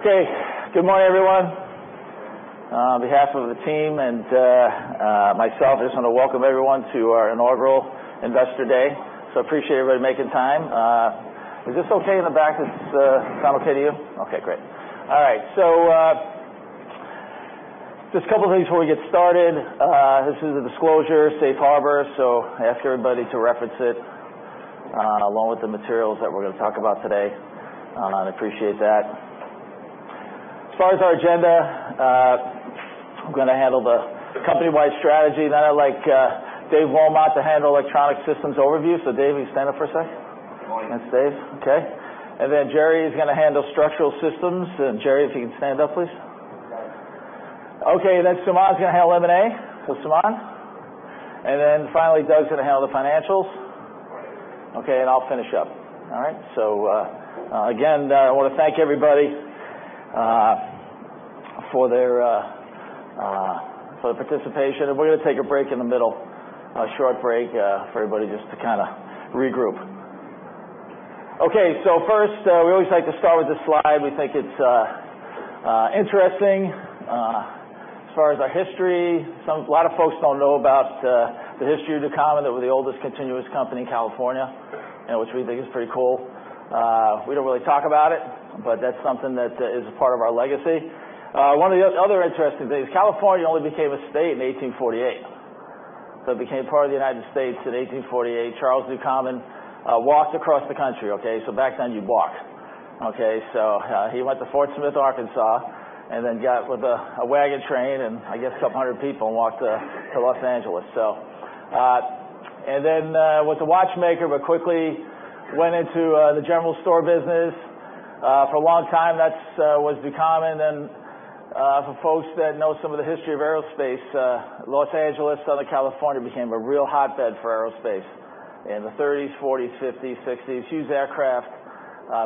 Okay. Good morning, everyone. On behalf of the team and myself, I just want to welcome everyone to our inaugural Investor Day. Appreciate everybody making time. Is this okay in the back? Is the sound okay to you? Okay, great. All right. Just a couple of things before we get started. This is a disclosure, safe harbor. I ask everybody to reference it, along with the materials that we're going to talk about today. I'd appreciate that. As far as our agenda, I'm going to handle the company-wide strategy. I'd like Dave Wilmot to handle electronic systems overview. Dave, you stand up for a sec. Good morning. That's Dave. Okay. Jerry is going to handle structural systems. Jerry, if you can stand up, please. Okay. Okay. Suman's going to handle M&A, Suman. Finally, Doug's going to handle the financials. Good morning. I'll finish up. All right. Again, I want to thank everybody for their participation, and we're going to take a break in the middle, a short break for everybody just to kind of regroup. First, we always like to start with this slide. We think it's interesting. As far as our history, a lot of folks don't know about the history of Ducommun, that we're the oldest continuous company in California, which we think is pretty cool. We don't really talk about it, but that's something that is a part of our legacy. One of the other interesting things, California only became a state in 1848. It became part of the United States in 1848. Charles Ducommun walked across the country. Back then you walked. He went to Fort Smith, Arkansas, then got with a wagon train and I guess a couple of hundred people and walked to Los Angeles. Then was a watchmaker, but quickly went into the general store business. For a long time, that was Ducommun, and for folks that know some of the history of aerospace, Los Angeles, Southern California became a real hotbed for aerospace in the '30s, '40s, '50s, '60s. Huge aircraft,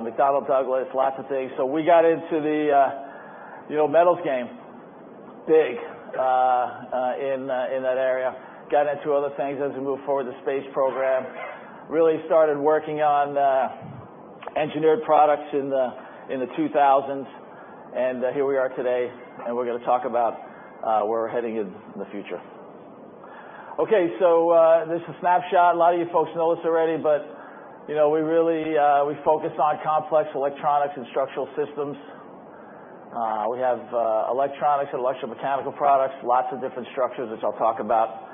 McDonnell Douglas, lots of things. We got into the metals game, big in that area. Got into other things as we move forward with the space program. Really started working on engineered products in the 2000s. Here we are today. We're going to talk about where we're heading in the future. This is a snapshot. A lot of you folks know this already, but we focus on complex electronics and structural systems. We have electronics and electrical mechanical products, lots of different structures, which I'll talk about.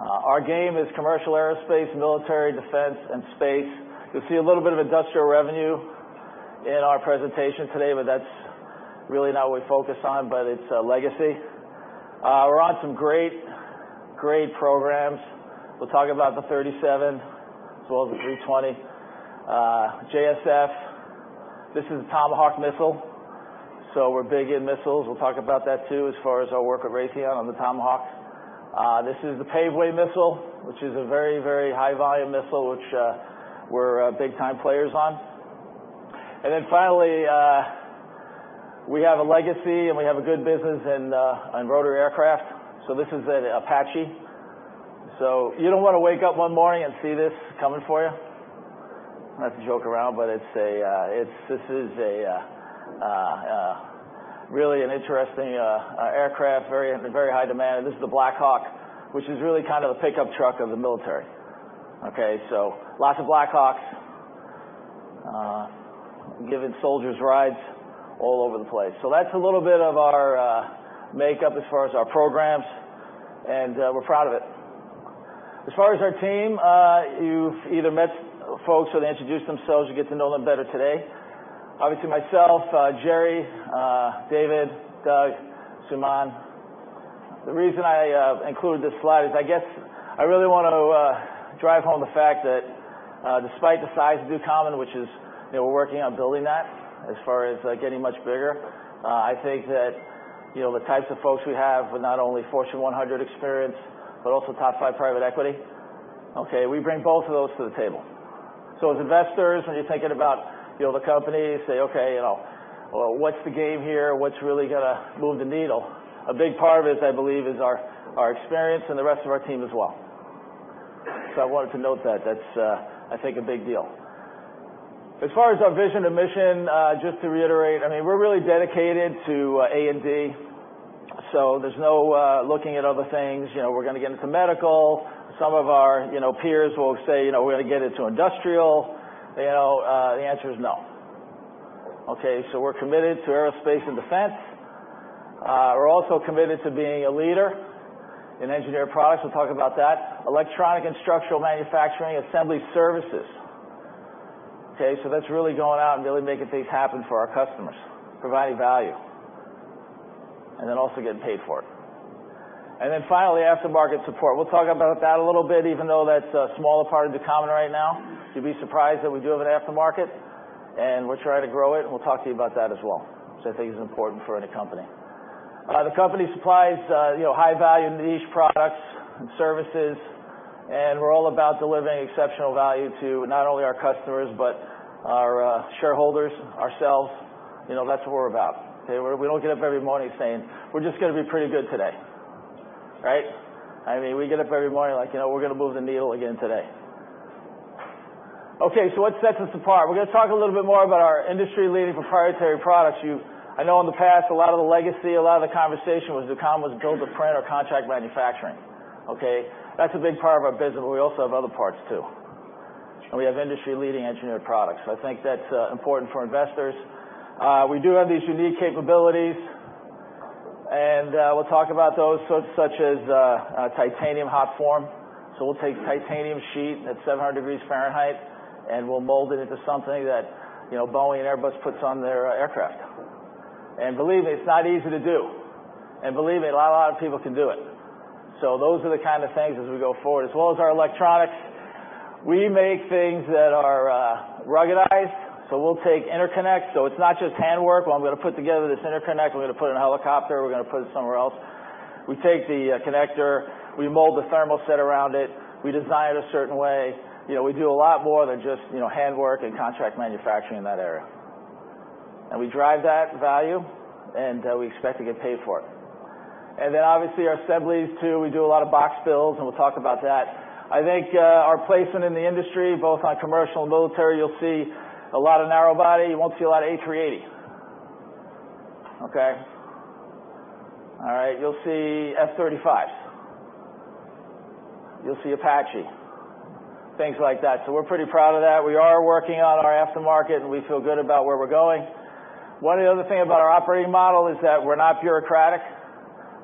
Our game is commercial aerospace, military, defense, and space. You'll see a little bit of industrial revenue in our presentation today, but that's really not what we focus on, but it's a legacy. We're on some great programs. We'll talk about the 737 as well as the 320. JSF. This is a Tomahawk missile. We're big in missiles. We'll talk about that too, as far as our work with Raytheon on the Tomahawks. This is the Paveway missile, which is a very high-volume missile, which we're big-time players on. Finally, we have a legacy, and we have a good business in rotary aircraft. This is the Apache. You don't want to wake up one morning and see this coming for you. Not to joke around, this is really an interesting aircraft, very high demand. This is the Black Hawk, which is really kind of the pickup truck of the military. Lots of Black Hawks giving soldiers rides all over the place. That's a little bit of our makeup as far as our programs, and we're proud of it. As far as our team, you've either met folks or they introduced themselves. You'll get to know them better today. Obviously myself, Jerry, Dave, Doug, Suman. The reason I included this slide is I really want to drive home the fact that despite the size of Ducommun, which is, we're working on building that as far as getting much bigger. I think that the types of folks we have with not only Fortune 100 experience, but also top five private equity. We bring both of those to the table. As investors, when you're thinking about the company, say, "What's the game here?" What's really going to move the needle? A big part of it, I believe, is our experience and the rest of our team as well. I wanted to note that. That's, I think, a big deal. As far as our vision and mission, just to reiterate, we're really dedicated to A&D. There's no looking at other things, we're going to get into medical. Some of our peers will say, "We ought to get into industrial." The answer is no. We're committed to aerospace and defense. We're also committed to being a leader in engineered products. We'll talk about that. Electronic and structural manufacturing, assembly services. That's really going out and really making things happen for our customers, providing value, and also getting paid for it. Finally, after-market support. We'll talk about that a little bit, even though that's a smaller part of Ducommun right now. You'd be surprised that we do have an after-market, and we're trying to grow it, and we'll talk to you about that as well, which I think is important for any company. The company supplies high-value niche products and services, and we're all about delivering exceptional value to not only our customers, but our shareholders, ourselves. That's what we're about. We don't get up every morning saying, "We're just going to be pretty good today." We get up every morning like, "We're going to move the needle again today." What sets us apart? We're going to talk a little bit more about our industry-leading proprietary products. I know in the past, a lot of the legacy, a lot of the conversation with Ducommun was build-to-print or contract manufacturing. That's a big part of our business, but we also have other parts, too. We have industry-leading engineered products. I think that's important for investors. We do have these unique capabilities, and we'll talk about those, such as titanium hot form. We'll take titanium sheet at 700 degrees Fahrenheit, and we'll mold it into something that Boeing and Airbus puts on their aircraft. Believe me, it's not easy to do. Believe me, not a lot of people can do it. Those are the kind of things as we go forward. As well as our electronics. We make things that are ruggedized. We'll take interconnect. It's not just hand work. Well, I'm going to put together this interconnect, we're going to put it in a helicopter, we're going to put it somewhere else. We take the connector, we mold the thermal set around it, we design it a certain way. We do a lot more than just hand work and contract manufacturing in that area. We drive that value, and we expect to get paid for it. Obviously our assemblies, too. We do a lot of box builds, and we'll talk about that. I think our placement in the industry, both on commercial and military, you'll see a lot of narrow body. You won't see a lot of A380. Okay? All right. You'll see F-35s. You'll see Apache, things like that. We're pretty proud of that. We are working on our aftermarket, and we feel good about where we're going. One other thing about our operating model is that we're not bureaucratic.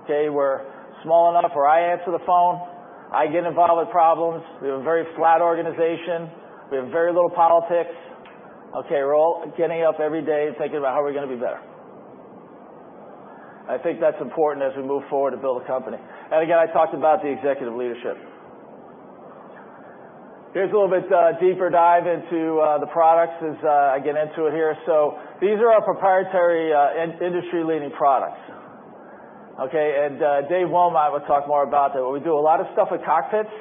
Okay? We're small enough where I answer the phone. I get involved with problems. We have a very flat organization. We have very little politics. Okay, we're all getting up every day and thinking about how are we going to be better. I think that's important as we move forward to build a company. Again, I talked about the executive leadership. Here's a little bit deeper dive into the products as I get into it here. These are our proprietary industry-leading products. Okay, Dave Wilmot will talk more about that. We do a lot of stuff with cockpits,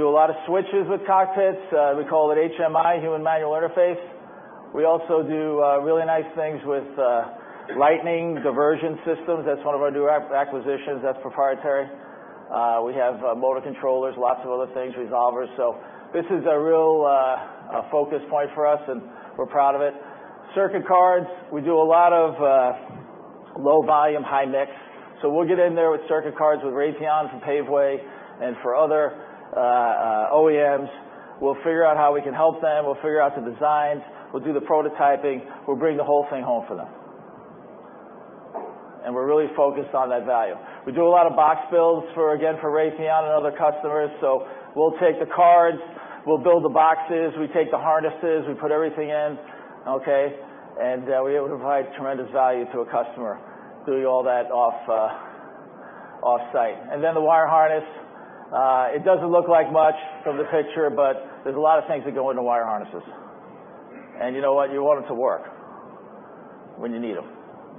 do a lot of switches with cockpits. We call it HMI, Human Machine Interface. We also do really nice things with Lightning Diversion Systems. That's one of our new acquisitions. That's proprietary. We have motor controllers, lots of other things, resolvers. This is a real focus point for us, and we're proud of it. Circuit cards, we do a lot of low volume, high mix. We'll get in there with circuit cards with Raytheon for Paveway and for other OEMs. We'll figure out how we can help them. We'll figure out the designs. We'll do the prototyping. We'll bring the whole thing home for them. We're really focused on that value. We do a lot of box builds for, again, for Raytheon and other customers. We'll take the cards, we'll build the boxes, we take the harnesses, we put everything in. Okay? We provide tremendous value to a customer doing all that offsite. The wire harness, it doesn't look like much from the picture, but there's a lot of things that go into wire harnesses. You know what? You want them to work when you need them.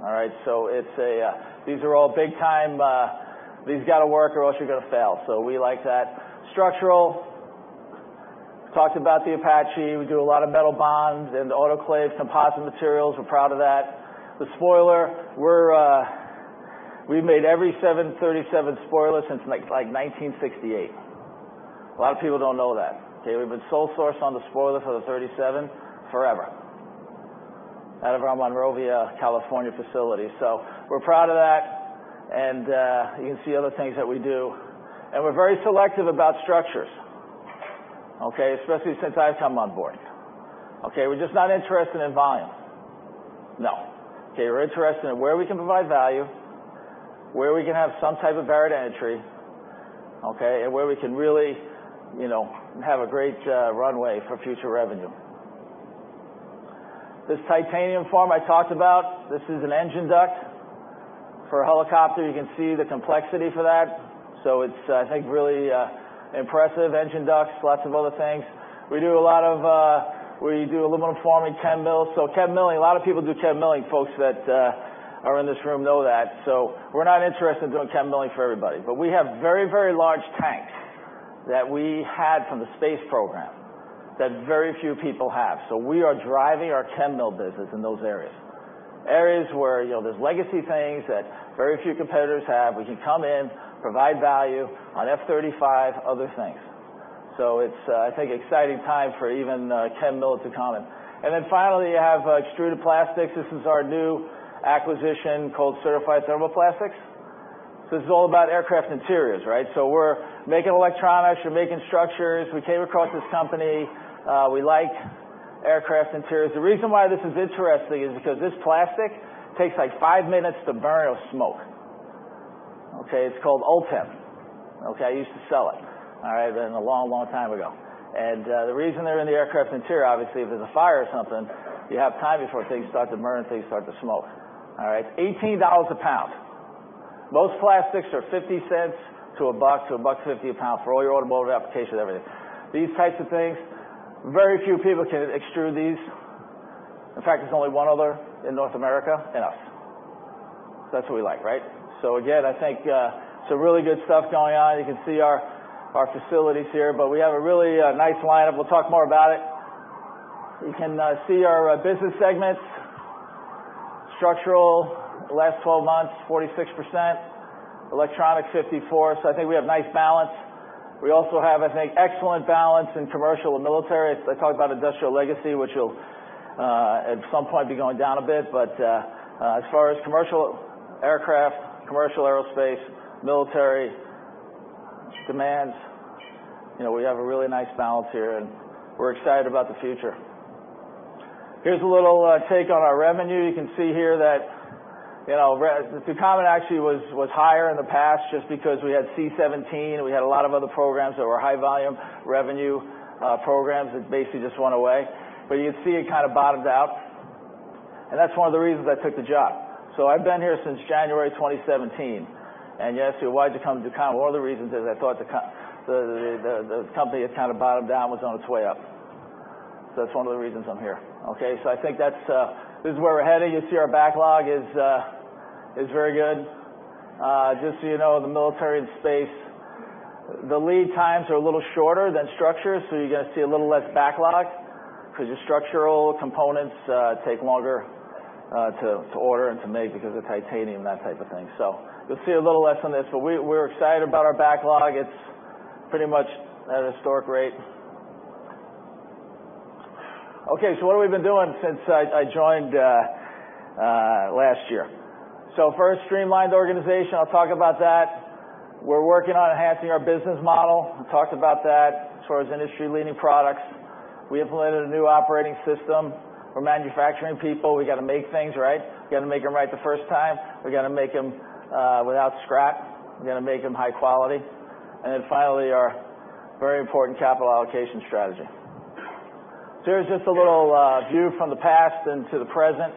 All right? These are all big time, these got to work or else you're going to fail. We like that. Structural. Talked about the Apache. We do a lot of metal bonds and autoclave composite materials. We're proud of that. The spoiler, we've made every 737 spoiler since 1968. A lot of people don't know that. Okay? We've been sole source on the spoiler for the 37 forever out of our Monrovia, California facility. We're proud of that. You can see other things that we do. We're very selective about structures. Okay, especially since I've come on board. Okay, we're just not interested in volume. No. We're interested in where we can provide value, where we can have some type of barrier to entry, and where we can really have a great runway for future revenue. This titanium form I talked about, this is an engine duct for a helicopter. You can see the complexity for that. It's, I think, really impressive engine ducts, lots of other things. We do aluminum forming, chem mill. Chem milling, a lot of people do chem milling, folks that are in this room know that. We're not interested in doing chem milling for everybody. We have very, very large tanks that we had from the space program that very few people have. We are driving our chem mill business in those areas. Areas where there's legacy things that very few competitors have. We can come in, provide value on F-35, other things. It's, I think, exciting time for even chem mill at Ducommun. Finally, you have extruded plastics. This is our new acquisition called Certified Thermoplastics. This is all about aircraft interiors, right? We're making electronics. We're making structures. We came across this company. We like aircraft interiors. The reason why this is interesting is because this plastic takes, like, five minutes to burn or smoke. It's called Ultem. I used to sell it. A long, long time ago. The reason they're in the aircraft interior, obviously, if there's a fire or something, you have time before things start to burn, things start to smoke. $18 a pound. Most plastics are $0.50-$1, $1-$1.50 a pound for all your automotive applications, everything. These types of things, very few people can extrude these. In fact, there's only one other in North America and us. That's what we like, right? Again, I think some really good stuff going on. You can see our facilities here, we have a really nice lineup. We'll talk more about it. You can see our business segments. Structural, the last 12 months, 46%. Electronic, 54%. I think we have nice balance. We also have, I think, excellent balance in commercial and military. I talk about industrial legacy, which will, at some point, be going down a bit, as far as commercial aircraft, commercial aerospace, military demands, we have a really nice balance here, and we're excited about the future. Here's a little take on our revenue. You can see here that Ducommun actually was higher in the past just because we had C-17, and we had a lot of other programs that were high volume revenue programs that basically just went away. You see it kind of bottomed out, and that's one of the reasons I took the job. I've been here since January 2017, and you ask me, "Why'd you come to Ducommun?" One of the reasons is I thought the company had kind of bottomed out and was on its way up. That's one of the reasons I'm here. I think this is where we're headed. You see our backlog is very good. Just so you know, the military and space, the lead times are a little shorter than structures, so you're going to see a little less backlog because your structural components take longer to order and to make because of titanium, that type of thing. You'll see a little less on this, but we're excited about our backlog. It's pretty much at a historic rate. What have we been doing since I joined last year? First, streamlined the organization. I'll talk about that. We're working on enhancing our business model. We talked about that as far as industry-leading products. We implemented a new operating system. We're manufacturing people. We got to make things right. We got to make them right the first time. We got to make them without scrap. We got to make them high quality. Finally, our very important capital allocation strategy. Here's just a little view from the past into the present.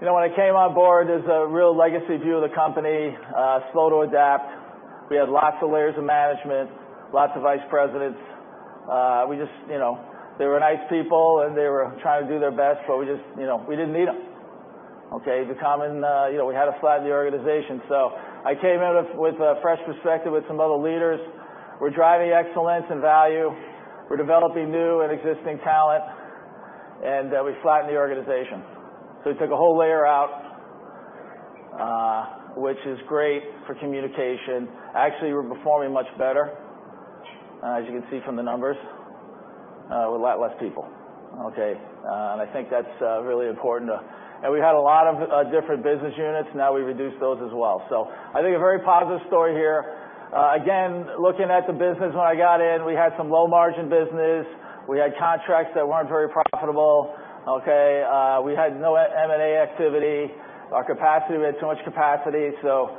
When I came on board, it was a real legacy view of the company, slow to adapt. We had lots of layers of management, lots of vice presidents. They were nice people, and they were trying to do their best, but we just didn't need them. Ducommun, we had to flatten the organization. I came in with a fresh perspective with some of the leaders. We're driving excellence and value. We're developing new and existing talent, and we flattened the organization. We took a whole layer out, which is great for communication. Actually, we're performing much better, as you can see from the numbers, with a lot less people. I think that's really important. We had a lot of different business units. Now we've reduced those as well. I think a very positive story here. Again, looking at the business when I got in, we had some low-margin business. We had contracts that weren't very profitable. We had no M&A activity. Our capacity, we had too much capacity, so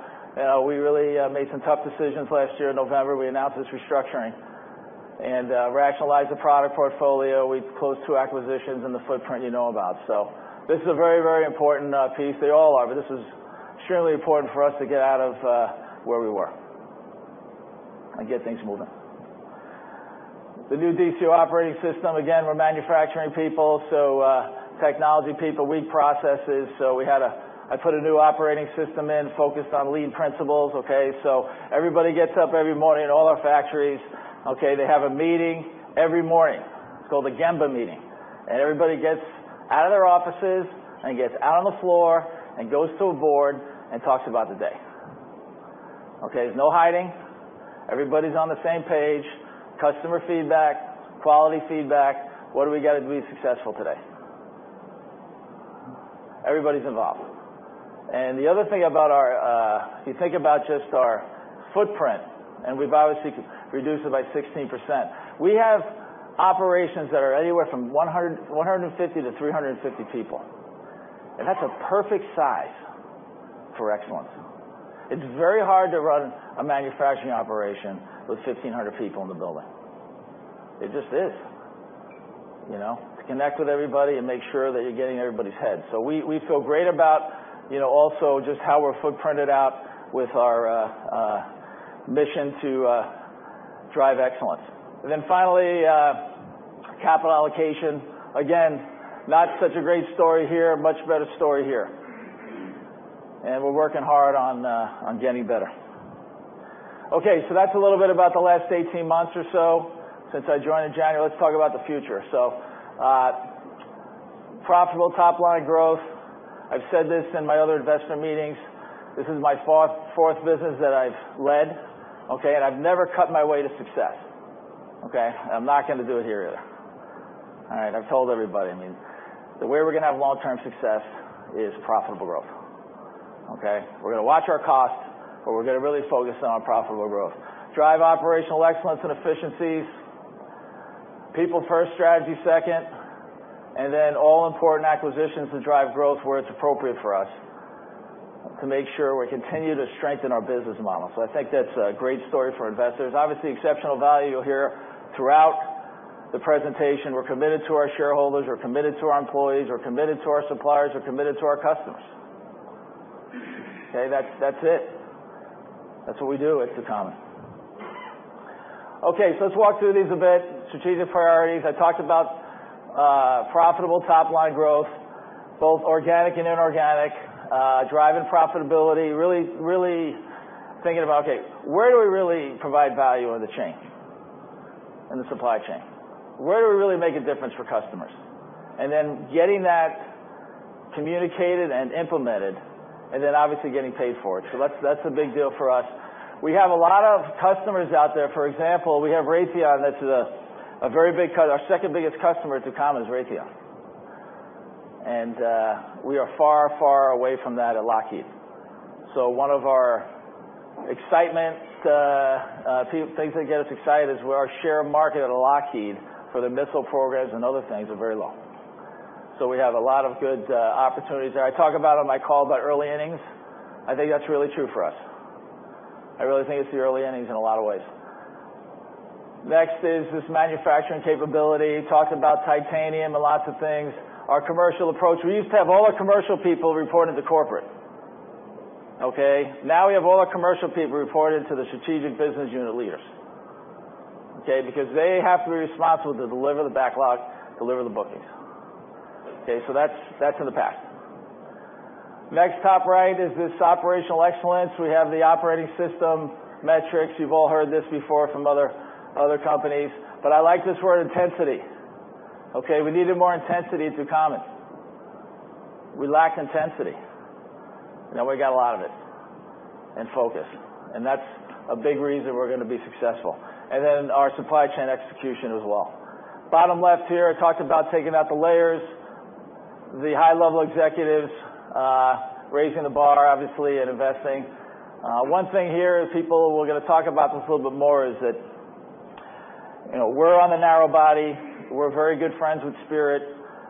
we really made some tough decisions last year. In November, we announced this restructuring and rationalized the product portfolio. We closed two acquisitions in the footprint you know about. This is a very, very important piece. They all are, but this is extremely important for us to get out of where we were and get things moving. The new D2 operating system, again, we're manufacturing people, technology people, weak processes. I put a new operating system in focused on lean principles. Everybody gets up every morning at all our factories. They have a meeting every morning. It's called a Gemba meeting, everybody gets out of their offices and gets out on the floor and goes to a board and talks about the day. There's no hiding. Everybody's on the same page. Customer feedback, quality feedback. What do we got to do to be successful today? Everybody's involved. The other thing about our, if you think about just our footprint, we've obviously reduced it by 16%. We have operations that are anywhere from 150 people-350 people, and that's a perfect size for excellence. It's very hard to run a manufacturing operation with 1,500 people in the building. It just is. To connect with everybody and make sure that you're getting in everybody's head. We feel great about also just how we're footprinted out with our mission to drive excellence. Finally, capital allocation. Again, not such a great story here, much better story here. We're working hard on getting better. That's a little bit about the last 18 months or so since I joined in January. Let's talk about the future. Profitable top-line growth. I've said this in my other investor meetings. This is my fourth business that I've led, okay, and I've never cut my way to success, okay, and I'm not going to do it here either. All right. I've told everybody. I mean, the way we're going to have long-term success is profitable growth. Okay. We're going to watch our costs, but we're going to really focus on our profitable growth. Drive operational excellence and efficiencies, people first, strategy second, and then all-important acquisitions to drive growth where it's appropriate for us to make sure we continue to strengthen our business model. I think that's a great story for investors. Obviously, exceptional value here throughout the presentation. We're committed to our shareholders, we're committed to our employees, we're committed to our suppliers, we're committed to our customers. That's it. That's what we do at Ducommun. Let's walk through these a bit. Strategic priorities. I talked about profitable top-line growth, both organic and inorganic, driving profitability, really thinking about, okay, where do we really provide value in the chain? In the supply chain. Where do we really make a difference for customers? Then getting that communicated and implemented, and then obviously getting paid for it. That's a big deal for us. We have a lot of customers out there. For example, we have Raytheon, that's our second biggest customer at Ducommun, is Raytheon. We are far, far away from that at Lockheed. One of our excitement, things that get us excited is where our share of market at Lockheed for the missile programs and other things are very low. We have a lot of good opportunities there. I talk about on my call about early innings. I think that's really true for us. I really think it's the early innings in a lot of ways. Next is this manufacturing capability. Talked about titanium and lots of things. Our commercial approach, we used to have all our commercial people report into corporate. Okay. Now we have all our commercial people reporting to the strategic business unit leaders. Because they have to be responsible to deliver the backlog, deliver the bookings. That's in the past. Next top right is this operational excellence. We have the operating system metrics. You've all heard this before from other companies. I like this word intensity. We needed more intensity at Ducommun. We lack intensity. Now we've got a lot of it, and focus, and that's a big reason we're going to be successful. Then our supply chain execution as well. Bottom left here, I talked about taking out the layers. The high-level executives, raising the bar, obviously, and investing. One thing here is people, we're going to talk about this a little bit more, is that we're on the narrow body. We're very good friends with Spirit.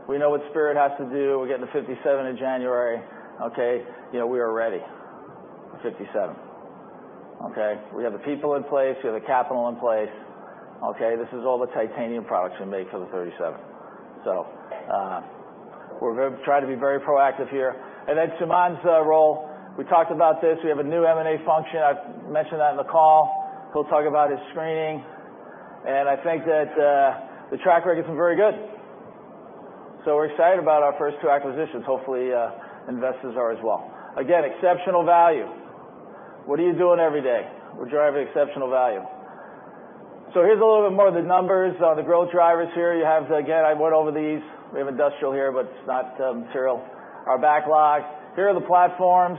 We know what Spirit has to do. We're getting the 57 in January. Okay. We are ready for 57. Okay. We have the people in place. We have the capital in place. Okay. This is all the titanium products we make for the 37. We're going to try to be very proactive here. Suman's role, we talked about this. We have a new M&A function. I've mentioned that in the call. He'll talk about his screening. I think that the track record's been very good. We're excited about our first two acquisitions. Hopefully, investors are as well. Again, exceptional value. What are you doing every day? We're driving exceptional value. Here's a little bit more of the numbers, the growth drivers here. You have, again, I went over these. We have industrial here, but it's not material. Our backlog. Here are the platforms.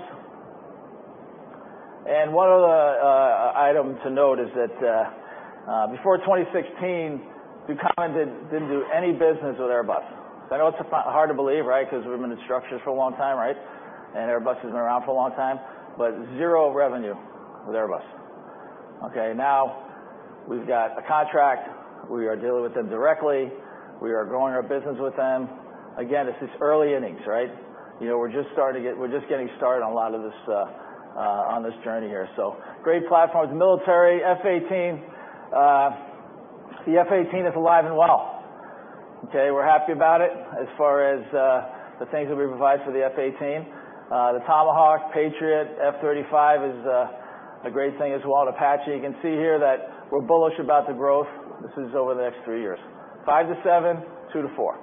One other item to note is that before 2016, Ducommun didn't do any business with Airbus. I know it's hard to believe, right? Because we've been in structures for a long time, right? Airbus has been around for a long time, but zero revenue with Airbus. Okay, now we've got a contract. We are dealing with them directly. We are growing our business with them. Again, this is early innings, right? We're just getting started on a lot of this on this journey here. Great platforms, military, F-18. The F-18 is alive and well. Okay, we're happy about it as far as the things that we provide for the F-18. The Tomahawk, Patriot, F-35 is a great thing as well, Apache. You can see here that we're bullish about the growth. This is over the next three years. 5-7, 2-4.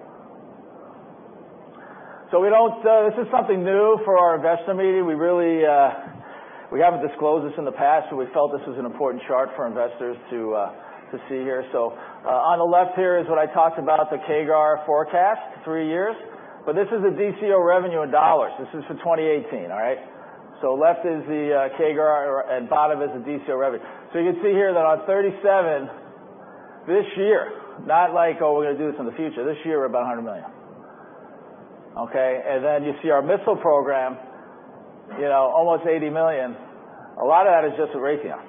This is something new for our investor meeting. We haven't disclosed this in the past, but we felt this was an important chart for investors to see here. On the left here is what I talked about, the CAGR forecast, three years. This is the Ducommun revenue in dollars. This is for 2018. All right? Left is the CAGR and bottom is the Ducommun revenue. You can see here that on 37 this year, not like, oh, we're going to do this in the future. This year, we're about $100 million. Okay, you see our missile program, almost $80 million. A lot of that is just at Raytheon.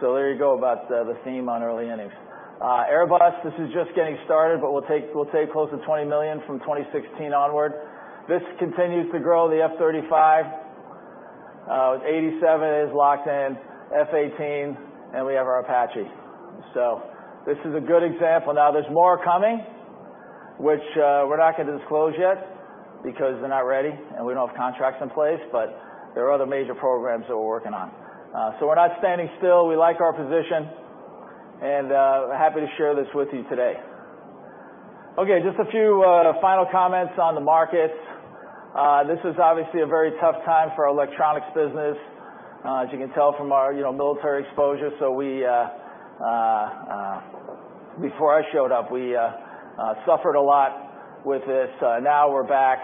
There you go about the theme on early innings. Airbus, this is just getting started, but we'll take close to $20 million from 2016 onward. This continues to grow, the F-35. With 87 is locked in, F-18, and we have our Apache. This is a good example. Now there's more coming, which we're not going to disclose yet because they're not ready, and we don't have contracts in place, but there are other major programs that we're working on. We're not standing still. We like our position and happy to share this with you today. Okay, just a few final comments on the markets. This is obviously a very tough time for our electronics business. As you can tell from our military exposure. Before I showed up, we suffered a lot with this. Now we're back,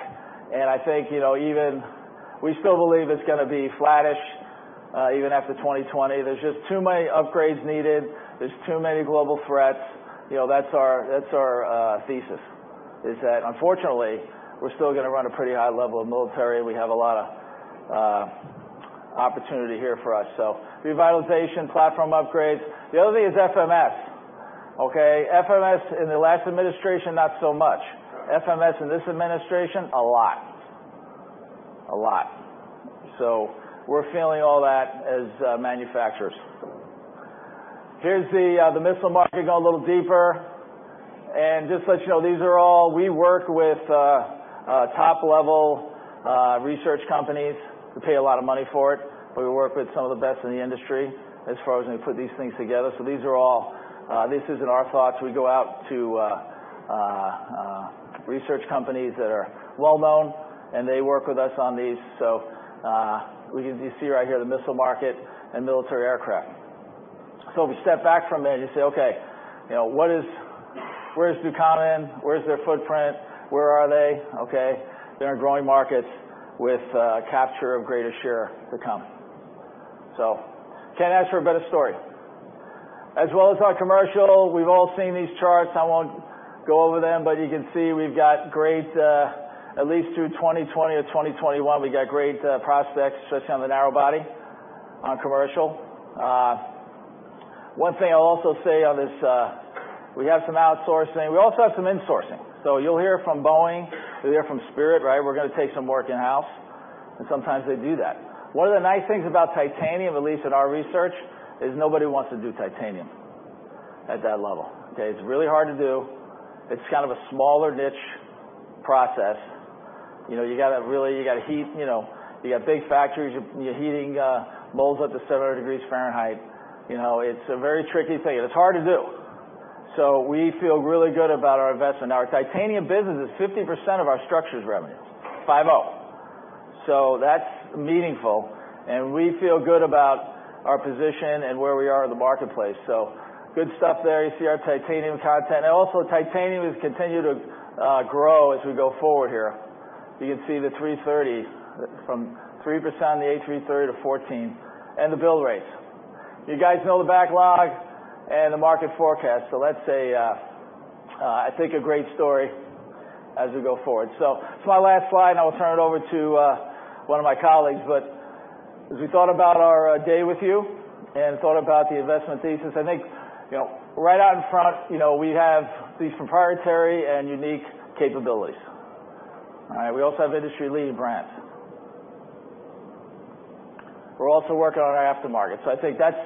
and I think, we still believe it's going to be flattish, even after 2020. There's just too many upgrades needed. There's too many global threats. That's our thesis is that, unfortunately, we're still going to run a pretty high level of military, and we have a lot of opportunity here for us. Revitalization, platform upgrades. The other thing is FMS. Okay, FMS in the last administration, not so much. FMS in this administration, a lot. A lot. We're feeling all that as manufacturers. Here's the missile market going a little deeper. Just to let you know, we work with top-level research companies. We pay a lot of money for it, but we work with some of the best in the industry as far as when we put these things together. This isn't our thoughts. We go out to research companies that are well-known, and they work with us on these. You see right here the missile market and military aircraft. If we step back from it and just say, "Okay, where's Ducommun? Where's their footprint? Where are they?" Okay. They're in growing markets with capture of greater share to come. Can't ask for a better story. As well as our commercial, we've all seen these charts. I won't go over them, but you can see we've got great, at least through 2020 or 2021, we've got great prospects, especially on the narrow body, on commercial. One thing I'll also say on this, we have some outsourcing. We also have some insourcing. You'll hear from Boeing, you'll hear from Spirit, we're going to take some work in-house, and sometimes they do that. One of the nice things about titanium, at least in our research, is nobody wants to do titanium at that level. Okay? It's really hard to do. It's kind of a smaller niche process. You got to heat, you got big factories, you're heating molds up to 700 degrees Fahrenheit. It's a very tricky thing, and it's hard to do. We feel really good about our investment. Now, our titanium business is 50% of our structures revenue, 5-0. That's meaningful, and we feel good about our position and where we are in the marketplace. Good stuff there. You see our titanium content. Also, titanium has continued to grow as we go forward here. You can see the A330 from 3% in the A330 to 14, and the build rates. You guys know the backlog and the market forecast. That's, I think, a great story as we go forward. It's my last slide, and I will turn it over to one of my colleagues. As we thought about our day with you and thought about the investment thesis, I think, right out in front, we have these proprietary and unique capabilities. All right? We also have industry-leading brands. We're also working on our aftermarket. I think that's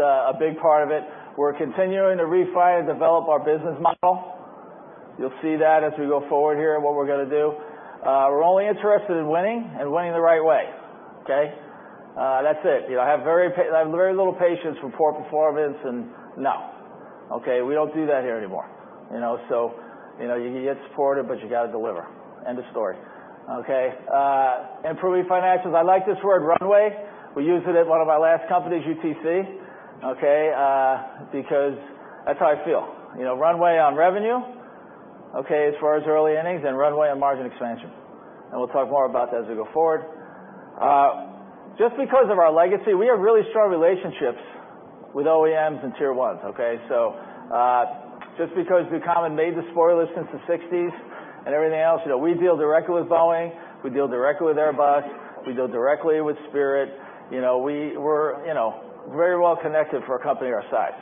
a big part of it. We're continuing to refine and develop our business model. You'll see that as we go forward here, and what we're going to do. We're only interested in winning and winning the right way. Okay? That's it. I have very little patience for poor performance, and no. Okay? We don't do that here anymore. You can get supported, but you got to deliver. End of story. Okay. Improving financials. I like this word, runway. We used it at one of my last companies, UTC, because that's how I feel. Runway on revenue as far as early innings, and runway on margin expansion. We'll talk more about that as we go forward. Just because of our legacy, we have really strong relationships with OEMs and Tier 1s. Just because Ducommun made the spoilers since the '60s and everything else, we deal directly with Boeing, we deal directly with Airbus, we deal directly with Spirit. We're very well-connected for a company our size.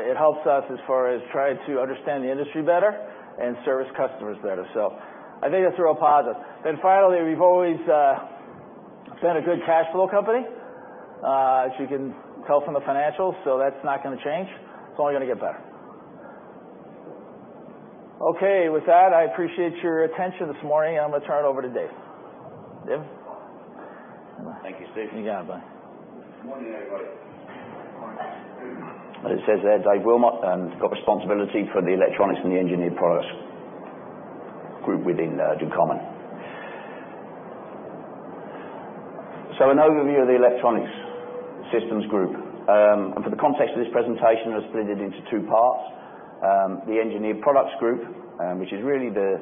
It helps us as far as trying to understand the industry better and service customers better. I think that's a real positive. Finally, we've always been a good cash flow company, as you can tell from the financials. That's not going to change. It's only going to get better. Okay, with that, I appreciate your attention this morning, and I'm going to turn it over to Dave. Dave? Thank you, Steve. You got it, bud. Morning, everybody. Morning. As it says there, Dave Wilmot. Got responsibility for the electronics and the Human Machine Interfaces group within Ducommun. An overview of the electronics systems group. For the context of this presentation, it was splitted into two parts. The Human Machine Interfaces group, which is really the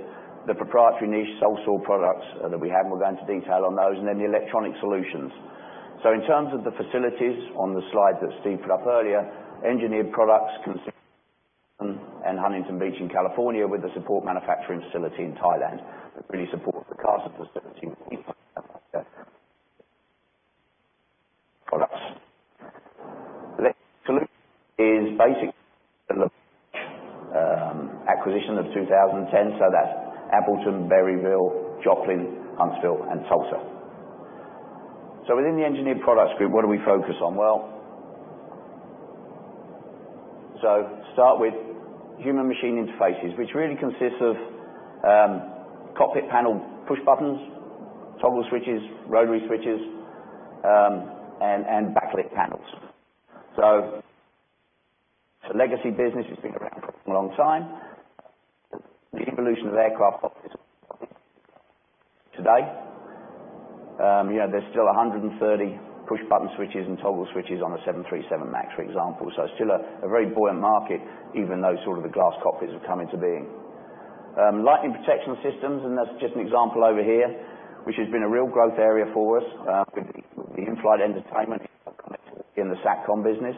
proprietary niche sole source products that we have, and we'll go into detail on those, and then the electronic solutions. In terms of the facilities on the slide that Steve put up earlier, Human Machine Interfaces consist of Huntington Beach in California with a support manufacturing facility in Thailand that really supports the Carson facility products. Is basically acquisition of 2010. That's Appleton, Berryville, Joplin, Huntsville, and Tulsa. Within the Human Machine Interfaces group, what do we focus on? Well, start with Human Machine Interfaces, which really consists of cockpit panel push buttons, toggle switches, rotary switches, and backlit panels. It's a legacy business that's been around for a long time. The evolution of aircraft today. There's still 130 push button switches and toggle switches on a 737 MAX, for example. It's still a very buoyant market, even though sort of the glass cockpits have come into being. Lightning Protection Systems, and that's just an example over here, which has been a real growth area for us with the in-flight entertainment in the SATCOM business.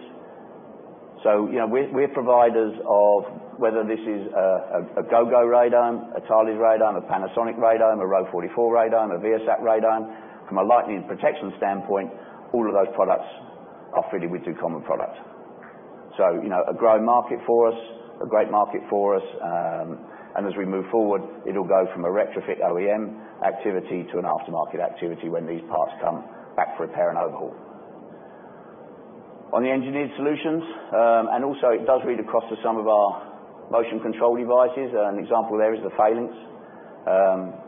We're providers of whether this is a Gogo radar, uncertain, a Panasonic radar, a Row 44 radar, and a Viasat radar. From a lightning protection standpoint, all of those products are fitted with Ducommun product. A growing market for us, a great market for us. As we move forward, it'll go from a retrofit OEM activity to an aftermarket activity when these parts come back for repair and overhaul. On the engineered solutions, also it does read across to some of our motion control devices. An example there is the uncertain.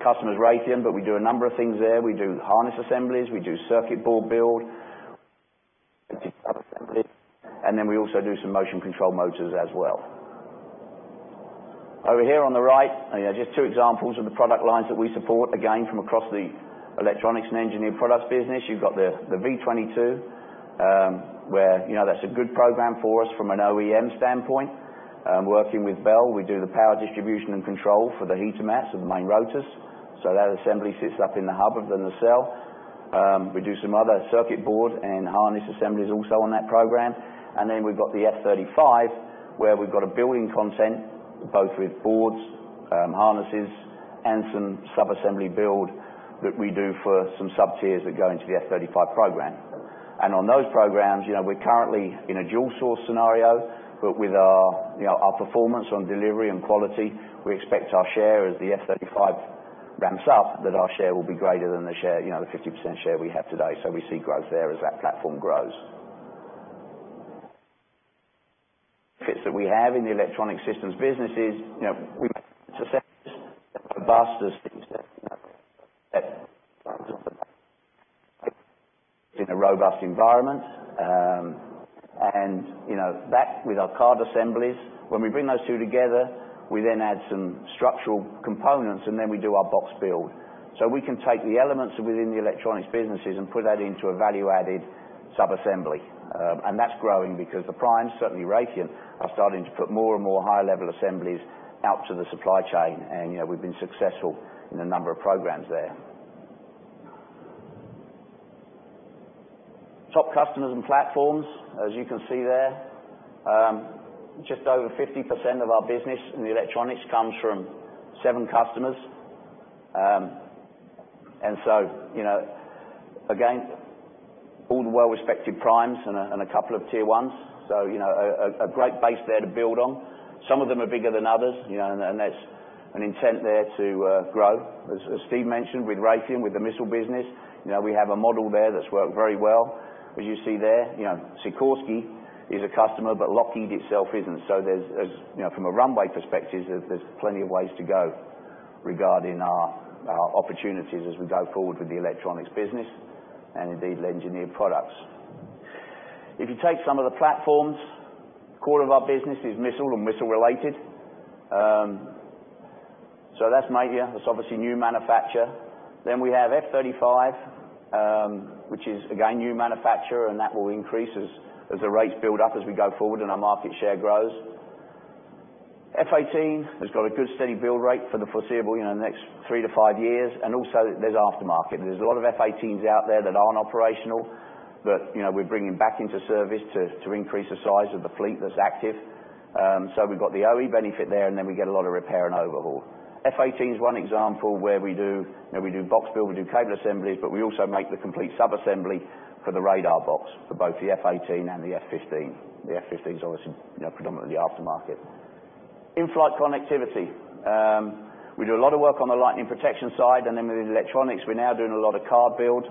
Customers rate them, but we do a number of things there. We do harness assemblies, we do circuit board build. Then we also do some motion control motors as well. Over here on the right, just two examples of the product lines that we support, again, from across the electronics and Human Machine Interfaces business. You've got the V-22, where that's a good program for us from an OEM standpoint. Working with Bell, we do the power distribution and control for the heater mats and the main rotors. That assembly sits up in the hub of the nacelle. We do some other circuit board and harness assemblies also on that program. Then we've got the F-35, where we've got a building content both with boards, harnesses, and some subassembly build that we do for some sub-tiers that go into the F-35 program. On those programs, we're currently in a dual-source scenario. With our performance on delivery and quality, we expect our share as the F-35 ramps up, that our share will be greater than the 50% share we have today. We see growth there as that platform grows. Fits that we have in the electronic systems businesses, we make robust in a robust environment. That with our card assemblies, when we bring those two together, we add some structural components, and we do our box build. We can take the elements within the electronics businesses and put that into a value-added subassembly. That's growing because the primes, certainly Raytheon, are starting to put more and more high-level assemblies out to the supply chain, and we've been successful in a number of programs there. Top customers and platforms, as you can see there. Just over 50% of our business in the electronics comes from seven customers. Again, all the well-respected primes and a couple of tier ones. A great base there to build on. Some of them are bigger than others, and that's an intent there to grow. As Steve mentioned, with Raytheon, with the missile business, we have a model there that's worked very well. As you see there, Sikorsky is a customer, but Lockheed itself isn't. From a runway perspective, there's plenty of ways to go regarding our opportunities as we go forward with the electronics business and indeed engineered products. If you take some of the platforms, the core of our business is missile and missile-related. That's major. That's obviously new manufacture. We have F-35, which is again, new manufacture, and that will increase as the rates build up, as we go forward and our market share grows. F-18 has got a good steady build rate for the foreseeable next 3 to 5 years, and also there's aftermarket. There's a lot of F-18s out there that aren't operational, but we're bringing back into service to increase the size of the fleet that's active. We've got the OE benefit there, and then we get a lot of repair and overhaul. F-18 is one example where we do box build, we do cable assemblies, but we also make the complete subassembly for the radar box for both the F-18 and the F-15. The F-15 is obviously predominantly aftermarket. In-flight connectivity. We do a lot of work on the lightning protection side, and then with electronics, we're now doing a lot of card build,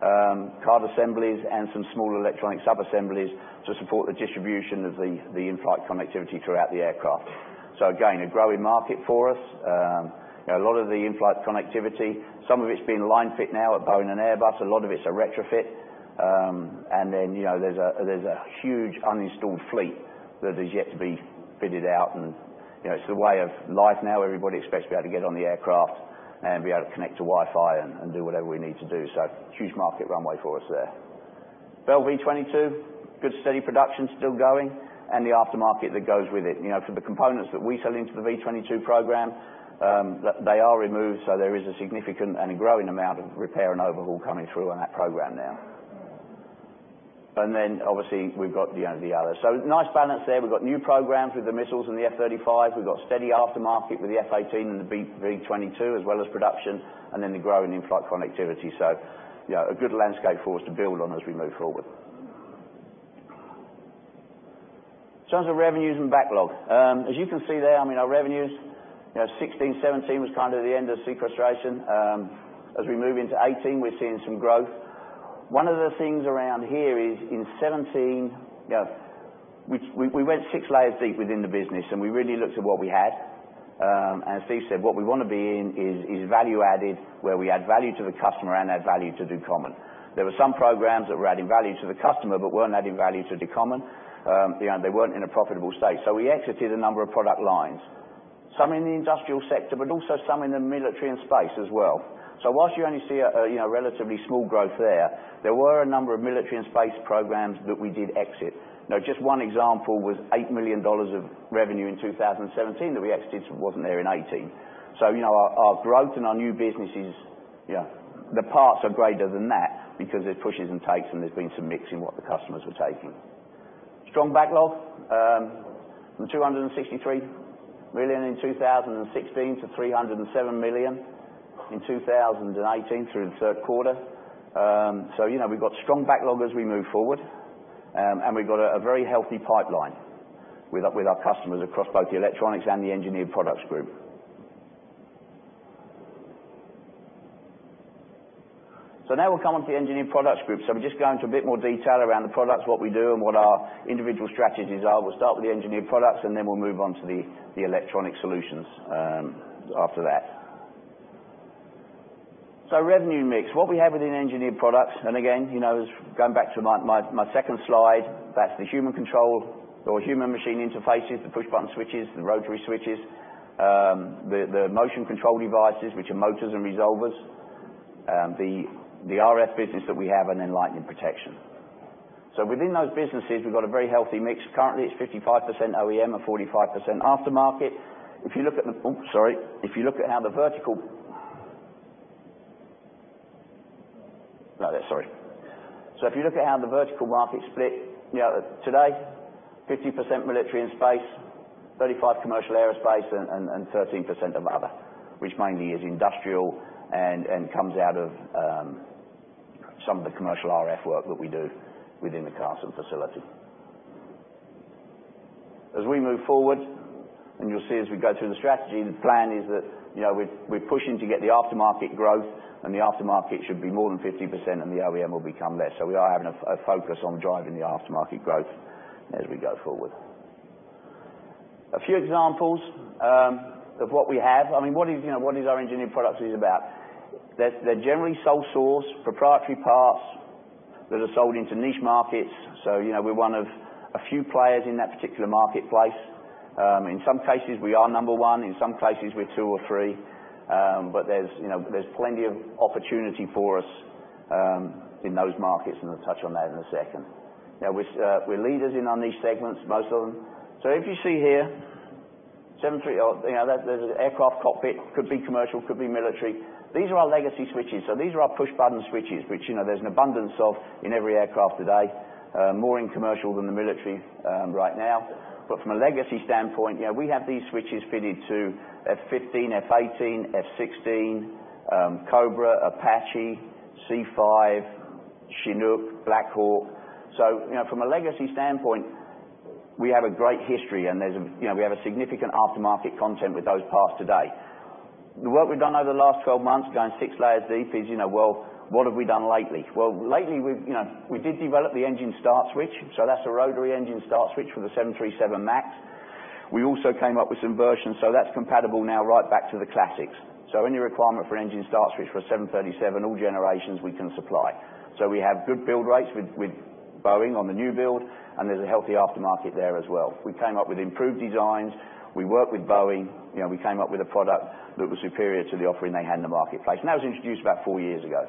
card assemblies, and some small electronic subassemblies to support the distribution of the in-flight connectivity throughout the aircraft. Again, a growing market for us. A lot of the in-flight connectivity, some of it's being line-fit now at Boeing and Airbus. A lot of it's a retrofit. There's a huge uninstalled fleet that is yet to be fitted out, and it's the way of life now. Everybody expects to be able to get on the aircraft and be able to connect to Wi-Fi and do whatever we need to do. Huge market runway for us there. Bell V-22, good steady production still going, and the aftermarket that goes with it. For the components that we sell into the V-22 program, they are removed, so there is a significant and a growing amount of repair and overhaul coming through on that program now. Obviously we've got the others. Nice balance there. We've got new programs with the missiles and the F-35. We've got steady aftermarket with the F-18 and the V-22, as well as production, and then the growing in-flight connectivity. A good landscape for us to build on as we move forward. In terms of revenues and backlog. As you can see there, our revenues, 2016, 2017, was kind of the end of sequestration. As we move into 2018, we're seeing some growth. One of the things around here is in 2017, we went six layers deep within the business, and we really looked at what we had. As Steve said, what we want to be in is value-added, where we add value to the customer and add value to Ducommun. There were some programs that were adding value to the customer but weren't adding value to Ducommun. They weren't in a profitable state. We exited a number of product lines, some in the industrial sector, but also some in the military and space as well. Whilst you only see a relatively small growth there were a number of military and space programs that we did exit. Just one example was $8 million of revenue in 2017 that we exited, it wasn't there in 2018. Our growth in our new businesses, the parts are greater than that because there's pushes and takes, and there's been some mix in what the customers were taking. Strong backlog from $263 million in 2016 to $307 million in 2018 through the third quarter. We've got strong backlog as we move forward, and we've got a very healthy pipeline with our customers across both the electronics and the Engineered Products Group. Now we'll come on to the Engineered Products Group. We'll just go into a bit more detail around the products, what we do, and what our individual strategies are. We'll start with the Engineered Products, and then we'll move on to the electronic solutions after that. Revenue mix. What we have within Engineered Products, and again, going back to my second slide, that's the human control or Human Machine Interfaces, the push button switches, the rotary switches, the motion control devices, which are motors and resolvers, the RF business that we have and lightning protection. Within those businesses, we've got a very healthy mix. Currently, it's 55% OEM and 45% aftermarket. If you look at how the vertical market is split, today 30% military and space, 35% commercial aerospace, and 13% of other, which mainly is industrial and comes out of some of the commercial RF work that we do within the Carson facility. As we move forward, and you'll see as we go through the strategy, the plan is that we're pushing to get the aftermarket growth, and the aftermarket should be more than 50%, and the OEM will become less. We are having a focus on driving the aftermarket growth as we go forward. A few examples of what we have. What is our Engineered Products is about? They're generally sole source proprietary parts that are sold into niche markets. We're one of a few players in that particular marketplace. In some cases, we are number one, in some cases we're two or three. But there's plenty of opportunity for us in those markets, and we'll touch on that in a second. Now we're leaders in on these segments, most of them. If you see here, there's an aircraft cockpit, could be commercial, could be military. These are our legacy switches. These are our push button switches, which there's an abundance of in every aircraft today. More in commercial than the military right now. But from a legacy standpoint, we have these switches fitted to F-15, F-18, F-16, Cobra, Apache, C-5, Chinook, Black Hawk. From a legacy standpoint, we have a great history, and we have a significant aftermarket content with those parts today. The work we've done over the last 12 months, going six layers deep is, well, what have we done lately? Well, lately we did develop the engine start switch. That's a rotary engine start switch for the 737 MAX. We also came up with some versions. That's compatible now right back to the classics. Any requirement for engine start switch for 737, all generations, we can supply. We have good build rates with Boeing on the new build, and there's a healthy aftermarket there as well. We came up with improved designs. We worked with Boeing. We came up with a product that was superior to the offering they had in the marketplace, and that was introduced about four years ago.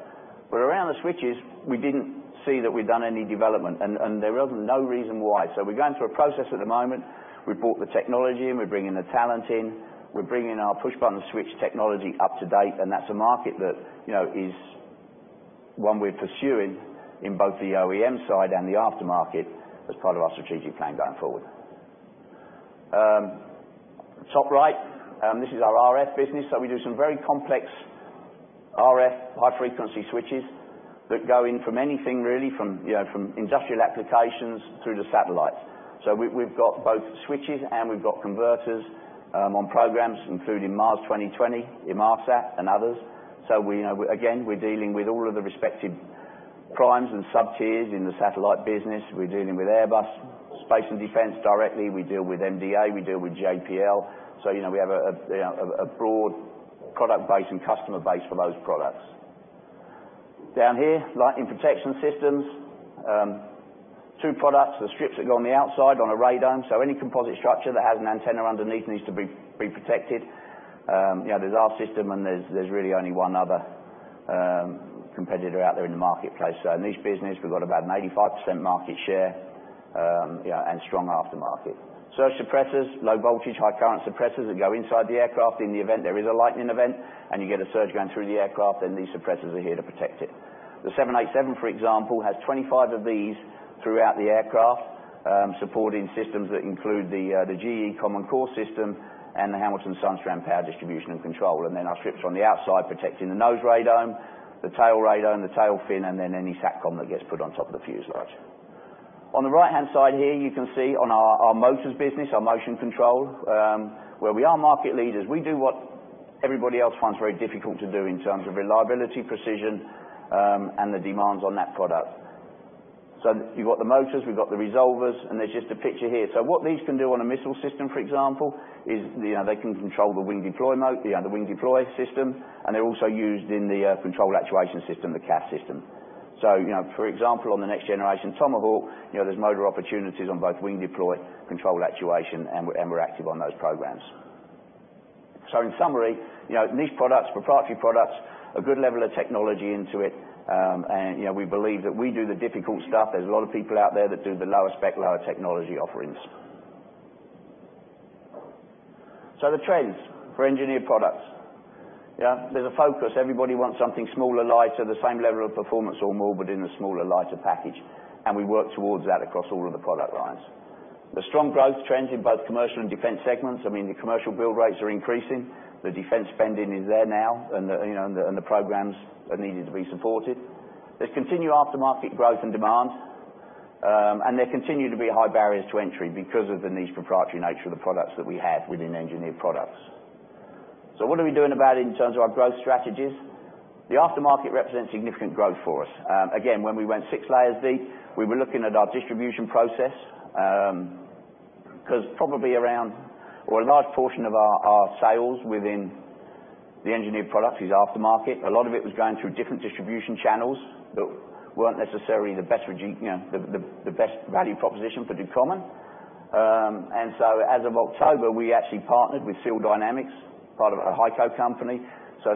But around the switches, we didn't see that we'd done any development, and there was no reason why. We're going through a process at the moment. We bought the technology in, we're bringing the talent in, we're bringing our push button switch technology up to date, and that's a market that is one we're pursuing in both the OEM side and the aftermarket as part of our strategic plan going forward. Top right, this is our RF business. We do some very complex RF high-frequency switches that go in from anything really, from industrial applications through to satellites. We've got both switches and we've got converters on programs including Mars 2020, Inmarsat and others. Again, we're dealing with all of the respective primes and sub-tiers in the satellite business. We're dealing with Airbus Defence and Space directly. We deal with MDA, we deal with JPL. We have a broad product base and customer base for those products. Down here, lightning protection systems. Two products, the strips that go on the outside on a radome. Any composite structure that has an antenna underneath needs to be protected. There's our system, and there's really only one other competitor out there in the marketplace. In this business, we've got about an 85% market share, and strong aftermarket. Surge suppressors, low voltage, high current suppressors that go inside the aircraft in the event there is a lightning event and you get a surge going through the aircraft, then these suppressors are here to protect it. The 787, for example, has 25 of these throughout the aircraft, supporting systems that include the GE Common Core system and the Hamilton Sundstrand Power Distribution and Control. Our strips on the outside protecting the nose radome, the tail radome, the tail fin, and then any SATCOM that gets put on top of the fuselage. On the right-hand side here, you can see on our motors business, our motion control, where we are market leaders. We do what everybody else finds very difficult to do in terms of reliability, precision, and the demands on that product. You've got the motors, we've got the resolvers, and there's just a picture here. What these can do on a missile system, for example, is they can control the wing deploy mode, the wing deploy system, and they're also used in the control actuation system, the CAS system. For example, on the next generation Tomahawk, there's motor opportunities on both wing deploy, control actuation, and we're active on those programs. In summary, niche products, proprietary products, a good level of technology into it. We believe that we do the difficult stuff. There's a lot of people out there that do the lower spec, lower technology offerings. The trends for Engineered Products. There's a focus. Everybody wants something smaller, lighter, the same level of performance or more, but in a smaller, lighter package. We work towards that across all of the product lines. There's strong growth trends in both commercial and defense segments. The commercial build rates are increasing. The defense spending is there now, the programs are needing to be supported. There's continued aftermarket growth and demand. There continue to be high barriers to entry because of the niche proprietary nature of the products that we have within Engineered Products. What are we doing about it in terms of our growth strategies? The aftermarket represents significant growth for us. Again, when we went six layers deep, we were looking at our distribution process. Probably around, or a large portion of our sales within the engineered products is aftermarket. A lot of it was going through different distribution channels that weren't necessarily the best value proposition for Ducommun. As of October, we actually partnered with Seal Dynamics, part of a HEICO company.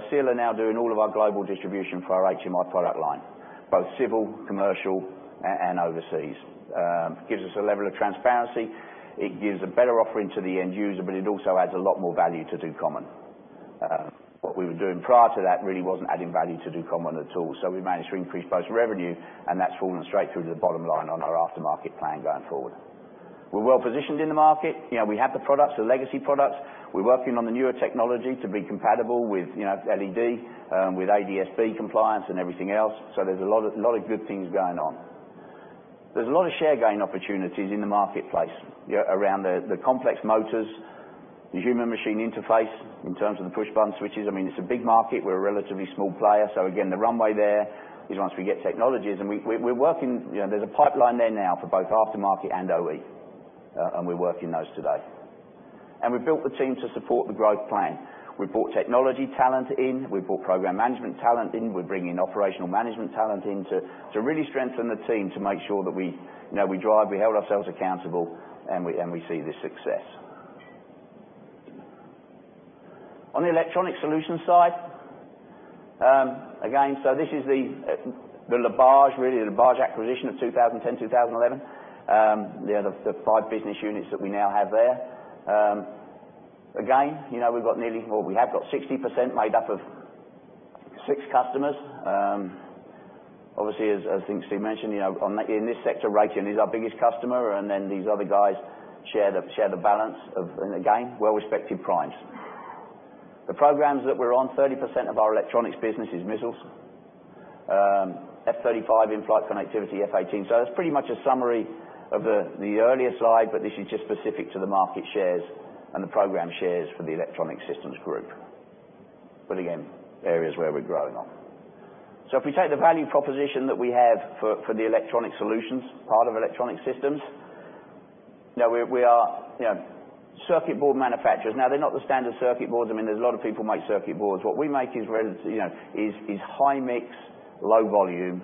Seal are now doing all of our global distribution for our HMI product line, both civil, commercial, and overseas. Gives us a level of transparency. It gives a better offering to the end user, it also adds a lot more value to Ducommun. What we were doing prior to that really wasn't adding value to Ducommun at all. We managed to increase both revenue, and that's fallen straight through to the bottom line on our aftermarket plan going forward. We're well-positioned in the market. We have the products, the legacy products. We're working on the newer technology to be compatible with LED, with ADS-B compliance, and everything else. There's a lot of good things going on. There's a lot of share gain opportunities in the marketplace around the complex motors, the Human Machine Interface in terms of the push button switches. It's a big market. We're a relatively small player, again, the runway there is once we get technologies. We're working, there's a pipeline there now for both aftermarket and OE, and we're working those today. We've built the team to support the growth plan. We've brought technology talent in, we've brought program management talent in, we're bringing operational management talent in to really strengthen the team to make sure that we drive, we hold ourselves accountable, and we see the success. On the electronic solutions side, again, this is the LaBarge acquisition of 2010, 2011, the five business units that we now have there. Again, we've got nearly, well, we have got 60% made up of six customers. Obviously, as I think Steve mentioned, in this sector, Raytheon is our biggest customer and then these other guys share the balance of, and again, well-respected primes. The programs that we're on, 30% of our electronics business is missiles. F-35 in-flight connectivity, F-18. That's pretty much a summary of the earlier slide, but this is just specific to the market shares and the program shares for the electronic systems group. Again, areas where we're growing on. If we take the value proposition that we have for the electronic solutions part of electronic systems, we are circuit board manufacturers. Now they're not the standard circuit boards. There's a lot of people who make circuit boards. What we make is high mix, low volume,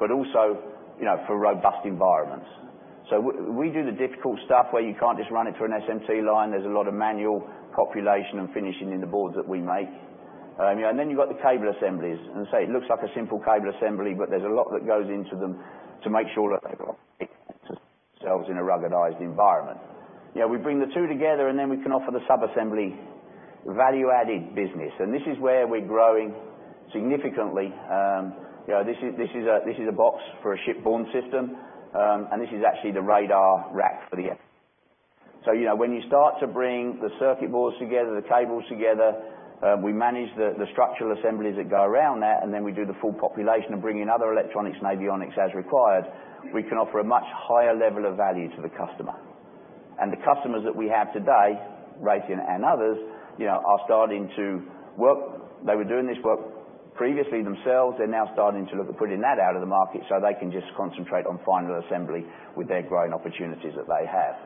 but also for robust environments. We do the difficult stuff where you can't just run it through an SMT line. There's a lot of manual population and finishing in the boards that we make. You've got the cable assemblies. As I say, it looks like a simple cable assembly, but there's a lot that goes into them to make sure that they themselves in a ruggedized environment. We bring the two together and then we can offer the sub-assembly value-added business. This is where we're growing significantly. This is a box for a shipborne system. This is actually the radar rack for the DDG 51. When you start to bring the circuit boards together, the cables together, we manage the structural assemblies that go around that, and then we do the full population and bring in other electronics and avionics as required, we can offer a much higher level of value to the customer. The customers that we have today, Raytheon and others, are starting to work. They were doing this work previously themselves. They're now starting to look at putting that out in the market so they can just concentrate on final assembly with their growing opportunities that they have.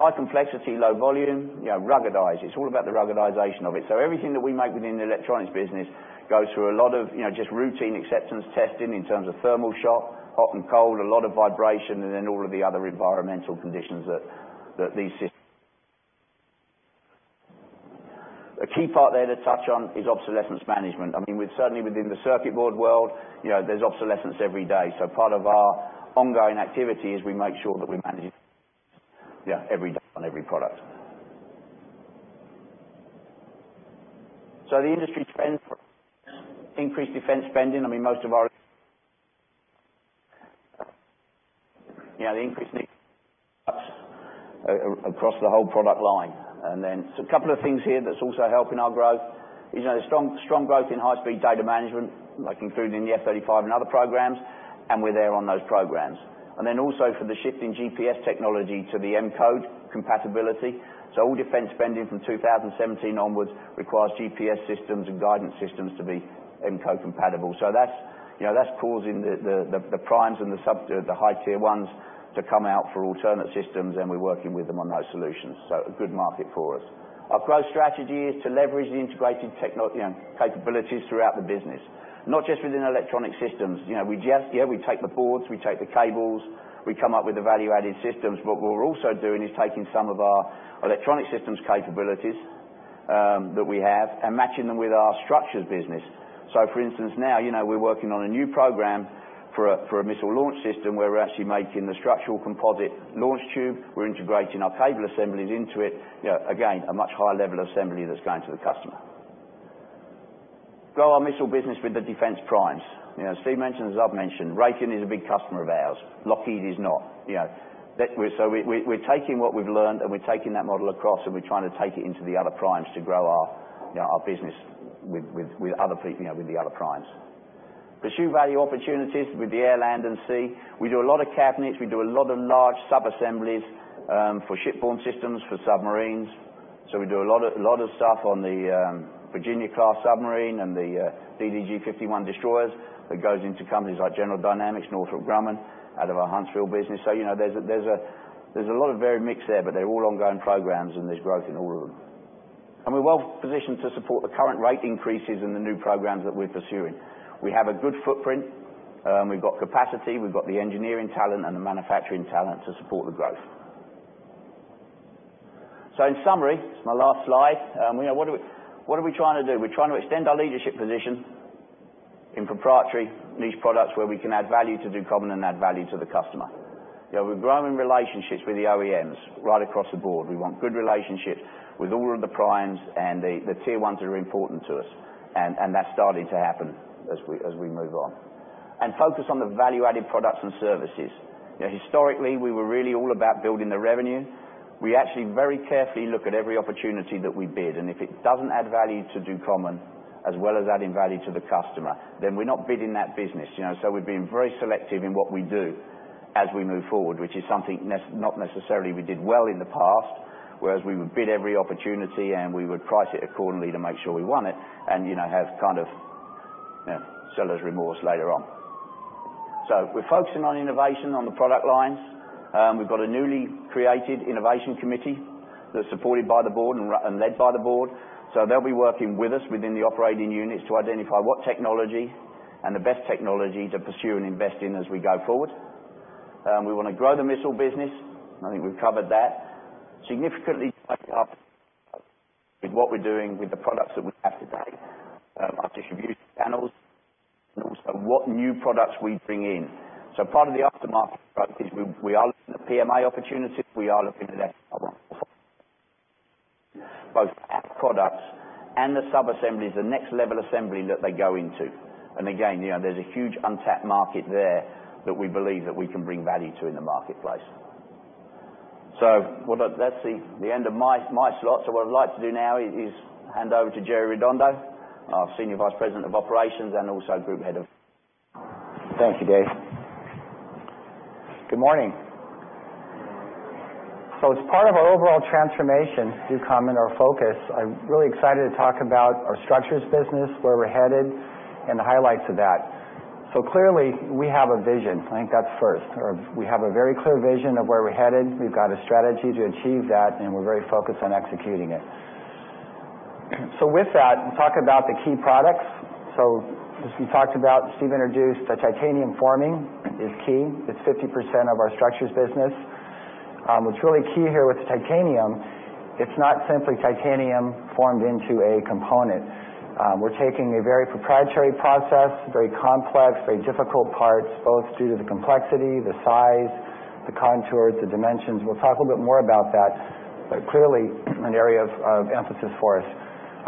High complexity, low volume, ruggedized. It's all about the ruggedization of it. Everything that we make within the electronics business goes through a lot of just routine acceptance testing in terms of thermal shock, hot and cold, a lot of vibration, and then all of the other environmental conditions. A key part there to touch on is obsolescence management. Certainly within the circuit board world, there's obsolescence every day. Part of our ongoing activity is we make sure that we manage every day on every product. The industry trends increased defense spending. Most of our increasing across the whole product line. Just a couple of things here that's also helping our growth is the strong growth in high-speed data management, like included in the F-35 and other programs, and we're there on those programs. Also for the shift in GPS technology to the M-code compatibility. All defense spending from 2017 onwards requires GPS systems and guidance systems to be M-code compatible. That's causing the primes and the high tier ones to come out for alternate systems, and we're working with them on those solutions. A good market for us. Our growth strategy is to leverage the integrated capabilities throughout the business, not just within electronic systems. We take the boards, we take the cables, we come up with the value-added systems. What we're also doing is taking some of our electronic systems capabilities that we have and matching them with our structures business. For instance, now we're working on a new program for a missile launch system where we're actually making the structural composite launch tube. We're integrating our cable assemblies into it. Again, a much higher level assembly that's going to the customer. Grow our missile business with the defense primes. Steve mentioned, as I've mentioned, Raytheon is a big customer of ours. Lockheed is not. We're taking what we've learned and we're taking that model across and we're trying to take it into the other primes to grow our business with the other primes. Pursue value opportunities with the air, land and sea. We do a lot of cabinets. We do a lot of large sub-assemblies for shipborne systems, for submarines. So we do a lot of stuff on the Virginia class submarine and the DDG 51 destroyers that goes into companies like General Dynamics, Northrop Grumman, out of our Huntsville business. There's a lot of varied mix there, but they're all ongoing programs, and there's growth in all of them. We're well-positioned to support the current rate increases in the new programs that we're pursuing. We have a good footprint. We've got capacity. We've got the engineering talent and the manufacturing talent to support the growth. In summary, it's my last slide. What are we trying to do? We're trying to extend our leadership position in proprietary niche products where we can add value to Ducommun and add value to the customer. We're growing relationships with the OEMs right across the board. We want good relationships with all of the primes and the tier ones that are important to us, and that's starting to happen as we move on. Focus on the value-added products and services. Historically, we were really all about building the revenue. We actually very carefully look at every opportunity that we bid, and if it doesn't add value to Ducommun as well as adding value to the customer, then we're not bidding that business. We're being very selective in what we do as we move forward, which is something not necessarily we did well in the past, whereas we would bid every opportunity, and we would price it accordingly to make sure we won it and have seller's remorse later on. We're focusing on innovation on the product lines. We've got a newly created innovation committee that's supported by the board and led by the board. They'll be working with us within the operating units to identify what technology and the best technology to pursue and invest in as we go forward. We want to grow the missile business. I think we've covered that. Significantly with what we're doing with the products that we have today. Our distribution channels, and also what new products we bring in. Part of the aftermarket strategies, we are looking at PMA opportunities. We are looking at that both our products and the sub-assemblies, the next level assembly that they go into. Again, there's a huge untapped market there that we believe that we can bring value to in the marketplace. That's the end of my slot. What I'd like to do now is hand over to Jerry Redondo, our senior vice president of operations and also group head of- Thank you, Dave. Good morning. Good morning. As part of our overall transformation, Ducommun, our focus, I'm really excited to talk about our structures business, where we're headed, and the highlights of that. Clearly, we have a vision. I think that's first. We have a very clear vision of where we're headed. We've got a strategy to achieve that, and we're very focused on executing it. With that, we'll talk about the key products. As we talked about, Steve introduced the titanium forming is key. It's 50% of our structures business. What's really key here with the titanium, it's not simply titanium formed into a component. We're taking a very proprietary process, very complex, very difficult parts, both due to the complexity, the size, the contours, the dimensions. We'll talk a little bit more about that, but clearly, an area of emphasis for us.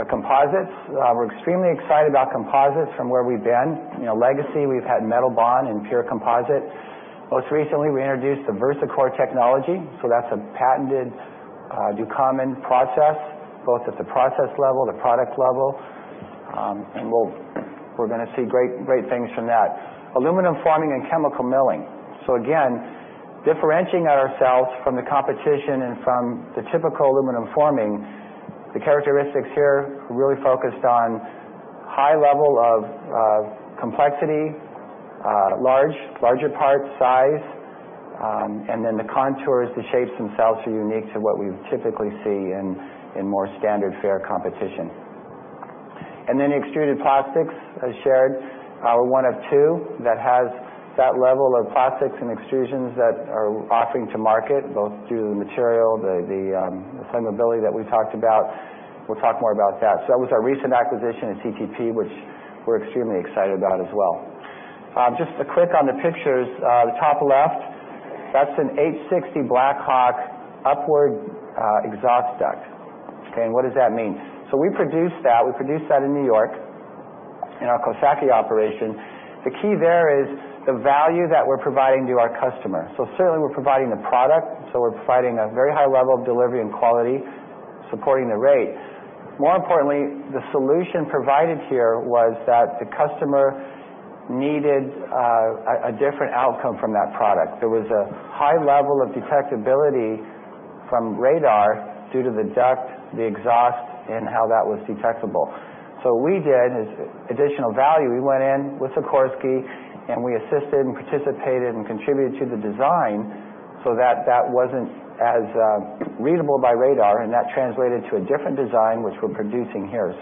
Composites. We're extremely excited about composites from where we've been. Legacy, we've had metal bond and pure composite. Most recently, we introduced the VersaCore technology. That's a patented Ducommun process, both at the process level, the product level. We're going to see great things from that. Aluminum forming and chemical milling. Again, differentiating ourselves from the competition and from the typical aluminum forming, the characteristics here really focused on high level of complexity, larger part size, and then the contours, the shapes themselves are unique to what we would typically see in more standard fair competition. Extruded plastics, as shared, we're one of two that has that level of plastics and extrusions that are offering to market, both due to the material, the flammability that we talked about. We'll talk more about that. That was our recent acquisition at CTP, which we're extremely excited about as well. Just to click on the pictures, the top left, that's an H-60 Black Hawk upward exhaust duct. What does that mean? We produced that. We produced that in New York, in our Coxsackie operation. The key there is the value that we're providing to our customer. Certainly, we're providing the product, so we're providing a very high level of delivery and quality, supporting the rate. More importantly, the solution provided here was that the customer needed a different outcome from that product. There was a high level of detectability from radar due to the duct, the exhaust, and how that was detectable. What we did as additional value, we went in with Sikorsky, and we assisted and participated and contributed to the design so that that wasn't as readable by radar, and that translated to a different design, which we're producing here.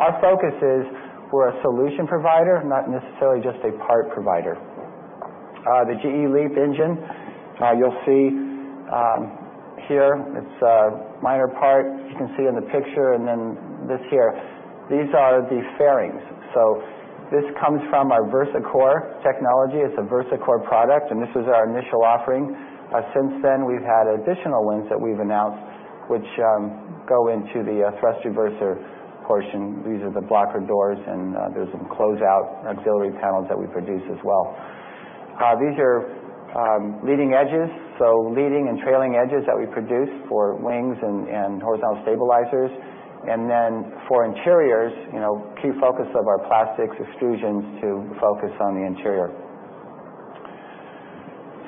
Our focus is we're a solution provider, not necessarily just a part provider. The GE LEAP engine. You'll see here it's a minor part. You can see in the picture and then this here. These are the fairings. This comes from our VersaCore technology. It's a VersaCore product, and this is our initial offering. Since then, we've had additional wins that we've announced, which go into the thrust reverser portion. These are the blocker doors, and there's some closeout auxiliary panels that we produce as well. These are leading edges, so leading and trailing edges that we produce for wings and horizontal stabilizers. For interiors, key focus of our plastics extrusions to focus on the interior.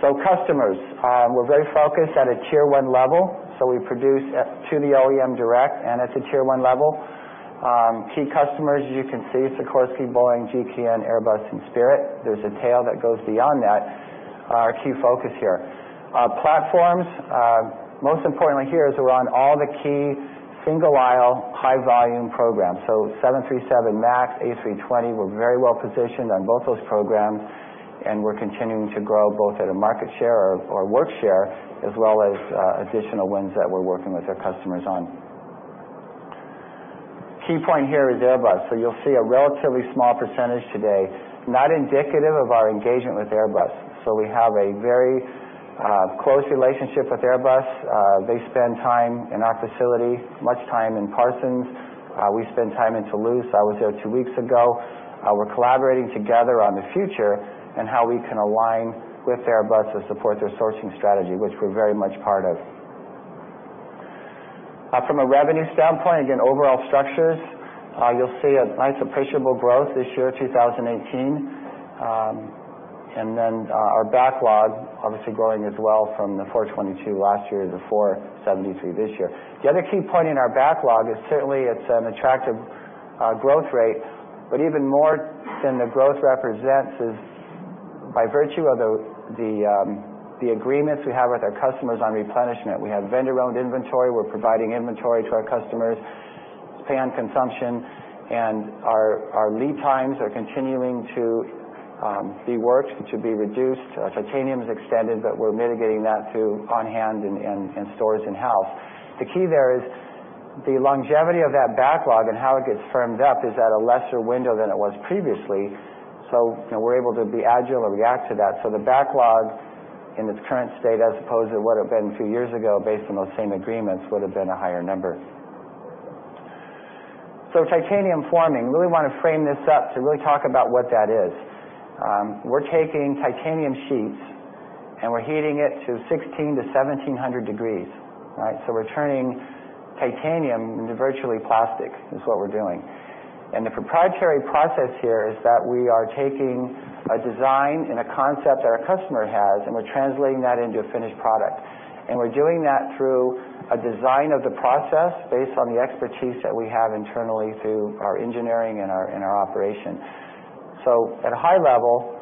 Customers. We're very focused at a tier 1 level, we produce to the OEM direct, and it's a Tier 1 level. Key customers, as you can see, Sikorsky, Boeing, GKN, Airbus, and Spirit. There's a tail that goes beyond that, our key focus here. Platforms, most importantly here, is we're on all the key single aisle, high volume programs. 737 MAX, A320, we're very well positioned on both those programs, and we're continuing to grow both at a market share or work share, as well as additional wins that we're working with our customers on. Key point here is Airbus. You'll see a relatively small percentage today, not indicative of our engagement with Airbus. We have a very close relationship with Airbus. They spend time in our facility, much time in Parsons. We spend time in Toulouse. I was there two weeks ago. We're collaborating together on the future and how we can align with Airbus to support their sourcing strategy, which we're very much part of. From a revenue standpoint, again, overall structures, you'll see a nice appreciable growth this year, 2018. Our backlog, obviously growing as well from the 422 last year to the 473 this year. The other key point in our backlog is certainly it's an attractive growth rate, but even more than the growth represents is by virtue of the agreements we have with our customers on replenishment. We have vendor-owned inventory. We're providing inventory to our customers. It's pay on consumption. Our lead times are continuing to be worked, to be reduced. Titanium's extended, but we're mitigating that to on-hand and stores in-house. The key there is the longevity of that backlog and how it gets firmed up is at a lesser window than it was previously. We're able to be agile and react to that. The backlog in its current state, as opposed to what it would've been two years ago based on those same agreements, would've been a higher number. Titanium forming, really want to frame this up to really talk about what that is. We're taking titanium sheets, and we're heating it to 1,600 to 1,700 degrees. We're turning titanium into virtually plastic, is what we're doing. The proprietary process here is that we are taking a design and a concept our customer has, and we're translating that into a finished product. We're doing that through a design of the process based on the expertise that we have internally through our engineering and our operation. At a high level,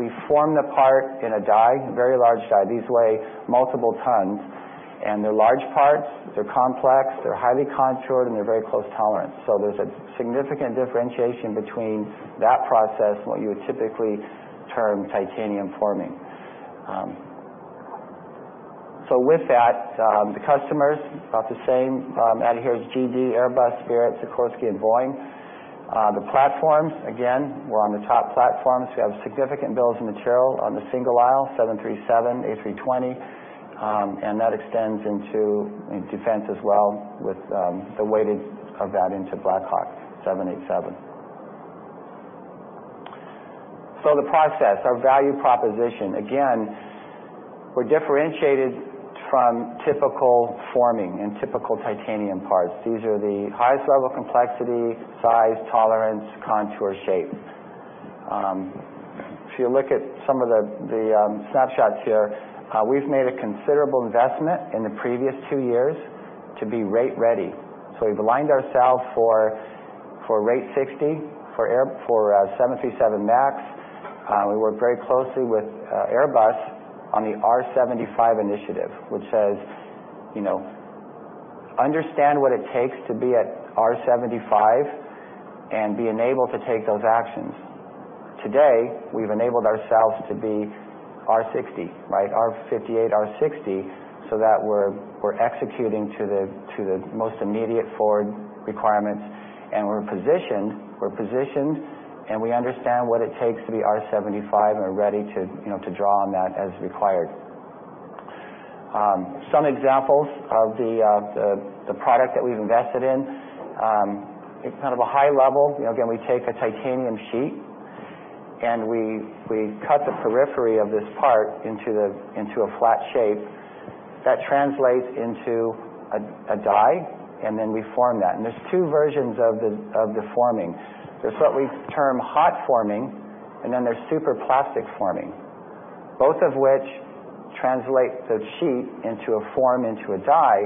we form the part in a die, a very large die. These weigh multiple tons, and they're large parts. They're complex, they're highly contoured, and they're very close tolerance. There's a significant differentiation between that process and what you would typically term titanium forming. With that, the customers, about the same. Added here is GD, Airbus, Spirit, Sikorsky, and Boeing. The platforms, again, we're on the top platforms. We have significant bills and material on the single aisle, 737, A320, and that extends into defense as well with the weighted of that into Black Hawk 787. The process, our value proposition. Again, we're differentiated from typical forming and typical titanium parts. These are the highest level complexity, size, tolerance, contour, shape. If you look at some of the snapshots here, we've made a considerable investment in the previous two years to be rate ready. We've aligned ourselves for Rate 60 for 737 MAX. We work very closely with Airbus on the R75 Initiative, which says, understand what it takes to be at R75 and being able to take those actions. Today, we've enabled ourselves to be R60. R58, R60, that we're executing to the most immediate forward requirements, and we're positioned, and we understand what it takes to be R75 and are ready to draw on that as required. Some examples of the product that we've invested in. It's kind of a high level. Again, we take a titanium sheet, and we cut the periphery of this part into a flat shape. That translates into a die, then we form that. There's two versions of the forming. There's what we term hot forming, then there's superplastic forming, both of which translate the sheet into a form into a die.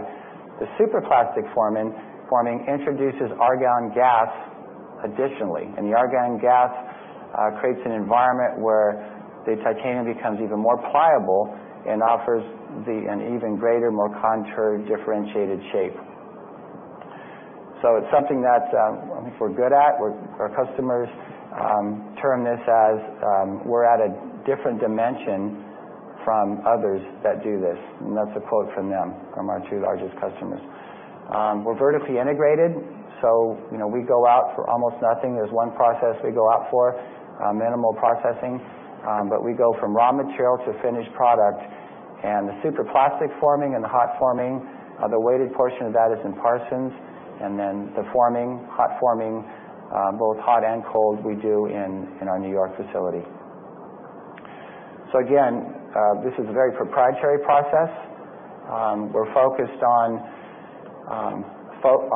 The superplastic forming introduces argon gas additionally, the argon gas creates an environment where the titanium becomes even more pliable and offers an even greater, more contoured, differentiated shape. It's something that I think we're good at. Our customers term this as, "We're at a different dimension from others that do this," that's a quote from them, from our two largest customers. We're vertically integrated, we go out for almost nothing. There's one process we go out for, minimal processing. We go from raw material to finished product. The superplastic forming and the hot forming, the weighted portion of that is in Parsons. Then the forming, hot forming, both hot and cold, we do in our New York facility. Again, this is a very proprietary process. We're focused on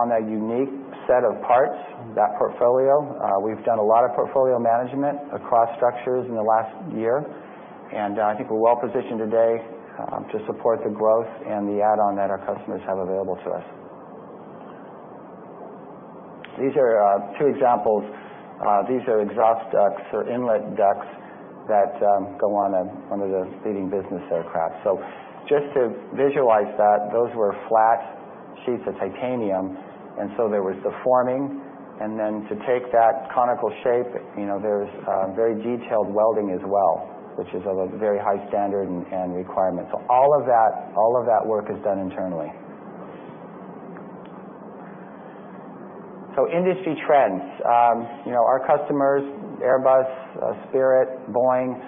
that unique set of parts, that portfolio, we've done a lot of portfolio management across structures in the last year, I think we're well-positioned today to support the growth and the add-on that our customers have available to us. These are two examples. These are exhaust ducts or inlet ducts that go on one of the leading business aircraft. Just to visualize that, those were flat sheets of titanium, there was the forming, then to take that conical shape, there's very detailed welding as well, which is of a very high standard and requirement. All of that work is done internally. Industry trends. Our customers, Airbus, Spirit, Boeing,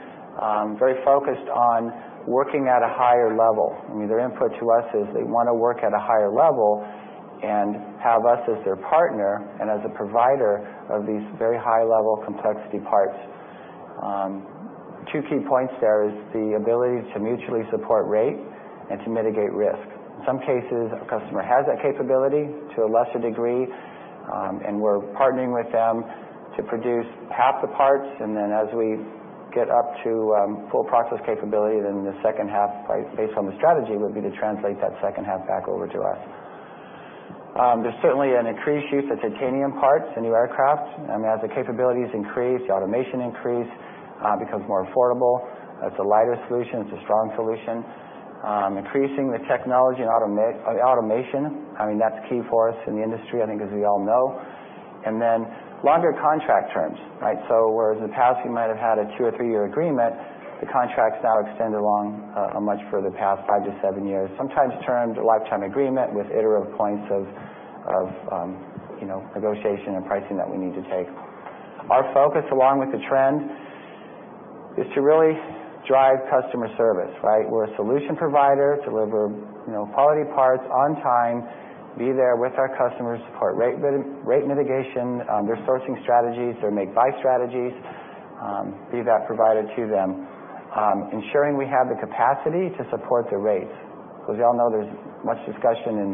very focused on working at a higher level. Their input to us is they want to work at a higher level and have us as their partner as a provider of these very high-level complexity parts. Two key points there is the ability to mutually support rate and to mitigate risk. In some cases, a customer has that capability to a lesser degree, we're partnering with them to produce half the parts, as we get up to full process capability, the second half, based on the strategy, would be to translate that second half back over to us. There's certainly an increased use of titanium parts in new aircraft. As the capabilities increase, the automation increase, it becomes more affordable. It's a lighter solution. It's a strong solution. Increasing the technology and automation, that's key for us in the industry, I think as we all know. Longer contract terms. Whereas in the past you might have had a two or three-year agreement, the contracts now extend along a much further path, 5-7 years, sometimes termed a lifetime agreement with iterative points of negotiation pricing that we need to take. Our focus, along with the trend, is to really drive customer service. We're a solution provider, deliver quality parts on time, be there with our customers, support rate mitigation, their sourcing strategies, their make-buy strategies, be that provider to them, ensuring we have the capacity to support the rates. As you all know, there's much discussion and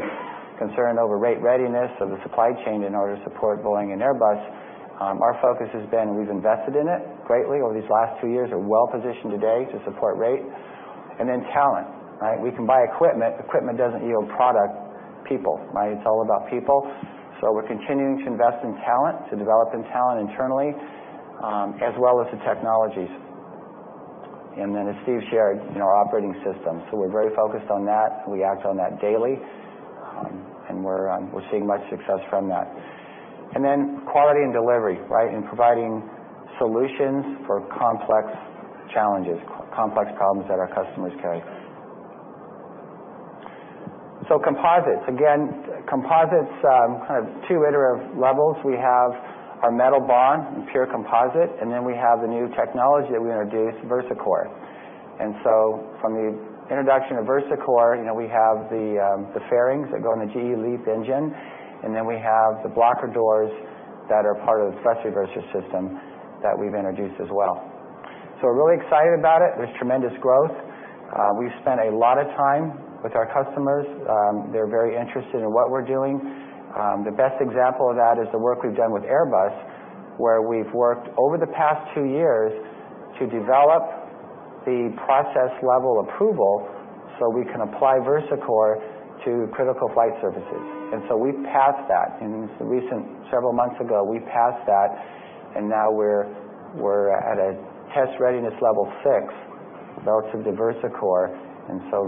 concern over rate readiness of the supply chain in order to support Boeing and Airbus. Our focus has been, we've invested in it greatly over these last two years, are well-positioned today to support rate. Talent. We can buy equipment. Equipment doesn't yield product. People. It's all about people. We're continuing to invest in talent, to developing talent internally, as well as the technologies. As Steve shared, our operating system. We're very focused on that. We act on that daily, and we're seeing much success from that. Quality and delivery, and providing solutions for complex challenges, complex problems that our customers carry. Composites. Composites, kind of 2 iterative levels. We have our metal bond and pure composite, and then we have the new technology that we introduced, VersaCore. From the introduction of VersaCore, we have the fairings that go in the GE LEAP engine, and then we have the blocker doors that are part of the thrust reverser system that we've introduced as well. We're really excited about it. There's tremendous growth. We've spent a lot of time with our customers. They're very interested in what we're doing. The best example of that is the work we've done with Airbus, where we've worked over the past two years to develop the process-level approval so we can apply VersaCore to critical flight surfaces. We've passed that. In recent, several months ago, we passed that, now we're at a test readiness level 6 relative to VersaCore,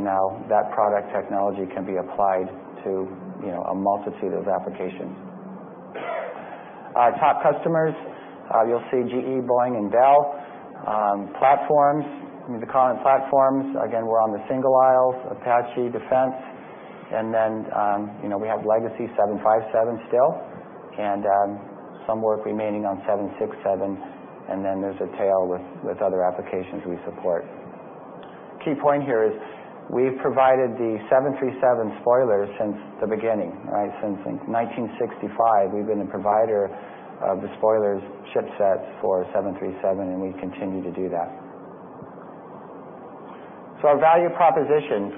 now that product technology can be applied to a multitude of applications. Our top customers, you'll see GE, Boeing, and Bell. Platforms, the common platforms, we're on the single aisles, Apache, Defense, we have Legacy 757 still, some work remaining on 767, there's a tail with other applications we support. Key point here is we've provided the 737 spoilers since the beginning. Since 1965, we've been a provider of the spoilers ship set for 737, and we continue to do that. Our value proposition.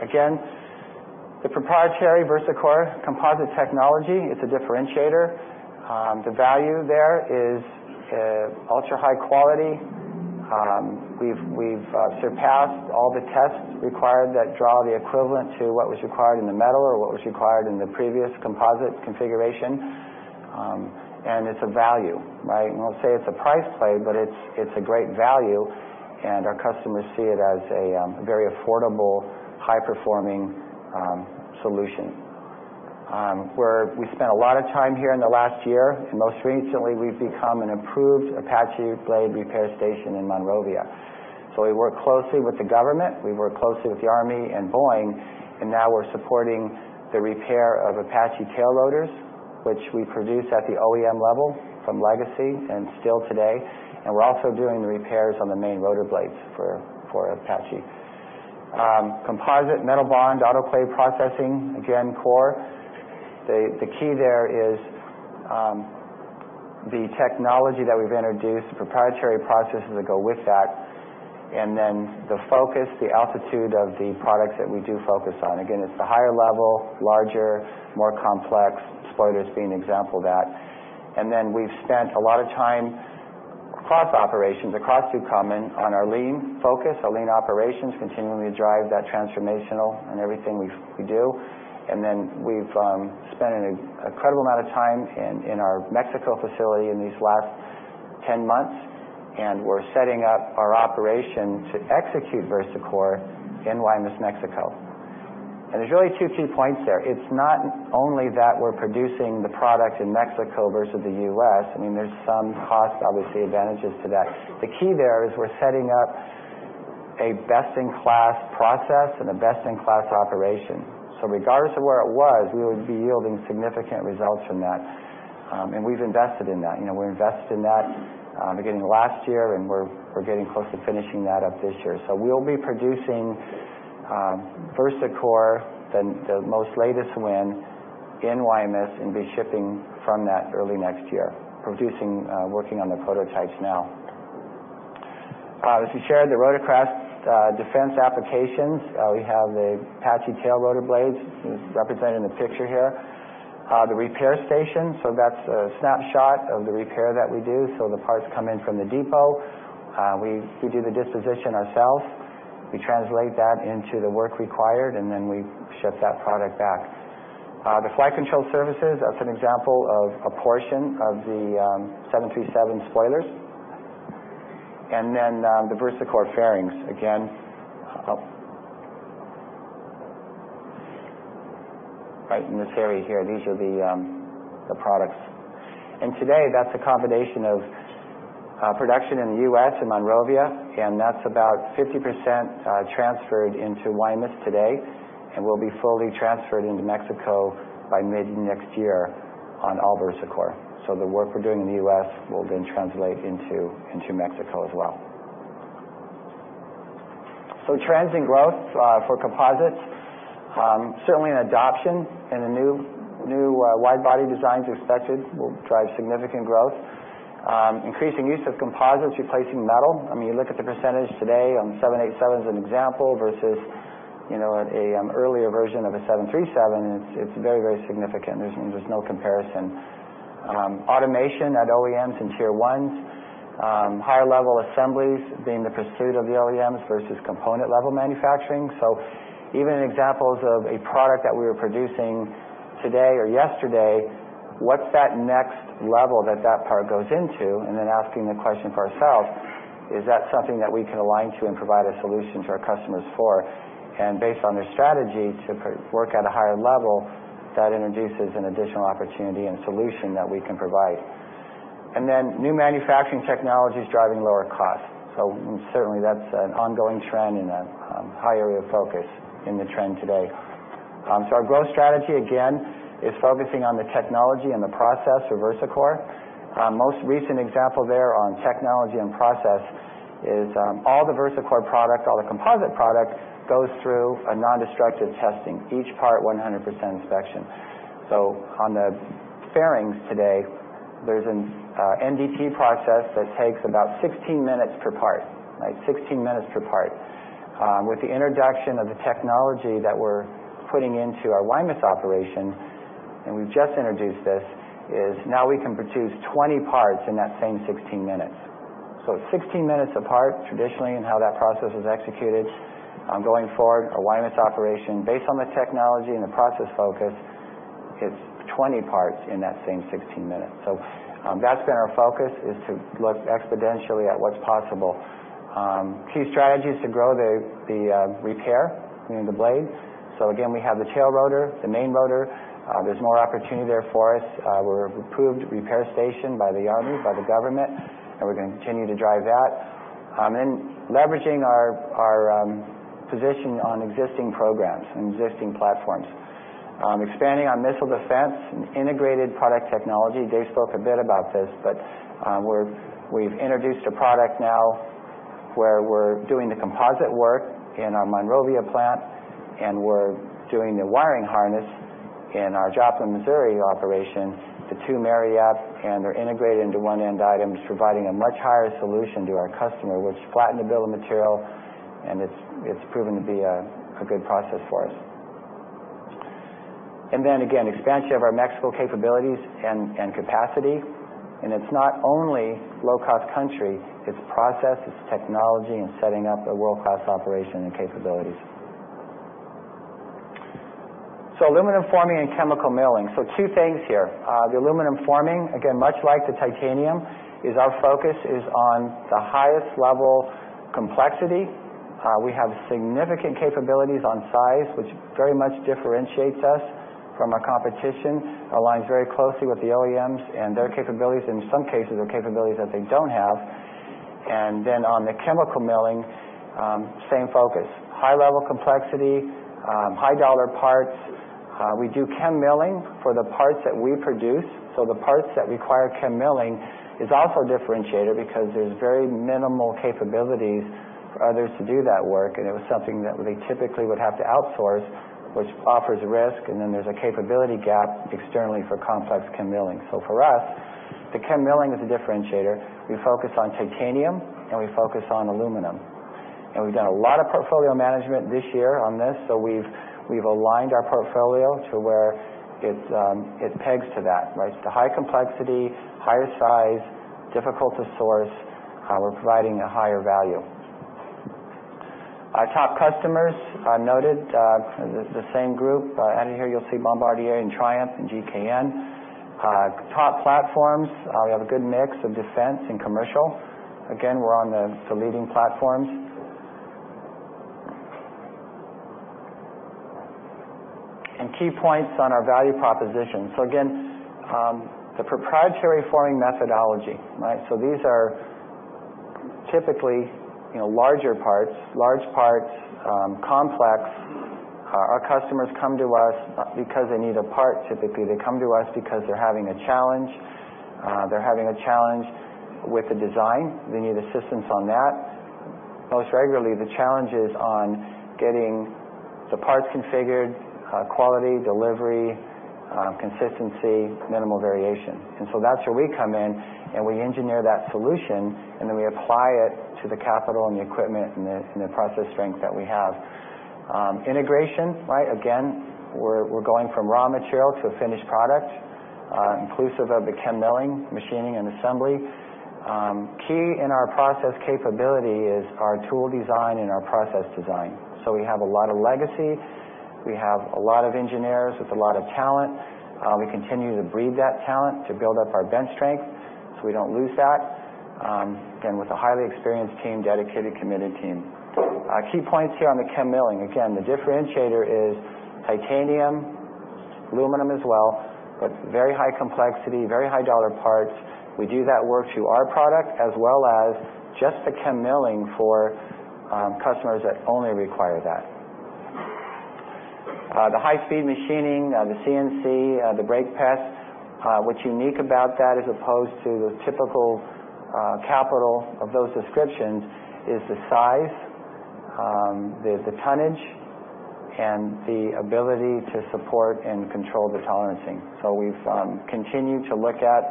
The proprietary VersaCore Composite technology, it's a differentiator. The value there is ultra-high quality. We've surpassed all the tests required that draw the equivalent to what was required in the metal or what was required in the previous composite configuration, and it's a value. I won't say it's a price play, but it's a great value, and our customers see it as a very affordable, high-performing solution, where we spent a lot of time here in the last year, and most recently, we've become an improved Apache blade repair station in Monrovia. We work closely with the government, we work closely with the Army and Boeing, and now we're supporting the repair of Apache tail rotors, which we produce at the OEM level from Legacy and still today. We're also doing the repairs on the main rotor blades for Apache. Composite metal bond, autoclave processing, core. The key there is the technology that we've introduced, the proprietary processes that go with that, the focus, the altitude of the products that we do focus on. It's the higher level, larger, more complex, spoilers being an example of that. We've spent a lot of time, cross operations or cross Ducommun on our lean focus, our lean operations, continuing to drive that transformation in everything we do. We've spent an incredible amount of time in our Mexico facility in these last 10 months, and we're setting up our operation to execute VersaCore in Guaymas, Mexico. There's really 2 key points there. It's not only that we're producing the product in Mexico versus the U.S. There's some cost, obviously, advantages to that. The key there is we're setting up a best-in-class process and a best-in-class operation. Regardless of where it was, we would be yielding significant results from that. We've invested in that. We invested in that beginning of last year, and we're getting close to finishing that up this year. We'll be producing VersaCore, the most latest win, in Guaymas, and be shipping from that early next year. Producing, working on the prototypes now. As we shared, the rotorcraft defense applications, we have the Apache tail rotor blades represented in the picture here. The repair station, that's a snapshot of the repair that we do. The parts come in from the depot. We do the disposition ourselves. We translate that into the work required, and then we ship that product back. The flight control services, that's an example of a portion of the 737 spoilers. The VersaCore fairings. Again, right in this area here, these are the products. Today, that's a combination of production in the U.S. and Monrovia, and that's about 50% transferred into Guaymas today, and will be fully transferred into Mexico by mid next year on all VersaCore. The work we're doing in the U.S. will then translate into Mexico as well. Trends in growth for composites, certainly an adoption in the new wide body designs expected will drive significant growth. Increasing use of composites replacing metal. You look at the percentage today on 787 as an example versus an earlier version of a 737, it's very significant. There's no comparison. Automation at OEMs and tier ones. Higher level assemblies being the pursuit of the OEMs versus component level manufacturing. Even in examples of a product that we were producing today or yesterday, what's that next level that that part goes into? Asking the question for ourselves, is that something that we can align to and provide a solution to our customers for? Based on their strategy to work at a higher level, that introduces an additional opportunity and solution that we can provide. New manufacturing technologies driving lower costs. Certainly, that's an ongoing trend and a high area of focus in the trend today. Our growth strategy, again, is focusing on the technology and the process of VersaCore. Most recent example there on technology and process is all the VersaCore product, all the composite product, goes through a nondestructive testing, each part 100% inspection. On the fairings today, there's an NDT process that takes about 16 minutes per part. 16 minutes per part. With the introduction of the technology that we're putting into our Guaymas operation, and we've just introduced this, is now we can produce 20 parts in that same 16 minutes. It's 16 minutes a part traditionally in how that process is executed. Going forward, our Guaymas operation, based on the technology and the process focus, it's 20 parts in that same 16 minutes. That's been our focus, is to look exponentially at what's possible. Key strategies to grow the repair, meaning the blades. Again, we have the tail rotor, the main rotor. There's more opportunity there for us. We're an approved repair station by the army, by the government, and we're going to continue to drive that. Leveraging our position on existing programs and existing platforms. Expanding on missile defense and integrated product technology. Dave spoke a bit about this, but we've introduced a product now where we're doing the composite work in our Monrovia plant, and we're doing the wiring harness in our Joplin, Missouri operation. The two marry up, and they're integrated into one end item, providing a much higher solution to our customer, which flattened the bill of material, and it's proven to be a good process for us. Again, expansion of our Mexico capabilities and capacity. It's not only low cost country, it's process, it's technology, and setting up a world-class operation and capabilities. Aluminum forming and chemical milling. Two things here. The aluminum forming, again, much like the titanium, is our focus is on the highest level complexity. We have significant capabilities on size, which very much differentiates us from our competition, aligns very closely with the OEMs and their capabilities, in some cases, they're capabilities that they don't have. On the chemical milling, same focus. High level complexity, high dollar parts. We do chem milling for the parts that we produce. The parts that require chem milling. It's also a differentiator because there's very minimal capabilities for others to do that work, and it was something that they typically would have to outsource, which offers risk, and then there's a capability gap externally for complex chem milling. For us, the chem milling is a differentiator. We focus on titanium and we focus on aluminum. We've done a lot of portfolio management this year on this, so we've aligned our portfolio to where it pegs to that. Right? The high complexity, higher size, difficult to source. We're providing a higher value. Our top customers are noted, the same group. Here you'll see Bombardier and Triumph and GKN. Top platforms, we have a good mix of defense and commercial. Again, we're on the leading platforms. Key points on our value proposition. Again, the proprietary forming methodology. These are typically larger parts, large parts, complex. Our customers come to us not because they need a part, typically, they come to us because they're having a challenge. They're having a challenge with the design. They need assistance on that. Most regularly, the challenge is on getting the parts configured, quality, delivery, consistency, minimal variation. That's where we come in, and we engineer that solution, and then we apply it to the capital and the equipment and the process strength that we have. Integration. Again, we're going from raw material to a finished product, inclusive of the chem milling, machining, and assembly. Key in our process capability is our tool design and our process design. We have a lot of legacy. We have a lot of engineers with a lot of talent. We continue to breed that talent to build up our bench strength so we don't lose that. Again, with a highly experienced team, dedicated, committed team. Key points here on the chem milling. Again, the differentiator is titanium, aluminum as well, but very high complexity, very high dollar parts. We do that work to our product as well as just the chem milling for customers that only require that. The high-speed machining, the CNC, the brake press, what's unique about that, as opposed to the typical capital of those descriptions, is the size, the tonnage, and the ability to support and control the tolerancing. We've continued to look at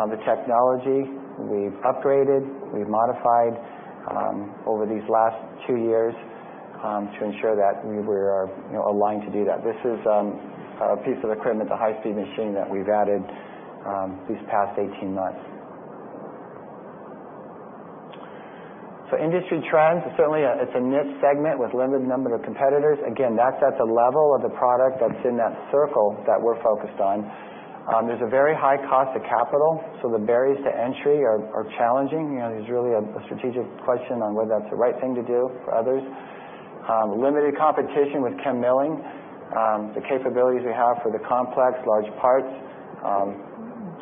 the technology. We've upgraded, we've modified over these last two years to ensure that we are aligned to do that. This is a piece of equipment, the high-speed machine, that we've added these past 18 months. Industry trends, certainly, it's a niche segment with limited number of competitors. Again, that's at the level of the product that's in that circle that we're focused on. There's a very high cost of capital, the barriers to entry are challenging. There's really a strategic question on whether that's the right thing to do for others. Limited competition with chem milling. The capabilities we have for the complex, large parts,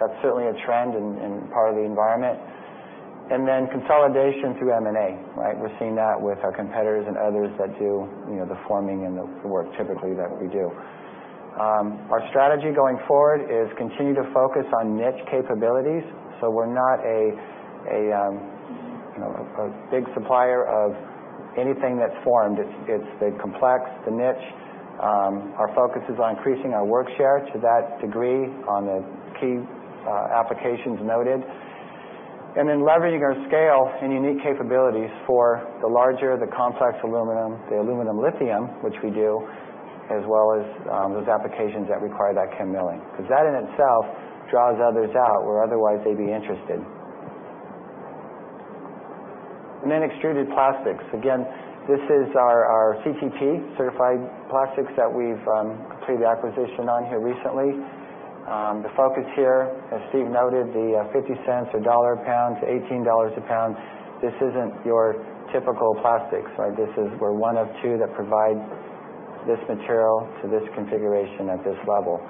that's certainly a trend in part of the environment. Consolidation through M&A. We're seeing that with our competitors and others that do the forming and the work, typically, that we do. Our strategy going forward is continue to focus on niche capabilities. We're not a big supplier of anything that's formed. It's the complex, the niche. Our focus is on increasing our work share to that degree on the key applications noted. Leveraging our scale and unique capabilities for the larger, the complex aluminum, the aluminum-lithium, which we do, as well as those applications that require that chem milling, because that in itself draws others out, where otherwise they'd be interested. Extruded plastics. Again, this is our CTP, Certified Thermoplastics, that we've completed the acquisition on here recently. The focus here, as Steve noted, the $0.50, $1 a pound to $18 a pound. This isn't your typical plastics. We're one of two that provide this material to this configuration at this level.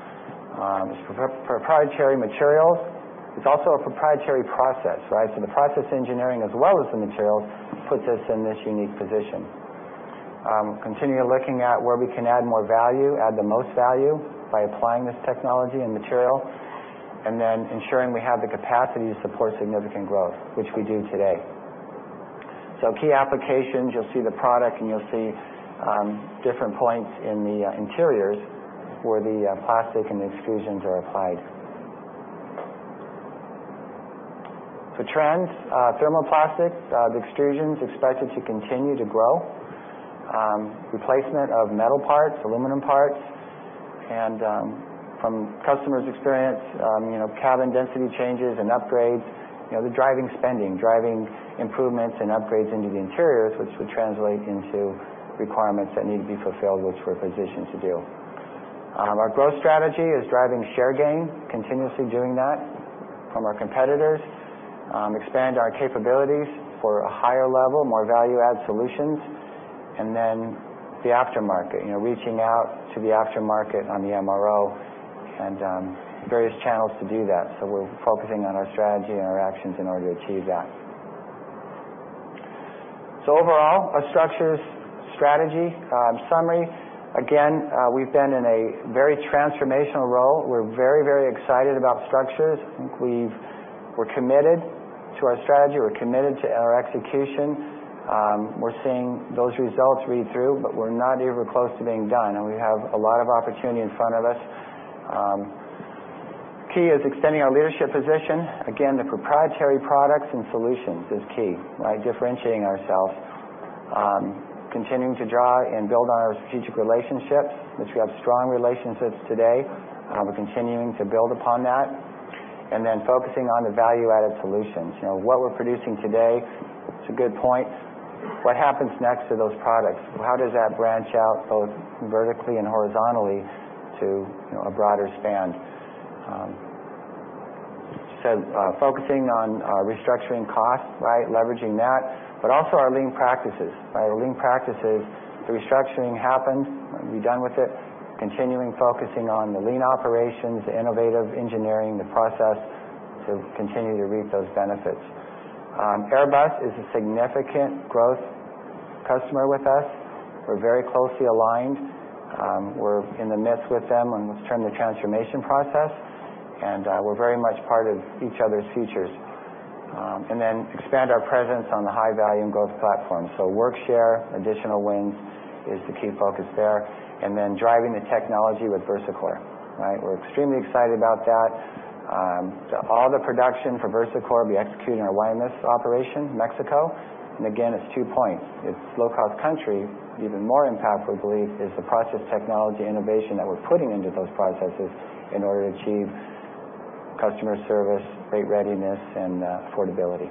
It's proprietary materials. It's also a proprietary process. The process engineering as well as the materials puts us in this unique position. Continue looking at where we can add more value, add the most value, by applying this technology and material, ensuring we have the capacity to support significant growth, which we do today. Key applications, you'll see the product, and you'll see different points in the interiors where the plastic and the extrusions are applied. For trends, thermoplastics, the extrusion's expected to continue to grow. Replacement of metal parts, aluminum parts, and from customers' experience, cabin density changes and upgrades, they're driving spending, driving improvements and upgrades into the interiors, which would translate into requirements that need to be fulfilled, which we're positioned to do. Our growth strategy is driving share gain, continuously doing that from our competitors, expand our capabilities for a higher level, more value-add solutions, the aftermarket, reaching out to the aftermarket on the MRO and various channels to do that. We're focusing on our strategy and our actions in order to achieve that. Overall, our structures strategy summary. We've been in a very transformational role. We're very excited about structures. We're committed to our strategy. We're committed to our execution. We're seeing those results read through, but we're not even close to being done. We have a lot of opportunity in front of us. Key is extending our leadership position. The proprietary products and solutions is key. Differentiating ourselves. Continuing to draw and build on our strategic relationships, which we have strong relationships today. We're continuing to build upon that. Focusing on the value-added solutions. What we're producing today, it's a good point. What happens next to those products? How does that branch out both vertically and horizontally to a broader span? Focusing on restructuring costs. Leveraging that, but also our lean practices. Our lean practices, the restructuring happened, we're done with it. Continuing focusing on the lean operations, the innovative engineering, the process to continue to reap those benefits. Airbus is a significant growth customer with us. We're very closely aligned. We're in the midst with them in terms of transformation process, and we're very much part of each other's futures. Expand our presence on the high value and growth platforms. Workshare, additional wings is the key focus there. Driving the technology with VersaCore. We're extremely excited about that. All the production for VersaCore will be executed in our Guaymas operation, Mexico. It's two points. It's low cost country. Even more impactful, we believe, is the process technology innovation that we're putting into those processes in order to achieve customer service, great readiness, and affordability.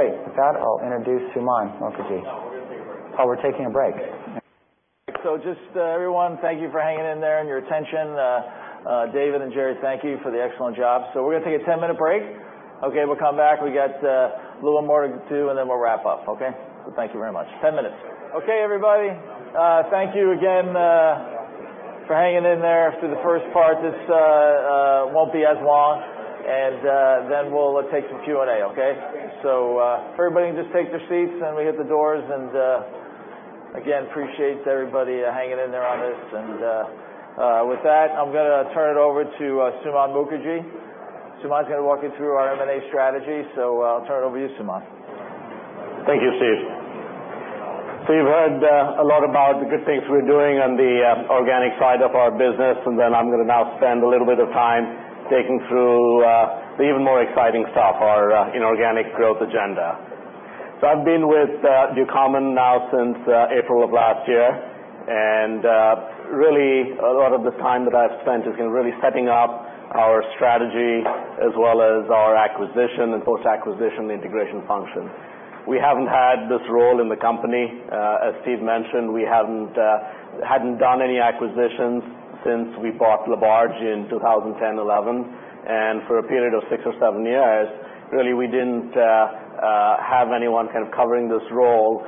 With that, I'll introduce Suman Mookerji. No, we're going to take a break. We're taking a break. Everyone, thank you for hanging in there and your attention. Dave and Jerry, thank you for the excellent job. We're going to take a 10-minute break. We'll come back. We got a little more to do, then we'll wrap up. Thank you very much. 10 minutes. Everybody. Thank you again for hanging in there through the first part. This won't be as long, then we'll take some Q&A. If everybody can take their seats, we hit the doors, again, appreciate everybody hanging in there on this. With that, I'm going to turn it over to Suman Mookerji. Suman's going to walk you through our M&A strategy. I'll turn it over to you, Suman. Thank you, Steve. You've heard a lot about the good things we're doing on the organic side of our business, I'm going to now spend a little bit of time taking through the even more exciting stuff, our inorganic growth agenda. I've been with Ducommun now since April of last year. A lot of the time that I've spent has been setting up our strategy as well as our acquisition and post-acquisition integration function. We haven't had this role in the company. As Steve mentioned, we hadn't done any acquisitions since we bought LaBarge in 2010, 2011. For a period of six or seven years, really, we didn't have anyone covering this role.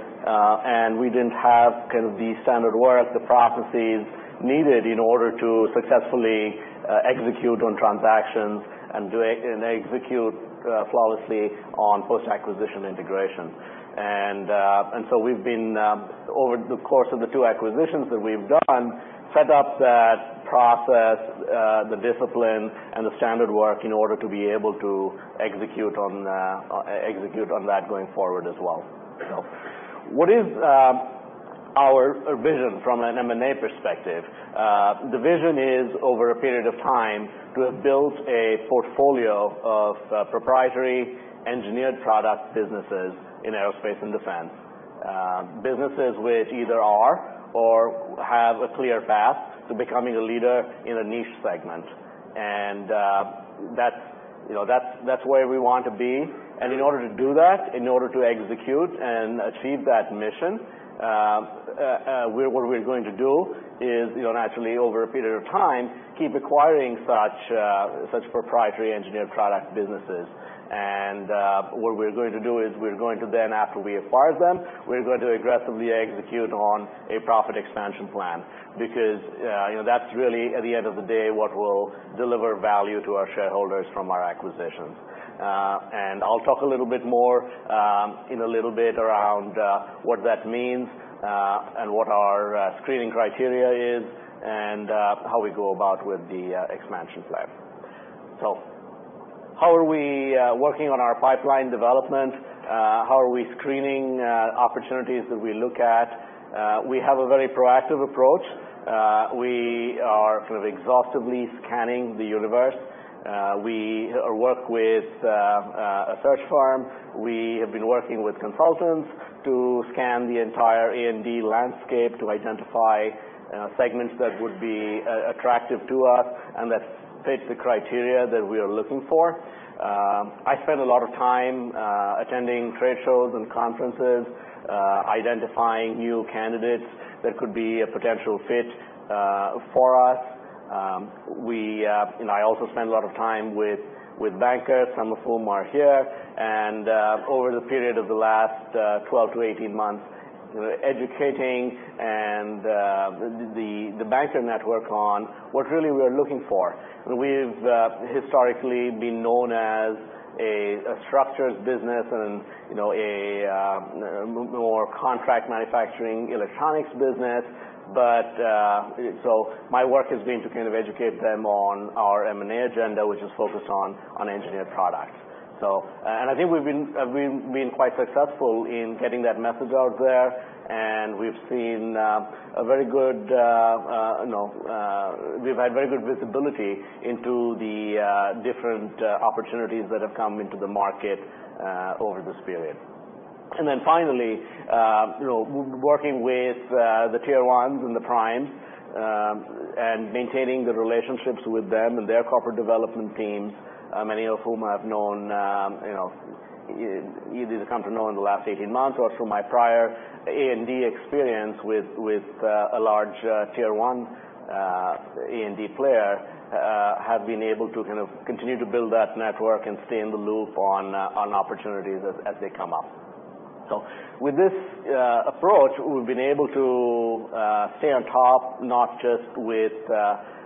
We didn't have the standard work, the processes needed in order to successfully execute on transactions and execute flawlessly on post-acquisition integration. We've been, over the course of the two acquisitions that we've done, set up that process, the discipline, and the standard work in order to be able to execute on that going forward as well. What is our vision from an M&A perspective? The vision is, over a period of time, to have built a portfolio of proprietary engineered product businesses in aerospace and defense. Businesses which either are or have a clear path to becoming a leader in a niche segment. That's where we want to be. In order to do that, in order to execute and achieve that mission, what we're going to do is, naturally, over a period of time, keep acquiring such proprietary engineered product businesses. What we're going to do is we're going to, after we acquire them, we're going to aggressively execute on a profit expansion plan. Because that's really, at the end of the day, what will deliver value to our shareholders from our acquisitions. I'll talk a little bit more in a little bit around what that means, and what our screening criteria is, and how we go about with the expansion plan. How are we working on our pipeline development? How are we screening opportunities that we look at? We have a very proactive approach. We are sort of exhaustively scanning the universe. We work with a search firm. We have been working with consultants to scan the entire A&D landscape to identify segments that would be attractive to us and that fit the criteria that we are looking for. I spend a lot of time attending trade shows and conferences, identifying new candidates that could be a potential fit for us. I also spend a lot of time with bankers, some of whom are here. Over the period of the last 12 months-18 months, educating the banker network on what really we're looking for. We've historically been known as a structures business and a more contract manufacturing electronics business. My work has been to kind of educate them on our M&A agenda, which is focused on engineered products. I think we've been quite successful in getting that message out there, and we've had very good visibility into the different opportunities that have come into the market over this period. Finally, working with the tier ones and the primes, and maintaining the relationships with them and their corporate development teams, many of whom I've known, either come to know in the last 18 months or through my prior A&D experience with a large tier one A&D player, have been able to kind of continue to build that network and stay in the loop on opportunities as they come up. With this approach, we've been able to stay on top, not just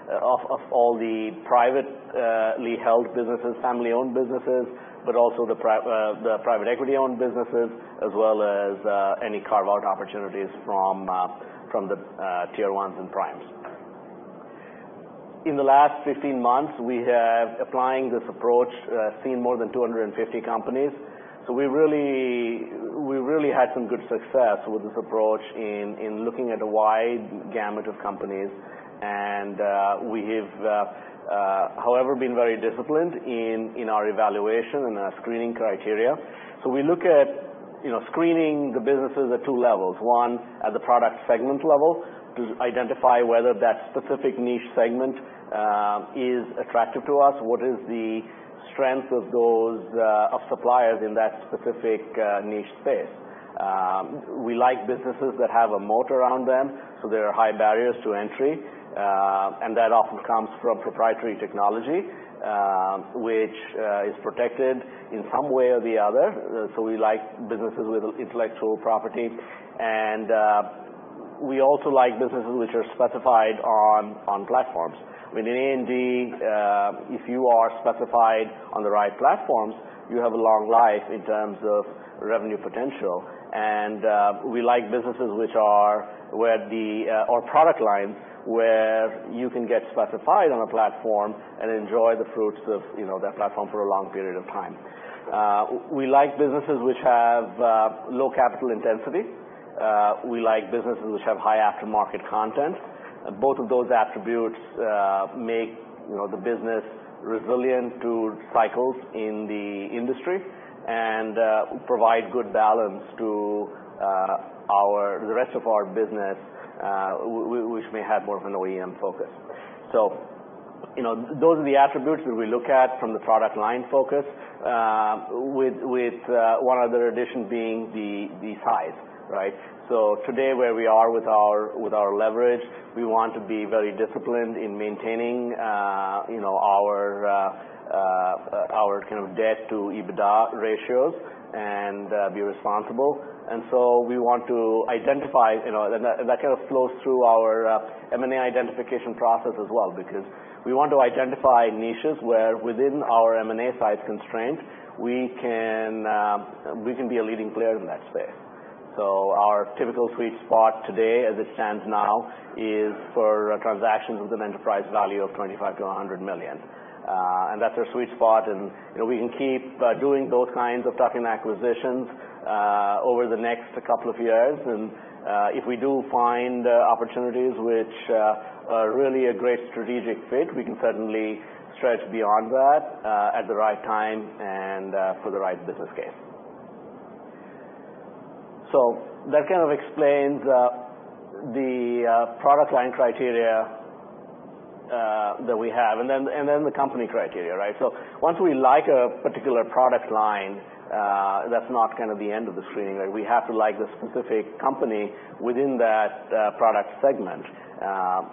of all the privately held businesses, family-owned businesses, but also the private equity-owned businesses, as well as any carve-out opportunities from the tier ones and primes. In the last 15 months, we have, applying this approach, seen more than 250 companies. We really had some good success with this approach in looking at a wide gamut of companies. We have, however, been very disciplined in our evaluation and our screening criteria. We look at screening the businesses at 2 levels. One, at the product segment level to identify whether that specific niche segment is attractive to us. What is the strength of suppliers in that specific niche space? We like businesses that have a moat around them, so there are high barriers to entry, and that often comes from proprietary technology, which is protected in some way or the other. We like businesses with intellectual property. We also like businesses which are specified on platforms. With A&D, if you are specified on the right platforms, you have a long life in terms of revenue potential. We like businesses or product lines where you can get specified on a platform and enjoy the fruits of that platform for a long period of time. We like businesses which have low capital intensity. We like businesses which have high aftermarket content. Both of those attributes make the business resilient to cycles in the industry and provide good balance to the rest of our business, which may have more of an OEM focus. Those are the attributes that we look at from the product line focus, with one other addition being the size. Today, where we are with our leverage, we want to be very disciplined in maintaining our kind of debt to EBITDA ratios and be responsible. That kind of flows through our M&A identification process as well, because we want to identify niches where within our M&A size constraint, we can be a leading player in that space. Our typical sweet spot today, as it stands now, is for transactions with an enterprise value of $25 million-$100 million. That's our sweet spot, and we can keep doing those kinds of tuck-in acquisitions over the next couple of years. If we do find opportunities which are really a great strategic fit, we can certainly stretch beyond that at the right time and for the right business case. That kind of explains the product line criteria that we have, and then the company criteria. Once we like a particular product line, that's not kind of the end of the screening. We have to like the specific company within that product segment.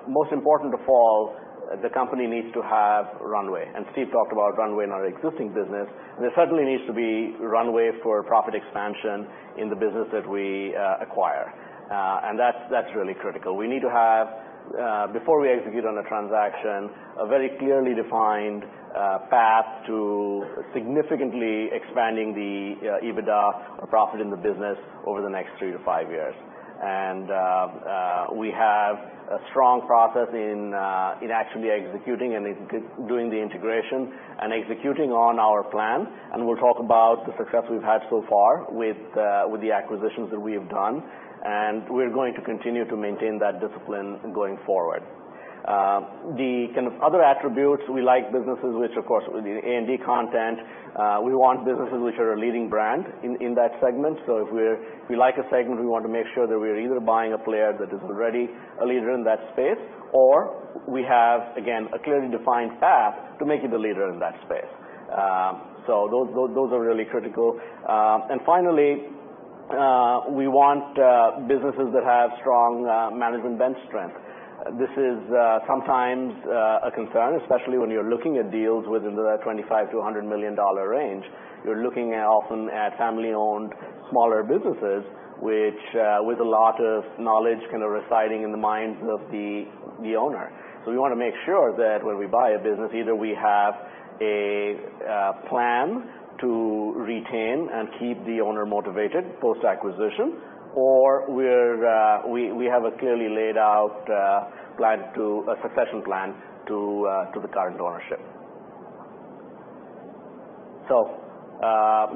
Most important of all, the company needs to have runway. Steve talked about runway in our existing business. There certainly needs to be runway for profit expansion in the business that we acquire. That's really critical. We need to have, before we execute on a transaction, a very clearly defined path to significantly expanding the EBITDA profit in the business over the next three to five years. We have a strong process in actually executing and doing the integration and executing on our plan. We're going to continue to maintain that discipline going forward. The kind of other attributes, we like businesses which, of course, with the A&D content, we want businesses which are a leading brand in that segment. If we like a segment, we want to make sure that we're either buying a player that is already a leader in that space, or we have, again, a clearly defined path to make it a leader in that space. Those are really critical. Finally, we want businesses that have strong management bench strength. This is sometimes a concern, especially when you're looking at deals within the $25 million-$100 million range. You're looking often at family-owned smaller businesses, with a lot of knowledge residing in the minds of the owner. We want to make sure that when we buy a business, either we have a plan to retain and keep the owner motivated post-acquisition, or we have a clearly laid out succession plan to the current ownership.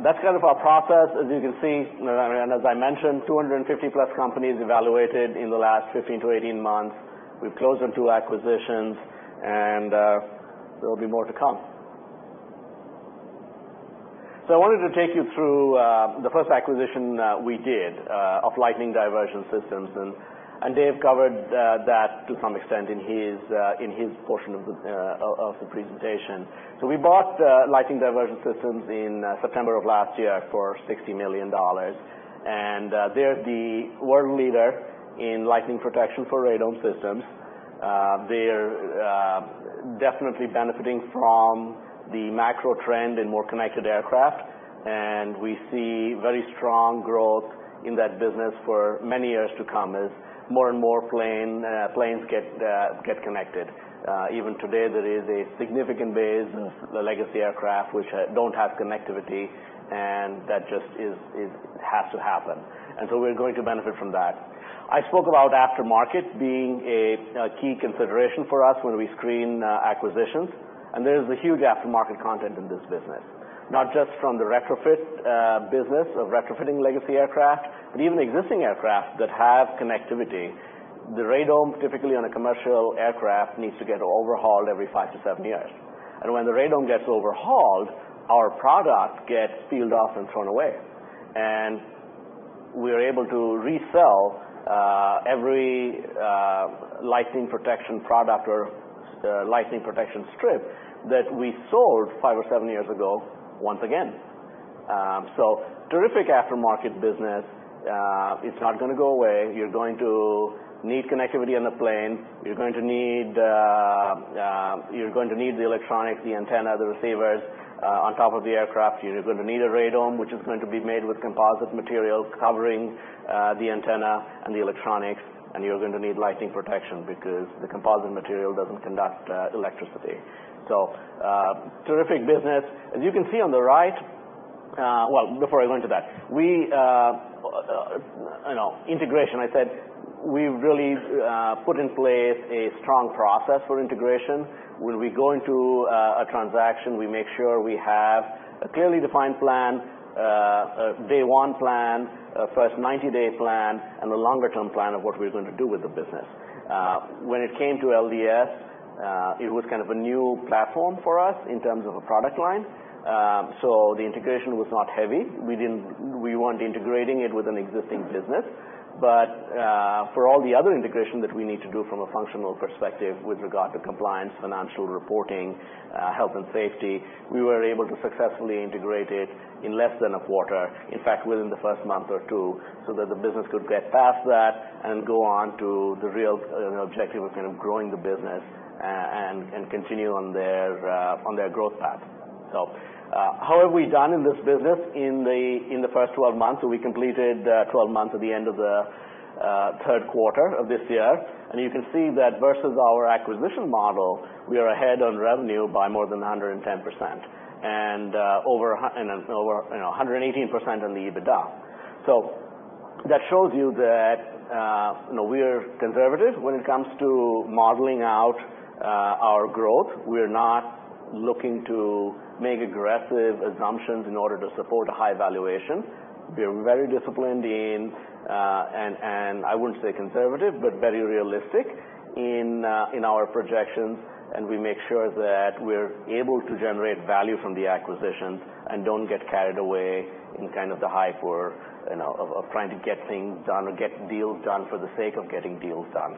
That's kind of our process. As you can see, as I mentioned, 250+ companies evaluated in the last 15-18 months. We've closed on 2 acquisitions and there will be more to come. I wanted to take you through the first acquisition we did, of Lightning Diversion Systems, and Dave covered that to some extent in his portion of the presentation. We bought Lightning Diversion Systems in September of last year for $60 million. They're the world leader in lightning protection for radome systems. They're definitely benefiting from the macro trend in more connected aircraft, and we see very strong growth in that business for many years to come as more and more planes get connected. Even today, there is a significant base of legacy aircraft which don't have connectivity, and that just has to happen. We're going to benefit from that. I spoke about aftermarket being a key consideration for us when we screen acquisitions, there is a huge aftermarket content in this business. Not just from the retrofit business of retrofitting legacy aircraft, but even existing aircraft that have connectivity. The radome, typically on a commercial aircraft, needs to get overhauled every five to seven years. When the radome gets overhauled, our product gets peeled off and thrown away. We are able to resell every lightning protection product or lightning protection strip that we sold five or seven years ago, once again. Terrific aftermarket business. It's not going to go away. You're going to need connectivity on the plane. You're going to need the electronics, the antenna, the receivers, on top of the aircraft. You're going to need a radome, which is going to be made with composite materials covering the antenna and the electronics. You're going to need lightning protection because the composite material doesn't conduct electricity. Terrific business. Well, before I go into that. Integration, I said we've really put in place a strong process for integration. When we go into a transaction, we make sure we have a clearly defined plan, a day one plan, a first 90-day plan, and a longer-term plan of what we're going to do with the business. When it came to LDS, it was kind of a new platform for us in terms of a product line. The integration was not heavy. We weren't integrating it with an existing business. For all the other integration that we need to do from a functional perspective with regard to compliance, financial reporting, health, and safety, we were able to successfully integrate it in less than a quarter. In fact, within the first month or two, that the business could get past that and go on to the real objective of growing the business and continue on their growth path. How have we done in this business in the first 12 months? We completed 12 months at the end of the third quarter of this year. You can see that versus our acquisition model, we are ahead on revenue by more than 110%. Over 118% on the EBITDA. That shows you that we're conservative when it comes to modeling out our growth. We're not looking to make aggressive assumptions in order to support a high valuation. We are very disciplined, and I wouldn't say conservative, but very realistic in our projections, and we make sure that we're able to generate value from the acquisition and don't get carried away in the hype of trying to get things done or get deals done for the sake of getting deals done.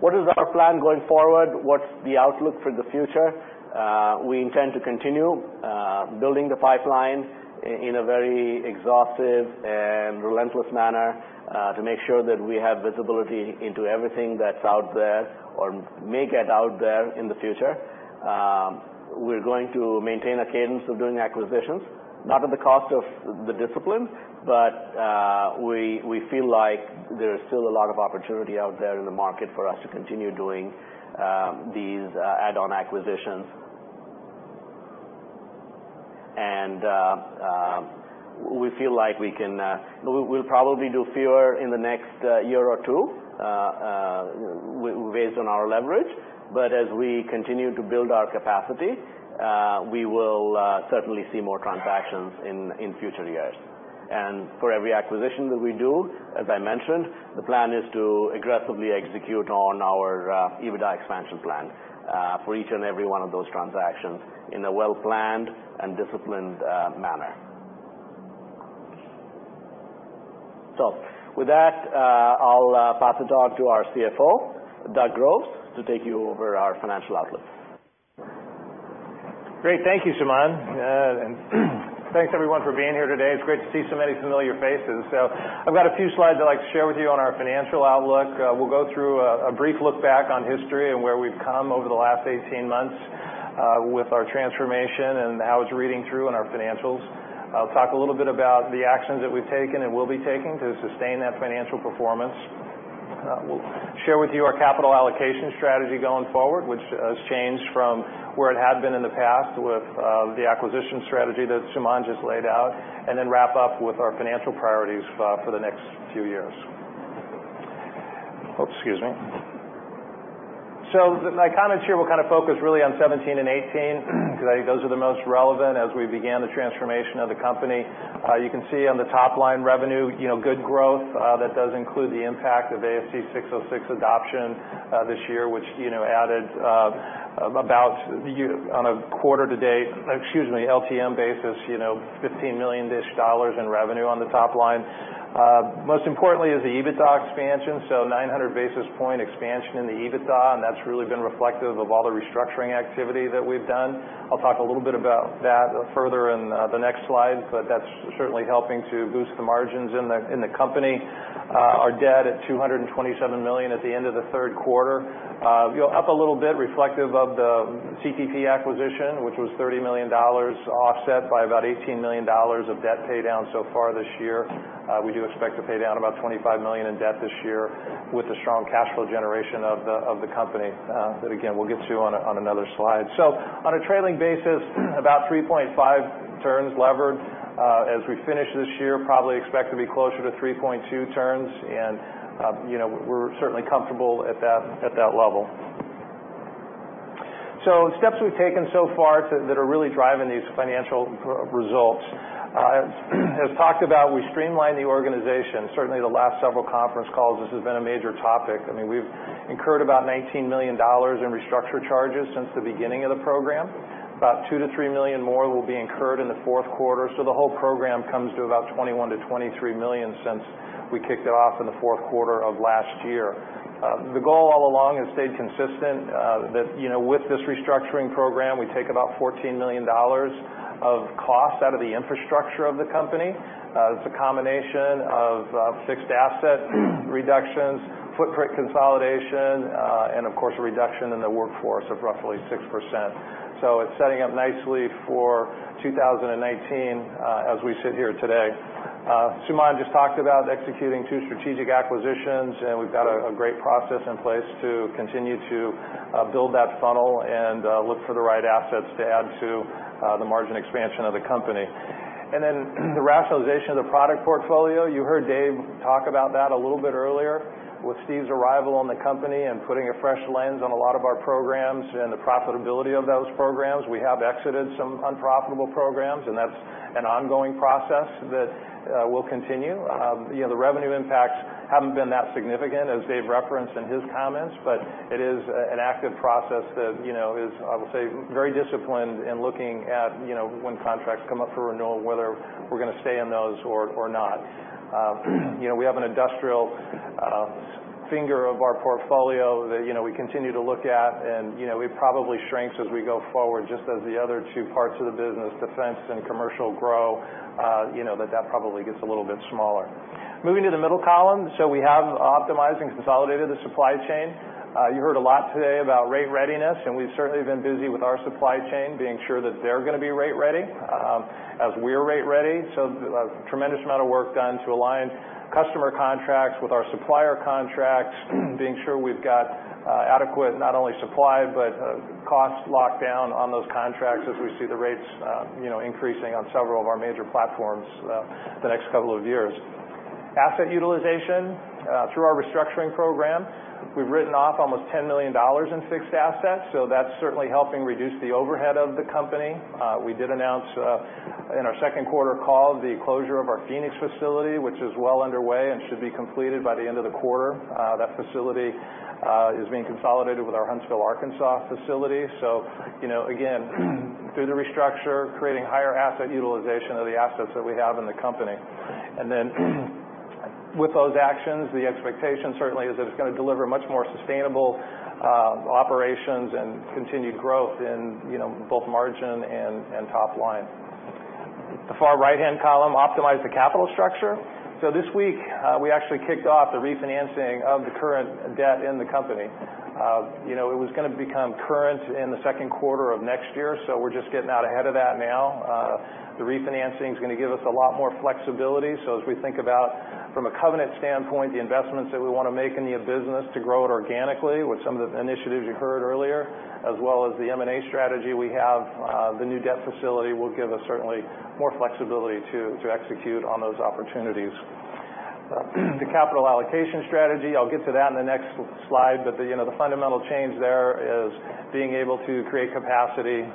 What is our plan going forward? What's the outlook for the future? We intend to continue building the pipeline in a very exhaustive and relentless manner, to make sure that we have visibility into everything that's out there or may get out there in the future. We're going to maintain a cadence of doing acquisitions, not at the cost of the discipline, but we feel like there is still a lot of opportunity out there in the market for us to continue doing these add-on acquisitions. We feel like we'll probably do fewer in the next year or two, based on our leverage. As we continue to build our capacity, we will certainly see more transactions in future years. For every acquisition that we do, as I mentioned, the plan is to aggressively execute on our EBITDA expansion plan, for each and every one of those transactions in a well-planned and disciplined manner. With that, I'll pass it on to our CFO, Doug Groves, to take you over our financial outlook. Great. Thank you, Suman. Thanks everyone for being here today. It's great to see so many familiar faces. I've got a few slides I'd like to share with you on our financial outlook. We'll go through a brief look back on history and where we've come over the last 18 months with our transformation and how it's reading through in our financials. I'll talk a little bit about the actions that we've taken and will be taking to sustain that financial performance. We'll share with you our capital allocation strategy going forward, which has changed from where it had been in the past with the acquisition strategy that Suman just laid out, and then wrap up with our financial priorities for the next few years. Oh, excuse me. My comments here will kind of focus really on 2017 and 2018, because I think those are the most relevant as we began the transformation of the company. You can see on the top line revenue, good growth. That does include the impact of ASC 606 adoption this year, which added about, on an LTM basis, $15 million-ish in revenue on the top line. Most importantly is the EBITDA expansion, so 900 basis point expansion in the EBITDA, and that's really been reflective of all the restructuring activity that we've done. I'll talk a little bit about that further in the next slide, but that's certainly helping to boost the margins in the company. Our debt at $227 million at the end of the third quarter. Up a little bit reflective of the CTP acquisition, which was $30 million, offset by about $18 million of debt paydown so far this year. We do expect to pay down about $25 million in debt this year with the strong cash flow generation of the company, that again, we'll get to on another slide. On a trailing basis, about 3.5 turns levered. As we finish this year, probably expect to be closer to 3.2 turns, and we're certainly comfortable at that level. Steps we've taken so far that are really driving these financial results. As talked about, we streamlined the organization. The last several conference calls, this has been a major topic. We've incurred about $19 million in restructure charges since the beginning of the program. About $2 million-$3 million more will be incurred in the fourth quarter, the whole program comes to about $21 million-$23 million since we kicked it off in the fourth quarter of last year. The goal all along has stayed consistent, that with this restructuring program, we take about $14 million of costs out of the infrastructure of the company. It's a combination of fixed asset reductions, footprint consolidation, and of course, a reduction in the workforce of roughly 6%. It's setting up nicely for 2019, as we sit here today. Suman just talked about executing two strategic acquisitions, we've got a great process in place to continue to build that funnel and look for the right assets to add to the margin expansion of the company. The rationalization of the product portfolio. You heard Dave talk about that a little bit earlier with Steve's arrival in the company and putting a fresh lens on a lot of our programs and the profitability of those programs. We have exited some unprofitable programs, that's an ongoing process that will continue. The revenue impacts haven't been that significant, as Dave referenced in his comments, it is an active process that is, I will say, very disciplined in looking at when contracts come up for renewal, whether we're going to stay in those or not. We have an industrial finger of our portfolio that we continue to look at, it probably shrinks as we go forward, just as the other two parts of the business, defense and commercial grow, that that probably gets a little bit smaller. Moving to the middle column. We have optimized and consolidated the supply chain. You heard a lot today about rate readiness, we've certainly been busy with our supply chain, being sure that they're going to be rate ready as we're rate ready. A tremendous amount of work done to align customer contracts with our supplier contracts, being sure we've got adequate, not only supply, but cost lockdown on those contracts as we see the rates increasing on several of our major platforms the next couple of years. Asset utilization. Through our restructuring program, we've written off almost $10 million in fixed assets, that's certainly helping reduce the overhead of the company. We did announce in our second quarter call the closure of our Phoenix facility, which is well underway and should be completed by the end of the quarter. That facility is being consolidated with our Huntsville, Arkansas facility. Again, through the restructure, creating higher asset utilization of the assets that we have in the company. With those actions, the expectation certainly is that it's going to deliver much more sustainable operations and continued growth in both margin and top line. The far right-hand column, optimize the capital structure. This week, we actually kicked off the refinancing of the current debt in the company. It was going to become current in the second quarter of next year, so we're just getting out ahead of that now. The refinancing's going to give us a lot more flexibility. As we think about from a covenant standpoint, the investments that we want to make in the business to grow it organically with some of the initiatives you heard earlier, as well as the M&A strategy we have, the new debt facility will give us certainly more flexibility to execute on those opportunities. The capital allocation strategy, I'll get to that in the next slide, but the fundamental change there is being able to create capacity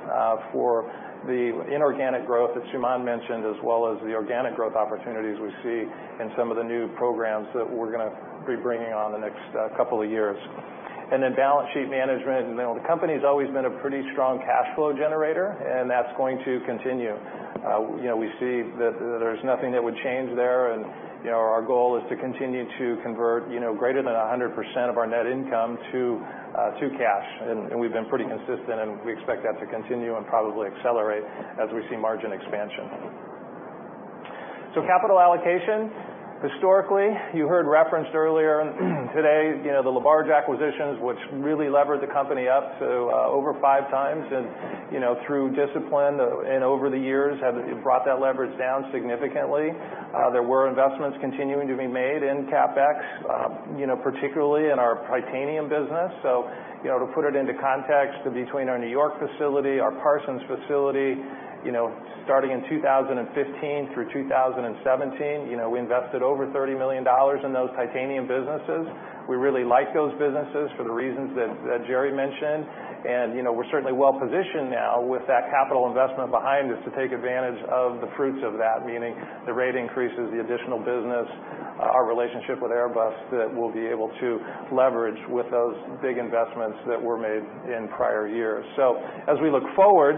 for the inorganic growth that Suman mentioned, as well as the organic growth opportunities we see in some of the new programs that we're going to be bringing on in the next couple of years. Balance sheet management. The company's always been a pretty strong cash flow generator, and that's going to continue. We see that there's nothing that would change there, and our goal is to continue to convert greater than 100% of our net income to cash. We've been pretty consistent, and we expect that to continue and probably accelerate as we see margin expansion. Capital allocation. Historically, you heard referenced earlier today, the LaBarge acquisitions, which really levered the company up to over five times, and through discipline and over the years, have brought that leverage down significantly. There were investments continuing to be made in CapEx, particularly in our titanium business. To put it into context, between our New York facility, our Parsons facility, starting in 2015 through 2017, we invested over $30 million in those titanium businesses. We really like those businesses for the reasons that Jerry mentioned. We're certainly well-positioned now with that capital investment behind us to take advantage of the fruits of that, meaning the rate increases, the additional business, our relationship with Airbus that we'll be able to leverage with those big investments that were made in prior years. As we look forward,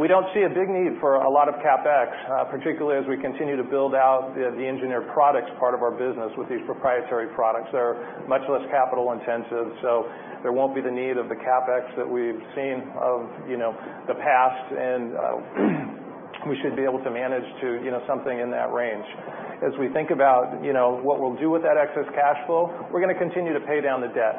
we don't see a big need for a lot of CapEx, particularly as we continue to build out the engineered products part of our business with these proprietary products. They're much less capital intensive, so there won't be the need of the CapEx that we've seen of the past, and we should be able to manage to something in that range. As we think about what we'll do with that excess cash flow, we're going to continue to pay down the debt.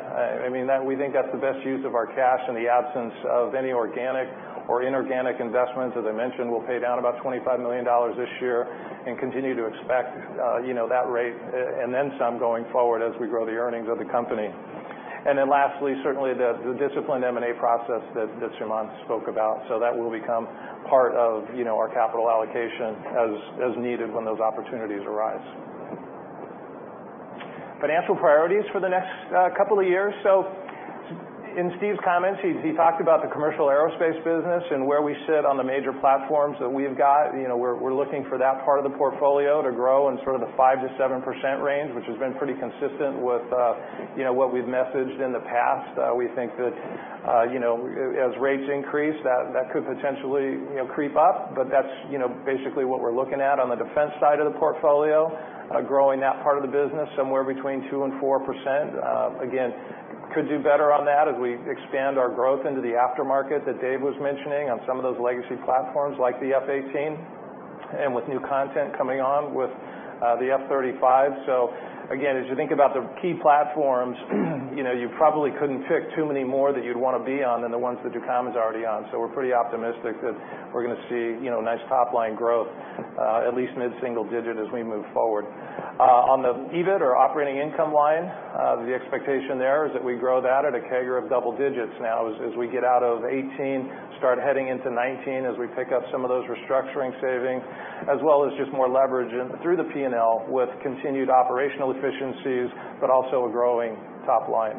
We think that's the best use of our cash in the absence of any organic or inorganic investments. As I mentioned, we'll pay down about $25 million this year and continue to expect that rate and then some going forward as we grow the earnings of the company. Lastly, certainly the disciplined M&A process that Suman spoke about. That will become part of our capital allocation as needed when those opportunities arise. Financial priorities for the next couple of years. In Steve's comments, he talked about the commercial aerospace business and where we sit on the major platforms that we've got. We're looking for that part of the portfolio to grow in sort of the 5%-7% range, which has been pretty consistent with what we've messaged in the past. We think that as rates increase, that could potentially creep up, but that's basically what we're looking at on the defense side of the portfolio, growing that part of the business somewhere between 2%-4%. Again, could do better on that as we expand our growth into the aftermarket that Dave was mentioning on some of those legacy platforms like the F-18, and with new content coming on with the F-35. Again, as you think about the key platforms, you probably couldn't pick too many more that you'd want to be on than the ones that Ducommun's already on. We're pretty optimistic that we're going to see nice top-line growth, at least mid-single digit as we move forward. On the EBIT or operating income line, the expectation there is that we grow that at a CAGR of double digits now as we get out of 2018, start heading into 2019, as we pick up some of those restructuring savings, as well as just more leverage through the P&L with continued operational efficiencies, but also a growing top line.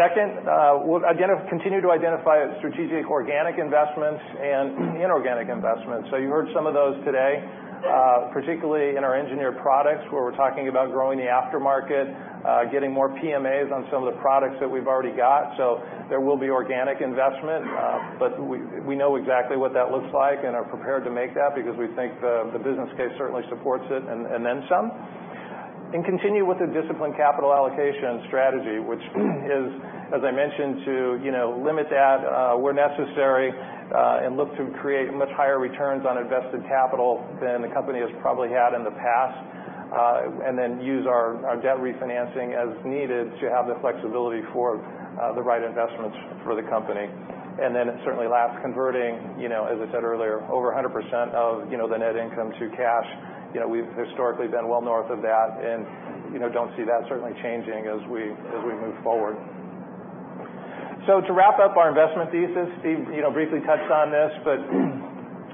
Second, we'll continue to identify strategic organic investments and inorganic investments. You heard some of those today, particularly in our engineered products, where we're talking about growing the aftermarket, getting more PMAs on some of the products that we've already got. There will be organic investment, but we know exactly what that looks like and are prepared to make that because we think the business case certainly supports it and then some. Continue with the disciplined capital allocation strategy, which is, as I mentioned, to limit that where necessary, and look to create much higher returns on invested capital than the company has probably had in the past. Use our debt refinancing as needed to have the flexibility for the right investments for the company. Certainly last, converting, as I said earlier, over 100% of the net income to cash. We've historically been well north of that and don't see that certainly changing as we move forward. To wrap up our investment thesis, Steve briefly touched on this, but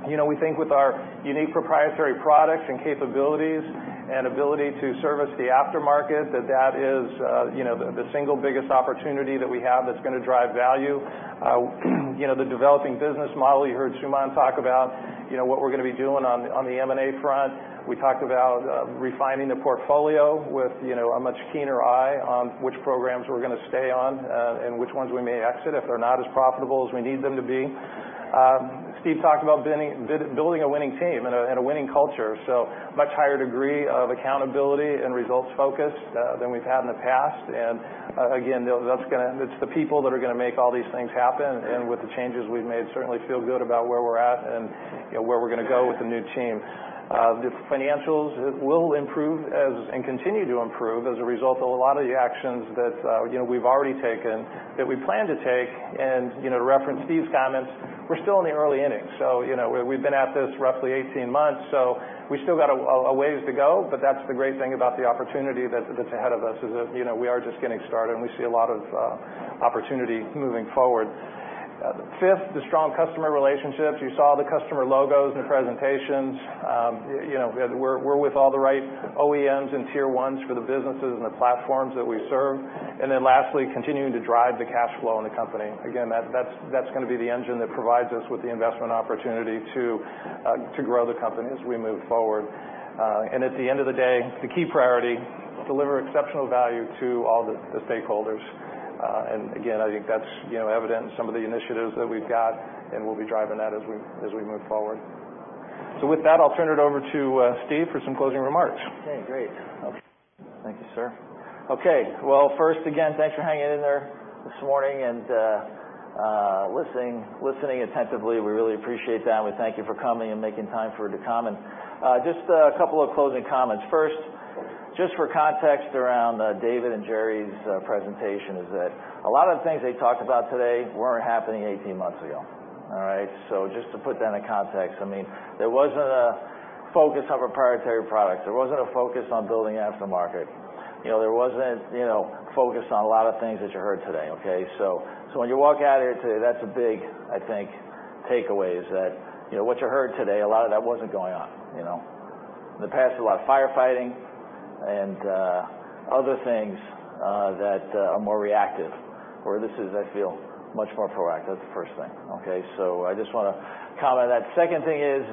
we think with our unique proprietary products and capabilities and ability to service the aftermarket, that that is the single biggest opportunity that we have that's going to drive value. The developing business model, you heard Suman talk about what we're going to be doing on the M&A front. We talked about refining the portfolio with a much keener eye on which programs we're going to stay on and which ones we may exit if they're not as profitable as we need them to be. Steve talked about building a winning team and a winning culture. Much higher degree of accountability and results focus than we've had in the past. Again, it's the people that are going to make all these things happen. With the changes we've made, certainly feel good about where we're at and where we're going to go with the new team. The financials will improve and continue to improve as a result of a lot of the actions that we've already taken, that we plan to take, to reference Steve's comments, we're still in the early innings. We've been at this roughly 18 months, we still got a ways to go, but that's the great thing about the opportunity that's ahead of us is that we are just getting started, and we see a lot of opportunity moving forward. Fifth, the strong customer relationships. You saw the customer logos in the presentations. We're with all the right OEMs and tier ones for the businesses and the platforms that we serve. Lastly, continuing to drive the cash flow in the company. That's going to be the engine that provides us with the investment opportunity to grow the company as we move forward. At the end of the day, the key priority, deliver exceptional value to all the stakeholders. Again, I think that's evident in some of the initiatives that we've got, and we'll be driving that as we move forward. With that, I'll turn it over to Steve for some closing remarks. Okay, great. Thank you, sir. Okay. First, again, thanks for hanging in there this morning and listening attentively. We really appreciate that, and we thank you for coming and making time for Ducommun. Just a couple of closing comments. First, just for context around Dave and Jerry's presentation is that a lot of the things they talked about today weren't happening 18 months ago. All right? Just to put that in context, there wasn't a focus on proprietary products. There wasn't a focus on building aftermarket. There wasn't focus on a lot of things that you heard today. Okay? When you walk out of here today, that's a big, I think, takeaway is that, what you heard today, a lot of that wasn't going on. In the past, there was a lot of firefighting and other things that are more reactive. Where this is, I feel, much more proactive. That's the first thing. Okay? I just want to comment on that. Second thing is,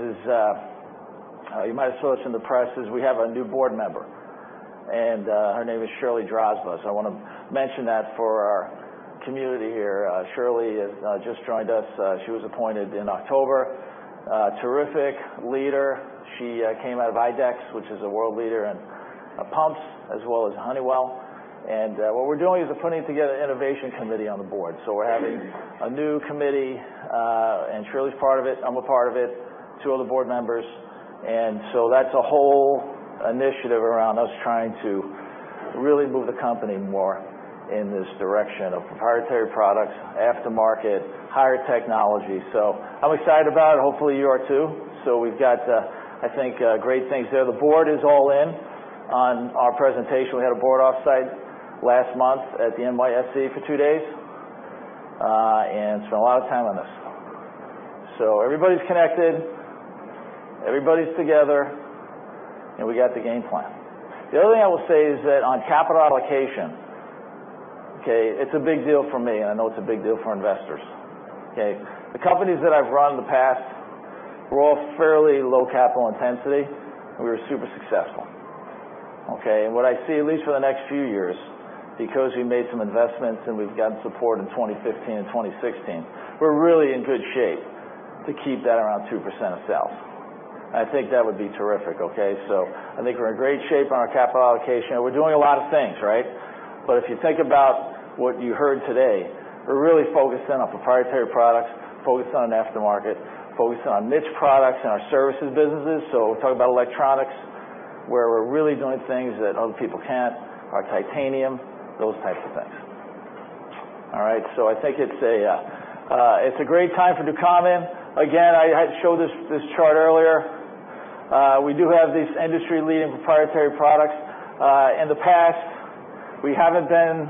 you might have saw this in the press, is we have a new board member, and her name is Shirley Drazba. I want to mention that for our community here. Shirley has just joined us. She was appointed in October. Terrific leader. She came out of IDEX, which is a world leader in pumps, as well as Honeywell. What we're doing is we're putting together an innovation committee on the board. We're having a new committee, and Shirley's part of it, I'm a part of it, two other board members. That's a whole initiative around us trying to really move the company more in this direction of proprietary products, aftermarket, higher technology. I'm excited about it. Hopefully, you are, too. We've got, I think, great things there. The board is all in on our presentation. We had a board offsite last month at the NYSE for two days, and spent a lot of time on this. Everybody's connected, everybody's together, and we got the game plan. The other thing I will say is that on capital allocation, it's a big deal for me, and I know it's a big deal for investors. Okay? The companies that I've run in the past were all fairly low capital intensity, and we were super successful. Okay? What I see, at least for the next few years, because we've made some investments and we've gotten support in 2015 and 2016, we're really in good shape to keep that around 2% of sales. I think that would be terrific. Okay? I think we're in great shape on our capital allocation, and we're doing a lot of things, right? If you think about what you heard today, we're really focused in on proprietary products, focused on aftermarket, focused on niche products in our services businesses. We talk about electronics, where we're really doing things that other people can't, our titanium, those types of things. All right? I think it's a great time for Ducommun. Again, I showed this chart earlier. We do have these industry-leading proprietary products. In the past, we haven't been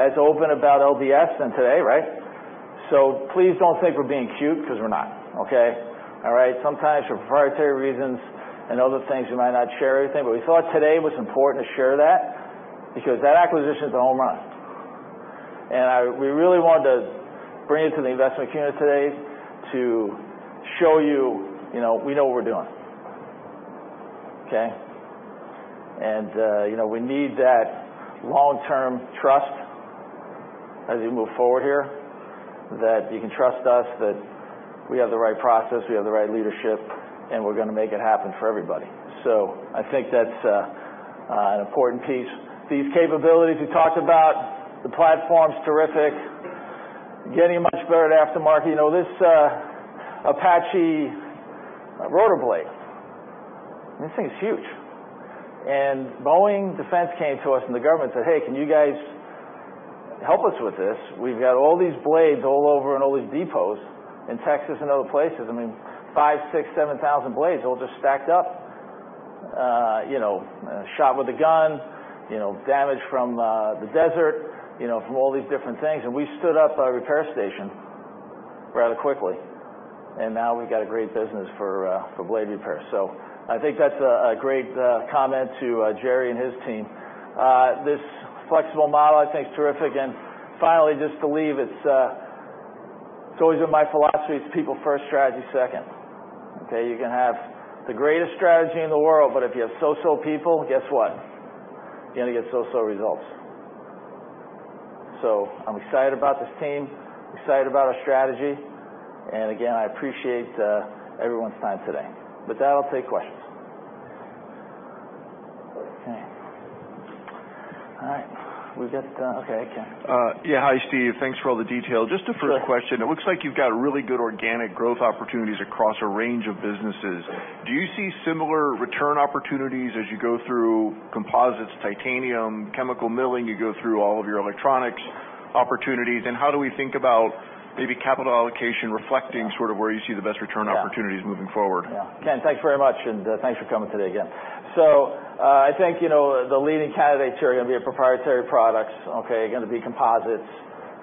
as open about LDS than today, right? Please don't think we're being cute, because we're not. Okay? All right? Sometimes for proprietary reasons and other things, we might not share everything. We thought today it was important to share that because that acquisition's a home run. We really wanted to bring it to the investment community today to show you we know what we're doing. Okay. We need that long-term trust as we move forward here, that you can trust us, that we have the right process, we have the right leadership, and we're going to make it happen for everybody. I think that's an important piece. These capabilities we talked about, the platform's terrific. Getting much better at aftermarket. This Apache rotor blade, this thing is huge. Boeing Defense came to us and the government said, "Hey, can you guys help us with this? We've got all these blades all over in all these depots in Texas and other places." Five, six, 7,000 blades all just stacked up. Shot with a gun, damage from the desert, from all these different things. We stood up a repair station rather quickly. Now we've got a great business for blade repair. I think that's a great comment to Jerry and his team. This flexible model I think is terrific, and finally, just to leave, it's always been my philosophy, it's people first, strategy second. Okay. You can have the greatest strategy in the world, but if you have so-so people, guess what? You're going to get so-so results. I'm excited about this team, excited about our strategy, and again, I appreciate everyone's time today. With that, I'll take questions. Okay. All right. We've got Okay, Ken. Hi, Steve. Thanks for all the detail. Just the first question. Sure. It looks like you've got really good organic growth opportunities across a range of businesses. Do you see similar return opportunities as you go through composites, titanium, chemical milling, you go through all of your electronics opportunities? How do we think about maybe capital allocation reflecting sort of where you see the best return opportunities moving forward? Yeah. Ken, thanks very much, and thanks for coming today again. I think the leading candidates here are going to be our proprietary products, are going to be composites,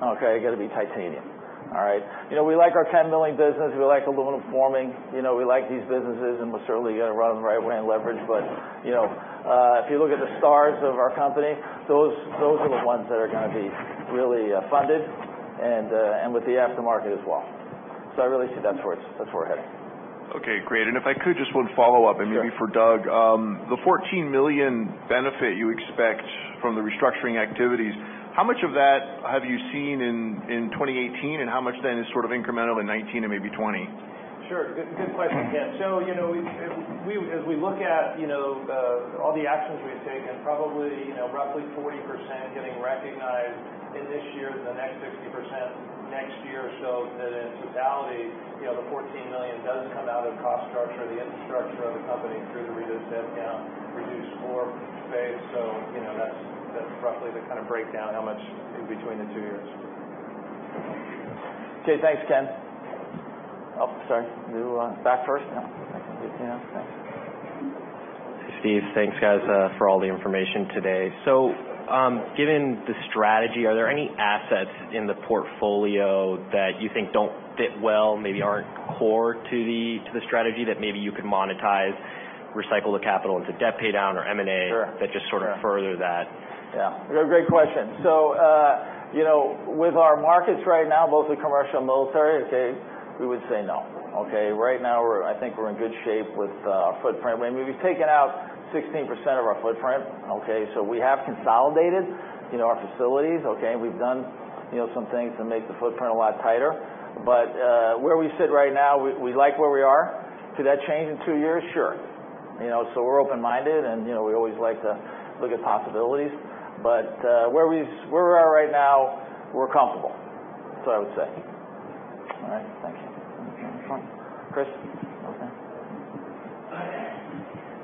are going to be titanium. All right? We like our chem milling business. We like aluminum forming. We like these businesses, and we're certainly going to run them the right way and leverage, if you look at the stars of our company, those are the ones that are going to be really funded, and with the aftermarket as well. I really see that's where we're heading. Okay, great. If I could, just one follow-up. Sure Maybe for Doug. The $14 million benefit you expect from the restructuring activities, how much of that have you seen in 2018, how much then is sort of incremental in 2019 and maybe 2020? Sure. Good question, Ken. As we look at all the actions we've taken, probably roughly 40% getting recognized in this year, the next 60% next year, shows that in totality, the $14 million does come out of the cost structure, the infrastructure of the company through the reduced headcount, reduced floor space. That's roughly the kind of breakdown how much in between the two years. Okay, thanks, Ken. Sorry. You back first? I can do Yeah, okay. Steve, thanks guys for all the information today. Given the strategy, are there any assets in the portfolio that you think don't fit well, maybe aren't core to the strategy that maybe you could monetize, recycle the capital into debt pay down or M&A- Sure that just sort of further that? No, great question. With our markets right now, both the commercial and military, we would say no. Right now, I think we're in good shape with our footprint. We've taken out 16% of our footprint. We have consolidated our facilities. We've done some things to make the footprint a lot tighter. Where we sit right now, we like where we are. Could that change in two years? Sure. We're open-minded and we always like to look at possibilities. Where we're at right now, we're comfortable. That's what I would say. All right, thank you. Front. Chris. Okay.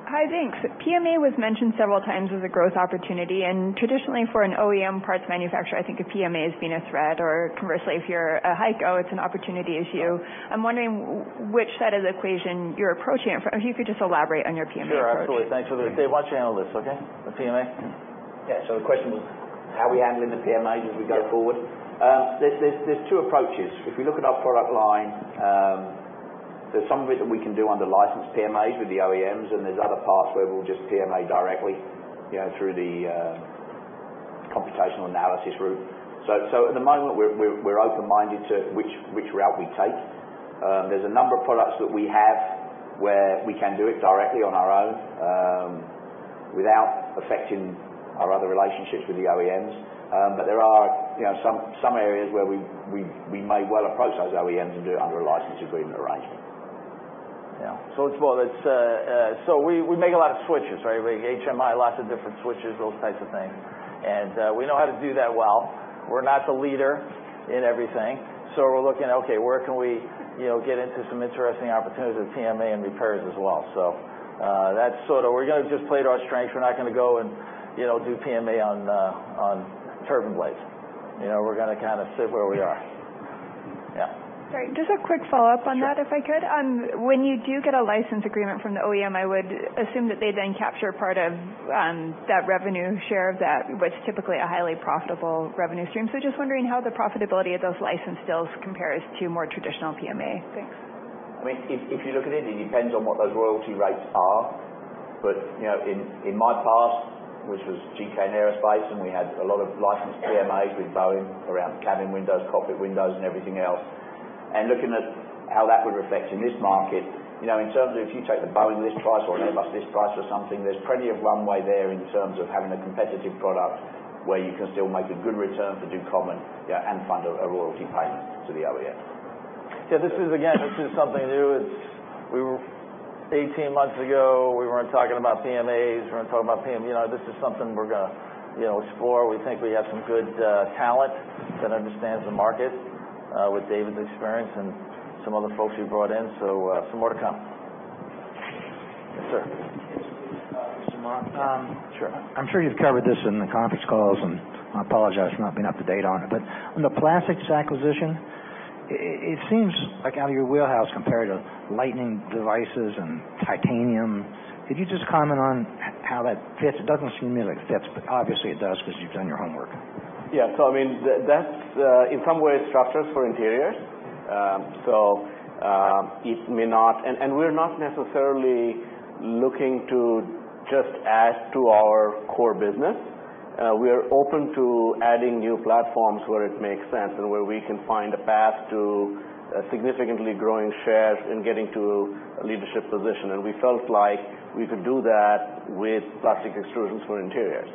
Hi, thanks. PMA was mentioned several times as a growth opportunity, and traditionally, for an OEM parts manufacturer, I think a PMA has been a threat. Conversely, if you're a HEICO, it's an opportunity issue. I'm wondering which side of the equation you're approaching it from. If you could just elaborate on your PMA approach. Sure, absolutely. Thanks. Dave, why don't you handle this, okay, with PMA? Yeah. The question was how are we handling the PMA as we go forward? There's two approaches. If we look at our product line, there's some of it that we can do under licensed PMAs with the OEMs, and there's other parts where we'll just PMA directly through the computational analysis route. At the moment, we're open-minded to which route we take. There's a number of products that we have where we can do it directly on our own, without affecting our other relationships with the OEMs. There are some areas where we may well approach those OEMs and do it under a license agreement arrangement. Yeah. First of all, we make a lot of switches. HMI, lots of different switches, those types of things. We know how to do that well. We're not the leader in everything. We're looking at where can we get into some interesting opportunities with PMA and repairs as well. We're going to just play to our strengths. We're not going to go and do PMA on turbine blades. We're going to sit where we are. Yeah. Great. Just a quick follow-up on that. Sure If I could. When you do get a license agreement from the OEM, I would assume that they then capture part of that revenue share of that, what's typically a highly profitable revenue stream. Just wondering how the profitability of those license deals compares to more traditional PMA. Thanks. If you look at it depends on what those royalty rates are. In my past, which was GKN Aerospace, and we had a lot of licensed PMAs with Boeing around cabin windows, cockpit windows, and everything else. Looking at how that would reflect in this market, in terms of if you take the Boeing list price or Airbus list price or something, there's plenty of runway there in terms of having a competitive product where you can still make a good return for Ducommun and fund a royalty payment to the OEM. Yeah. This is, again, this is something new. 18 months ago, we weren't talking about PMAs. We weren't talking about PMA. This is something we're going to explore. We think we have some good talent that understands the market, with Dave's experience and some of the folks we've brought in. Some more to come. Yes, sir. Yes, good. Suman. Sure. I'm sure you've covered this in the conference calls, I apologize for not being up to date on it. On the plastics acquisition, it seems out of your wheelhouse compared to Lightning Diversion Systems and titanium. Could you just comment on how that fits? It doesn't seem to me it fits, obviously it does because you've done your homework. Yeah. That's, in some ways structures for interiors. We're not necessarily looking to just add to our core business. We are open to adding new platforms where it makes sense and where we can find a path to significantly growing shares and getting to a leadership position. We felt like we could do that with plastic extrusions for interiors.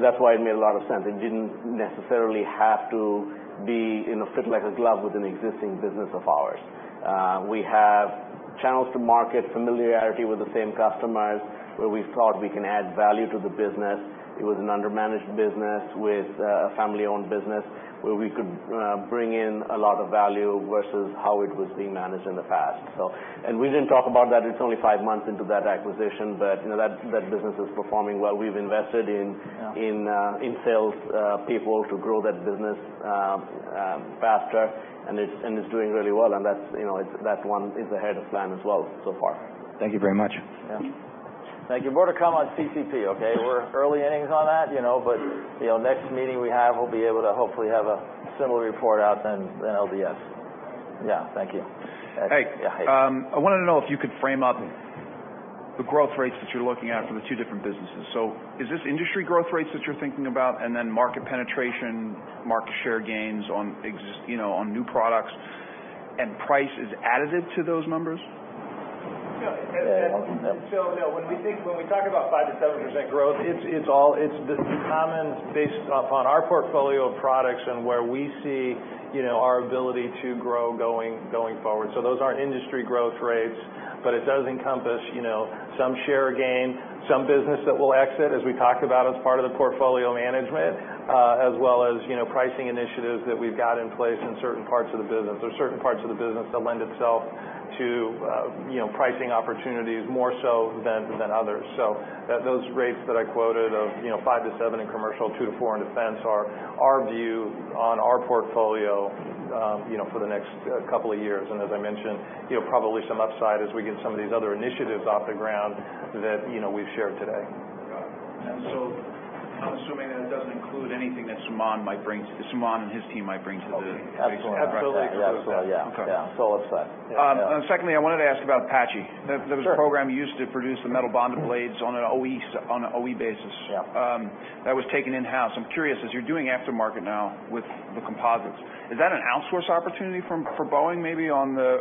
That's why it made a lot of sense. It didn't necessarily have to fit like a glove with an existing business of ours. We have channels to market, familiarity with the same customers where we thought we can add value to the business. It was an under-managed business with a family-owned business where we could bring in a lot of value versus how it was being managed in the past. We didn't talk about that. It's only five months into that acquisition, that business is performing well. We've invested in sales people to grow that business faster, it's doing really well, that one is ahead of plan as well so far. Thank you very much. Yeah. Thank you. More to come on CTP, okay? We're early innings on that. Next meeting we have, we'll be able to hopefully have a similar report out than LDS. Yeah, thank you. Hey. Yeah, hey. I wanted to know if you could frame up the growth rates that you're looking at for the two different businesses. Is this industry growth rates that you're thinking about and then market penetration, market share gains on new products, and price is additive to those numbers? No, when we talk about 5%-7% growth, it's common based upon our portfolio of products and where we see our ability to grow going forward. Those aren't industry growth rates, but it does encompass some share gain, some business that we'll exit, as we talked about as part of the portfolio management, as well as pricing initiatives that we've got in place in certain parts of the business. There are certain parts of the business that lend itself to pricing opportunities more so than others. Those rates that I quoted of 5%-7% in commercial, 2%-4% in defense are our view on our portfolio for the next couple of years. As I mentioned, probably some upside as we get some of these other initiatives off the ground that we've shared today. Got it. I'm assuming that doesn't include anything that Suman and his team might bring to the- Absolutely. Absolutely. Yeah. Okay. Upside. Secondly, I wanted to ask about Apache. Sure. That was a program you used to produce the metal bonded blades on an OE basis. Yeah. That was taken in-house. I'm curious, as you're doing aftermarket now with the composites, is that an outsource opportunity for Boeing maybe on the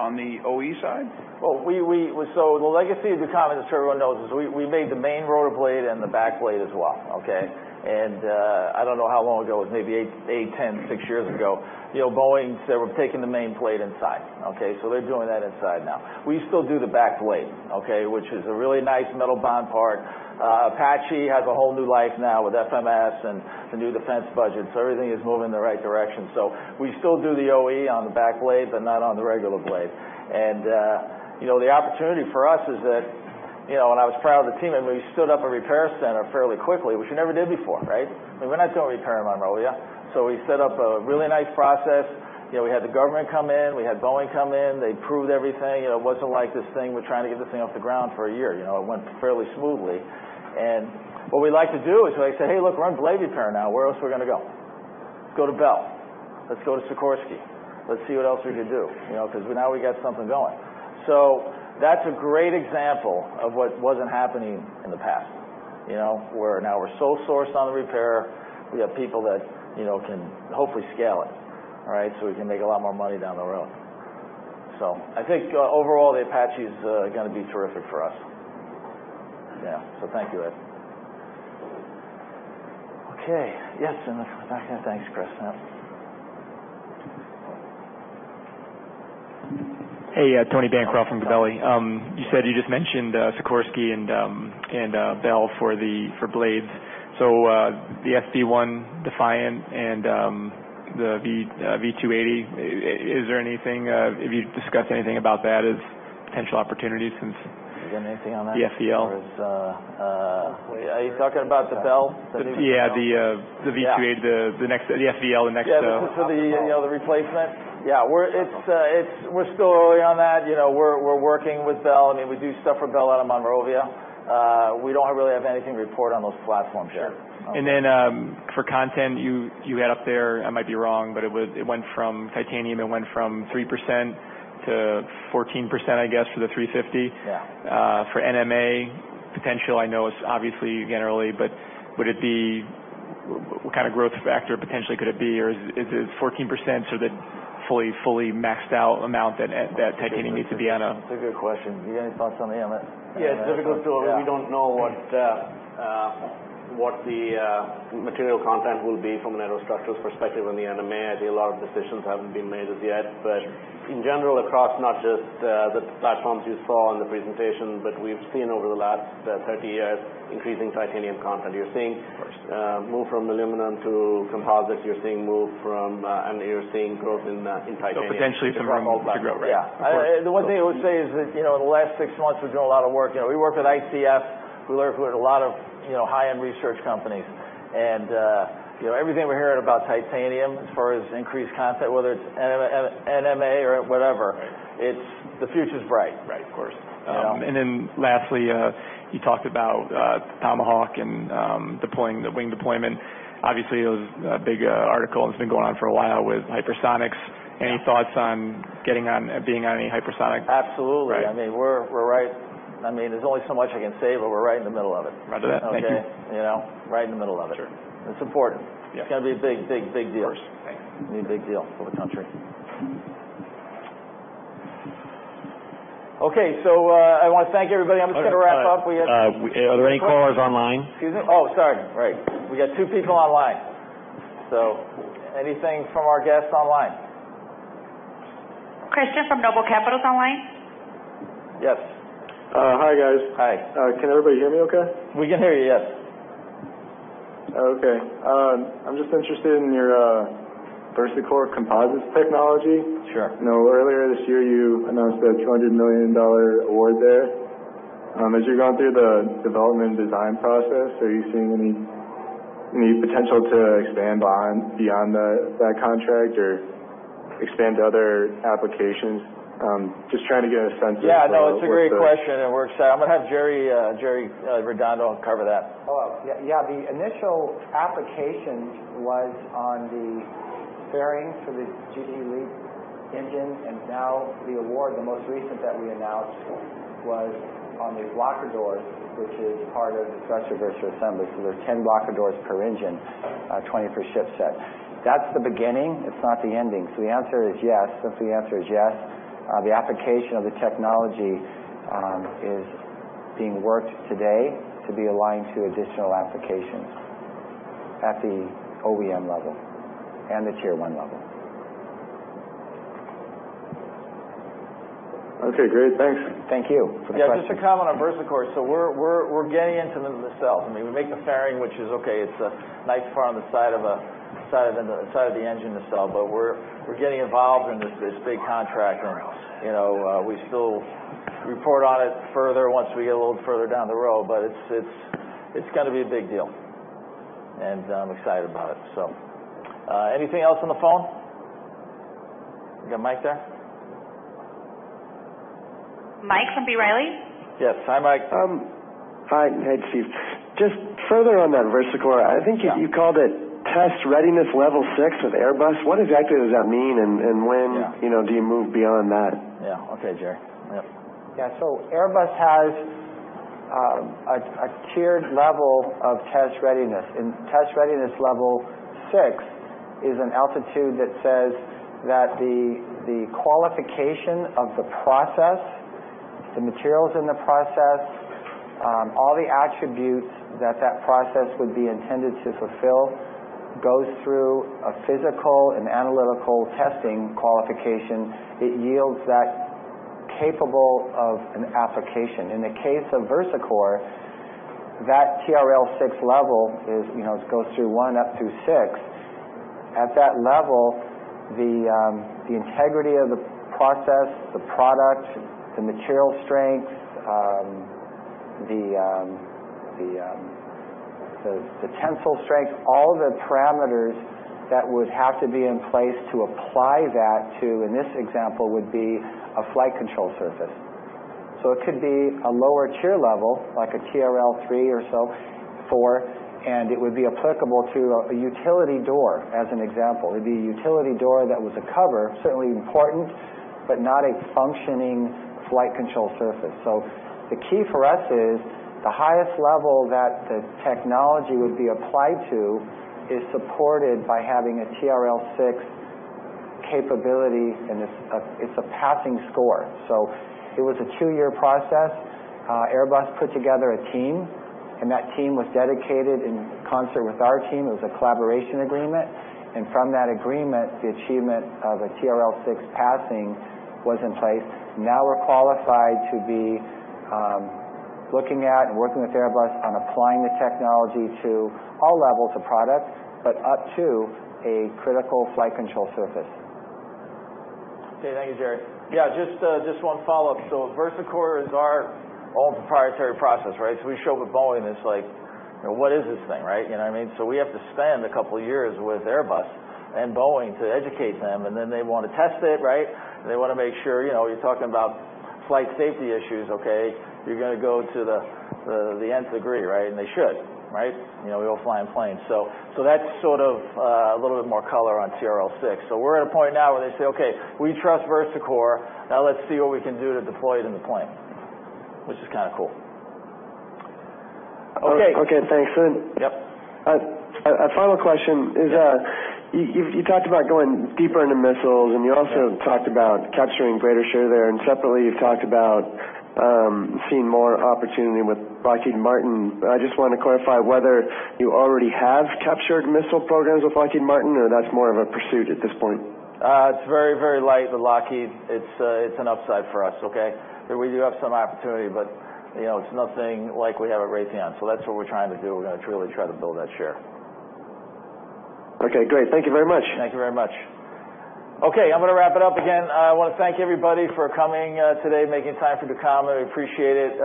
OE side? The legacy of the company, as everyone knows, is we made the main rotor blade and the back blade as well, okay? I don't know how long ago, it was maybe eight, 10, six years ago, Boeing said, "We're taking the main blade inside." Okay? They're doing that inside now. We still do the back blade, okay, which is a really nice metal bond part. Apache has a whole new life now with FMS and the new defense budget, everything is moving in the right direction. We still do the OE on the back blades, but not on the regular blades. The opportunity for us is that, and I was proud of the team, and we stood up a repair center fairly quickly, which we never did before, right? We're not doing repair in Monrovia. We set up a really nice process. We had the government come in, we had Boeing come in, they approved everything. It wasn't like this thing, we're trying to get this thing off the ground for a year. It went fairly smoothly. What we like to do is say, "Hey, look, we're on blade repair now. Where else are we going to go? Let's go to Bell. Let's go to Sikorsky. Let's see what else we can do." Because now we got something going. That's a great example of what wasn't happening in the past. Where now we're sole sourced on the repair. We have people that can hopefully scale it. All right? We can make a lot more money down the road. I think overall, the Apache's going to be terrific for us. Yeah. Thank you, Ed. Okay. Yes, in the back. Thanks, Chris. Hey, Tony Bancroft from Gabelli. You said you just mentioned Sikorsky and Bell for blades. The SB-1 Defiant and the V-280, have you discussed anything about that as potential opportunities? You got anything on that? The FVL? Are you talking about the Bell? Yeah, the V-280, the FVL. Yeah, the replacement? Yeah. We're still early on that. We're working with Bell. We do stuff for Bell out of Monrovia. We don't really have anything to report on those platforms yet. Sure. Then, for content, you had up there, I might be wrong, but it went from titanium, it went from 3%-14%, I guess, for the A350. Yeah. For NMA potential, I know it's obviously generally, but what kind of growth factor potentially could it be? Is it 14% sort of fully maxed out amount that titanium needs to be on a. That's a good question. You got any thoughts on the NMA? Yeah, it's difficult too, we don't know what the material content will be from an aerostructure perspective on the NMA. I think a lot of decisions haven't been made as yet. In general, across not just the platforms you saw in the presentation, but we've seen over the last 30 years increasing titanium content. You're seeing- Of course move from aluminum to composite, and you're seeing growth in titanium. Potentially some room to grow, right? Yeah. The one thing I would say is that, in the last six months, we've done a lot of work. We worked with ICF, we learned with a lot of high-end research companies. Everything we're hearing about titanium as far as increased content, whether it's NMA or whatever, the future's bright. Right. Of course. Yeah. Lastly, you talked about Tomahawk and the wing deployment. Obviously, it was a big article, and it's been going on for a while with hypersonics. Yeah. Any thoughts on being on any hypersonics? Absolutely. Right. There's only so much I can say, but we're right in the middle of it. Roger that. Thank you. Okay. Right in the middle of it. Sure. It's important. Yeah. It's going to be a big deal. Of course. Thanks. Be a big deal for the country. Okay, I want to thank everybody. I'm just going to wrap up. Are there any callers online? Excuse me? Sorry. Right. We got two people online. Anything from our guests online? Christian from Noble Capital's online. Yes. Hi, guys. Hi. Can everybody hear me okay? We can hear you, yes. Okay. I'm just interested in your VersaCore Composite technology. Sure. Earlier this year, you announced a $200 million award there. As you're going through the development and design process, are you seeing any potential to expand beyond that contract, or expand to other applications? Just trying to get a sense of. Yeah, no, it's a great question, and we're excited. I'm going to have Jerry Redondo cover that. Hello. Yeah, the initial application was on the fairing for the GE LEAP engines, and now the award, the most recent that we announced for was on the blocker doors, which is part of the structural virtual assembly. There's 10 blocker doors per engine, 20 per ship set. That's the beginning, it's not the ending. The answer is yes. Since the answer is yes, the application of the technology is being worked today to be aligned to additional applications at the OEM level and the tier 1 level. Okay, great. Thanks. Thank you for the question. Yeah, just to comment on VersaCore. We're getting into the cell. We make the fairing, which is okay. It's a nice part on the side of the engine itself. We're getting involved in this big contract. We still report on it further once we get a little further down the road, but it's going to be a big deal, and I'm excited about it. Anything else on the phone? We got Mike there. Mike from B. Riley. Yes. Hi, Mike. Hi. Hey, Steve. Just further on that VersaCore. Yeah. I think you called it test readiness level 6 with Airbus. What exactly does that mean, and when Yeah do you move beyond that? Yeah. Okay, Jerry. Yep. Yeah. Airbus has a tiered level of test readiness, and test readiness level 6 is an altitude that says that the qualification of the process, the materials in the process, all the attributes that process would be intended to fulfill, goes through a physical and analytical testing qualification. It yields that capable of an application. In the case of VersaCore, that TRL6 level, it goes through one up through six. At that level, the integrity of the process, the product, the material strength, the tensile strength, all the parameters that would have to be in place to apply that to, in this example, would be a flight control surface. It could be a lower tier level, like a TRL3 or so, four, and it would be applicable to a utility door, as an example. It'd be a utility door that was a cover, certainly important, but not a functioning flight control surface. The key for us is, the highest level that the technology would be applied to is supported by having a TRL6 capability, and it's a passing score. It was a two-year process. Airbus put together a team, and that team was dedicated in concert with our team. It was a collaboration agreement, and from that agreement, the achievement of a TRL6 passing was in place. We're qualified to be looking at and working with Airbus on applying the technology to all levels of products, but up to a critical flight control surface. Okay. Thank you, Jerry. Yeah, just one follow-up. VersaCore is our own proprietary process, right? We show up at Boeing, and it's like, "What is this thing?" You know what I mean? We have to spend a couple of years with Airbus and Boeing to educate them, and then they want to test it, right? They want to make sure. You're talking about flight safety issues, okay? You're going to go to the nth degree, right? They should. We all fly on planes. That's sort of a little bit more color on TRL6. We're at a point now where they say, "Okay, we trust VersaCore. Now let's see what we can do to deploy it in the plane." Which is kind of cool. Okay. Okay, thanks. Yep. A final question is- Yeah you talked about going deeper into missiles, and you also talked about capturing greater share there, and separately, you've talked about seeing more opportunity with Lockheed Martin. I just want to clarify whether you already have captured missile programs with Lockheed Martin, or that's more of a pursuit at this point. It's very light with Lockheed. It's an upside for us, okay? We do have some opportunity, but it's nothing like we have at Raytheon. That's what we're trying to do. We're going to truly try to build that share. Okay, great. Thank you very much. Thank you very much. Okay, I'm going to wrap it up again. I want to thank everybody for coming today, making time for Ducommun. We appreciate it.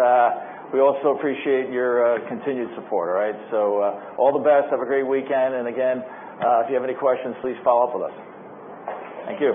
We also appreciate your continued support. All the best. Have a great weekend, and again, if you have any questions, please follow up with us. Thank you.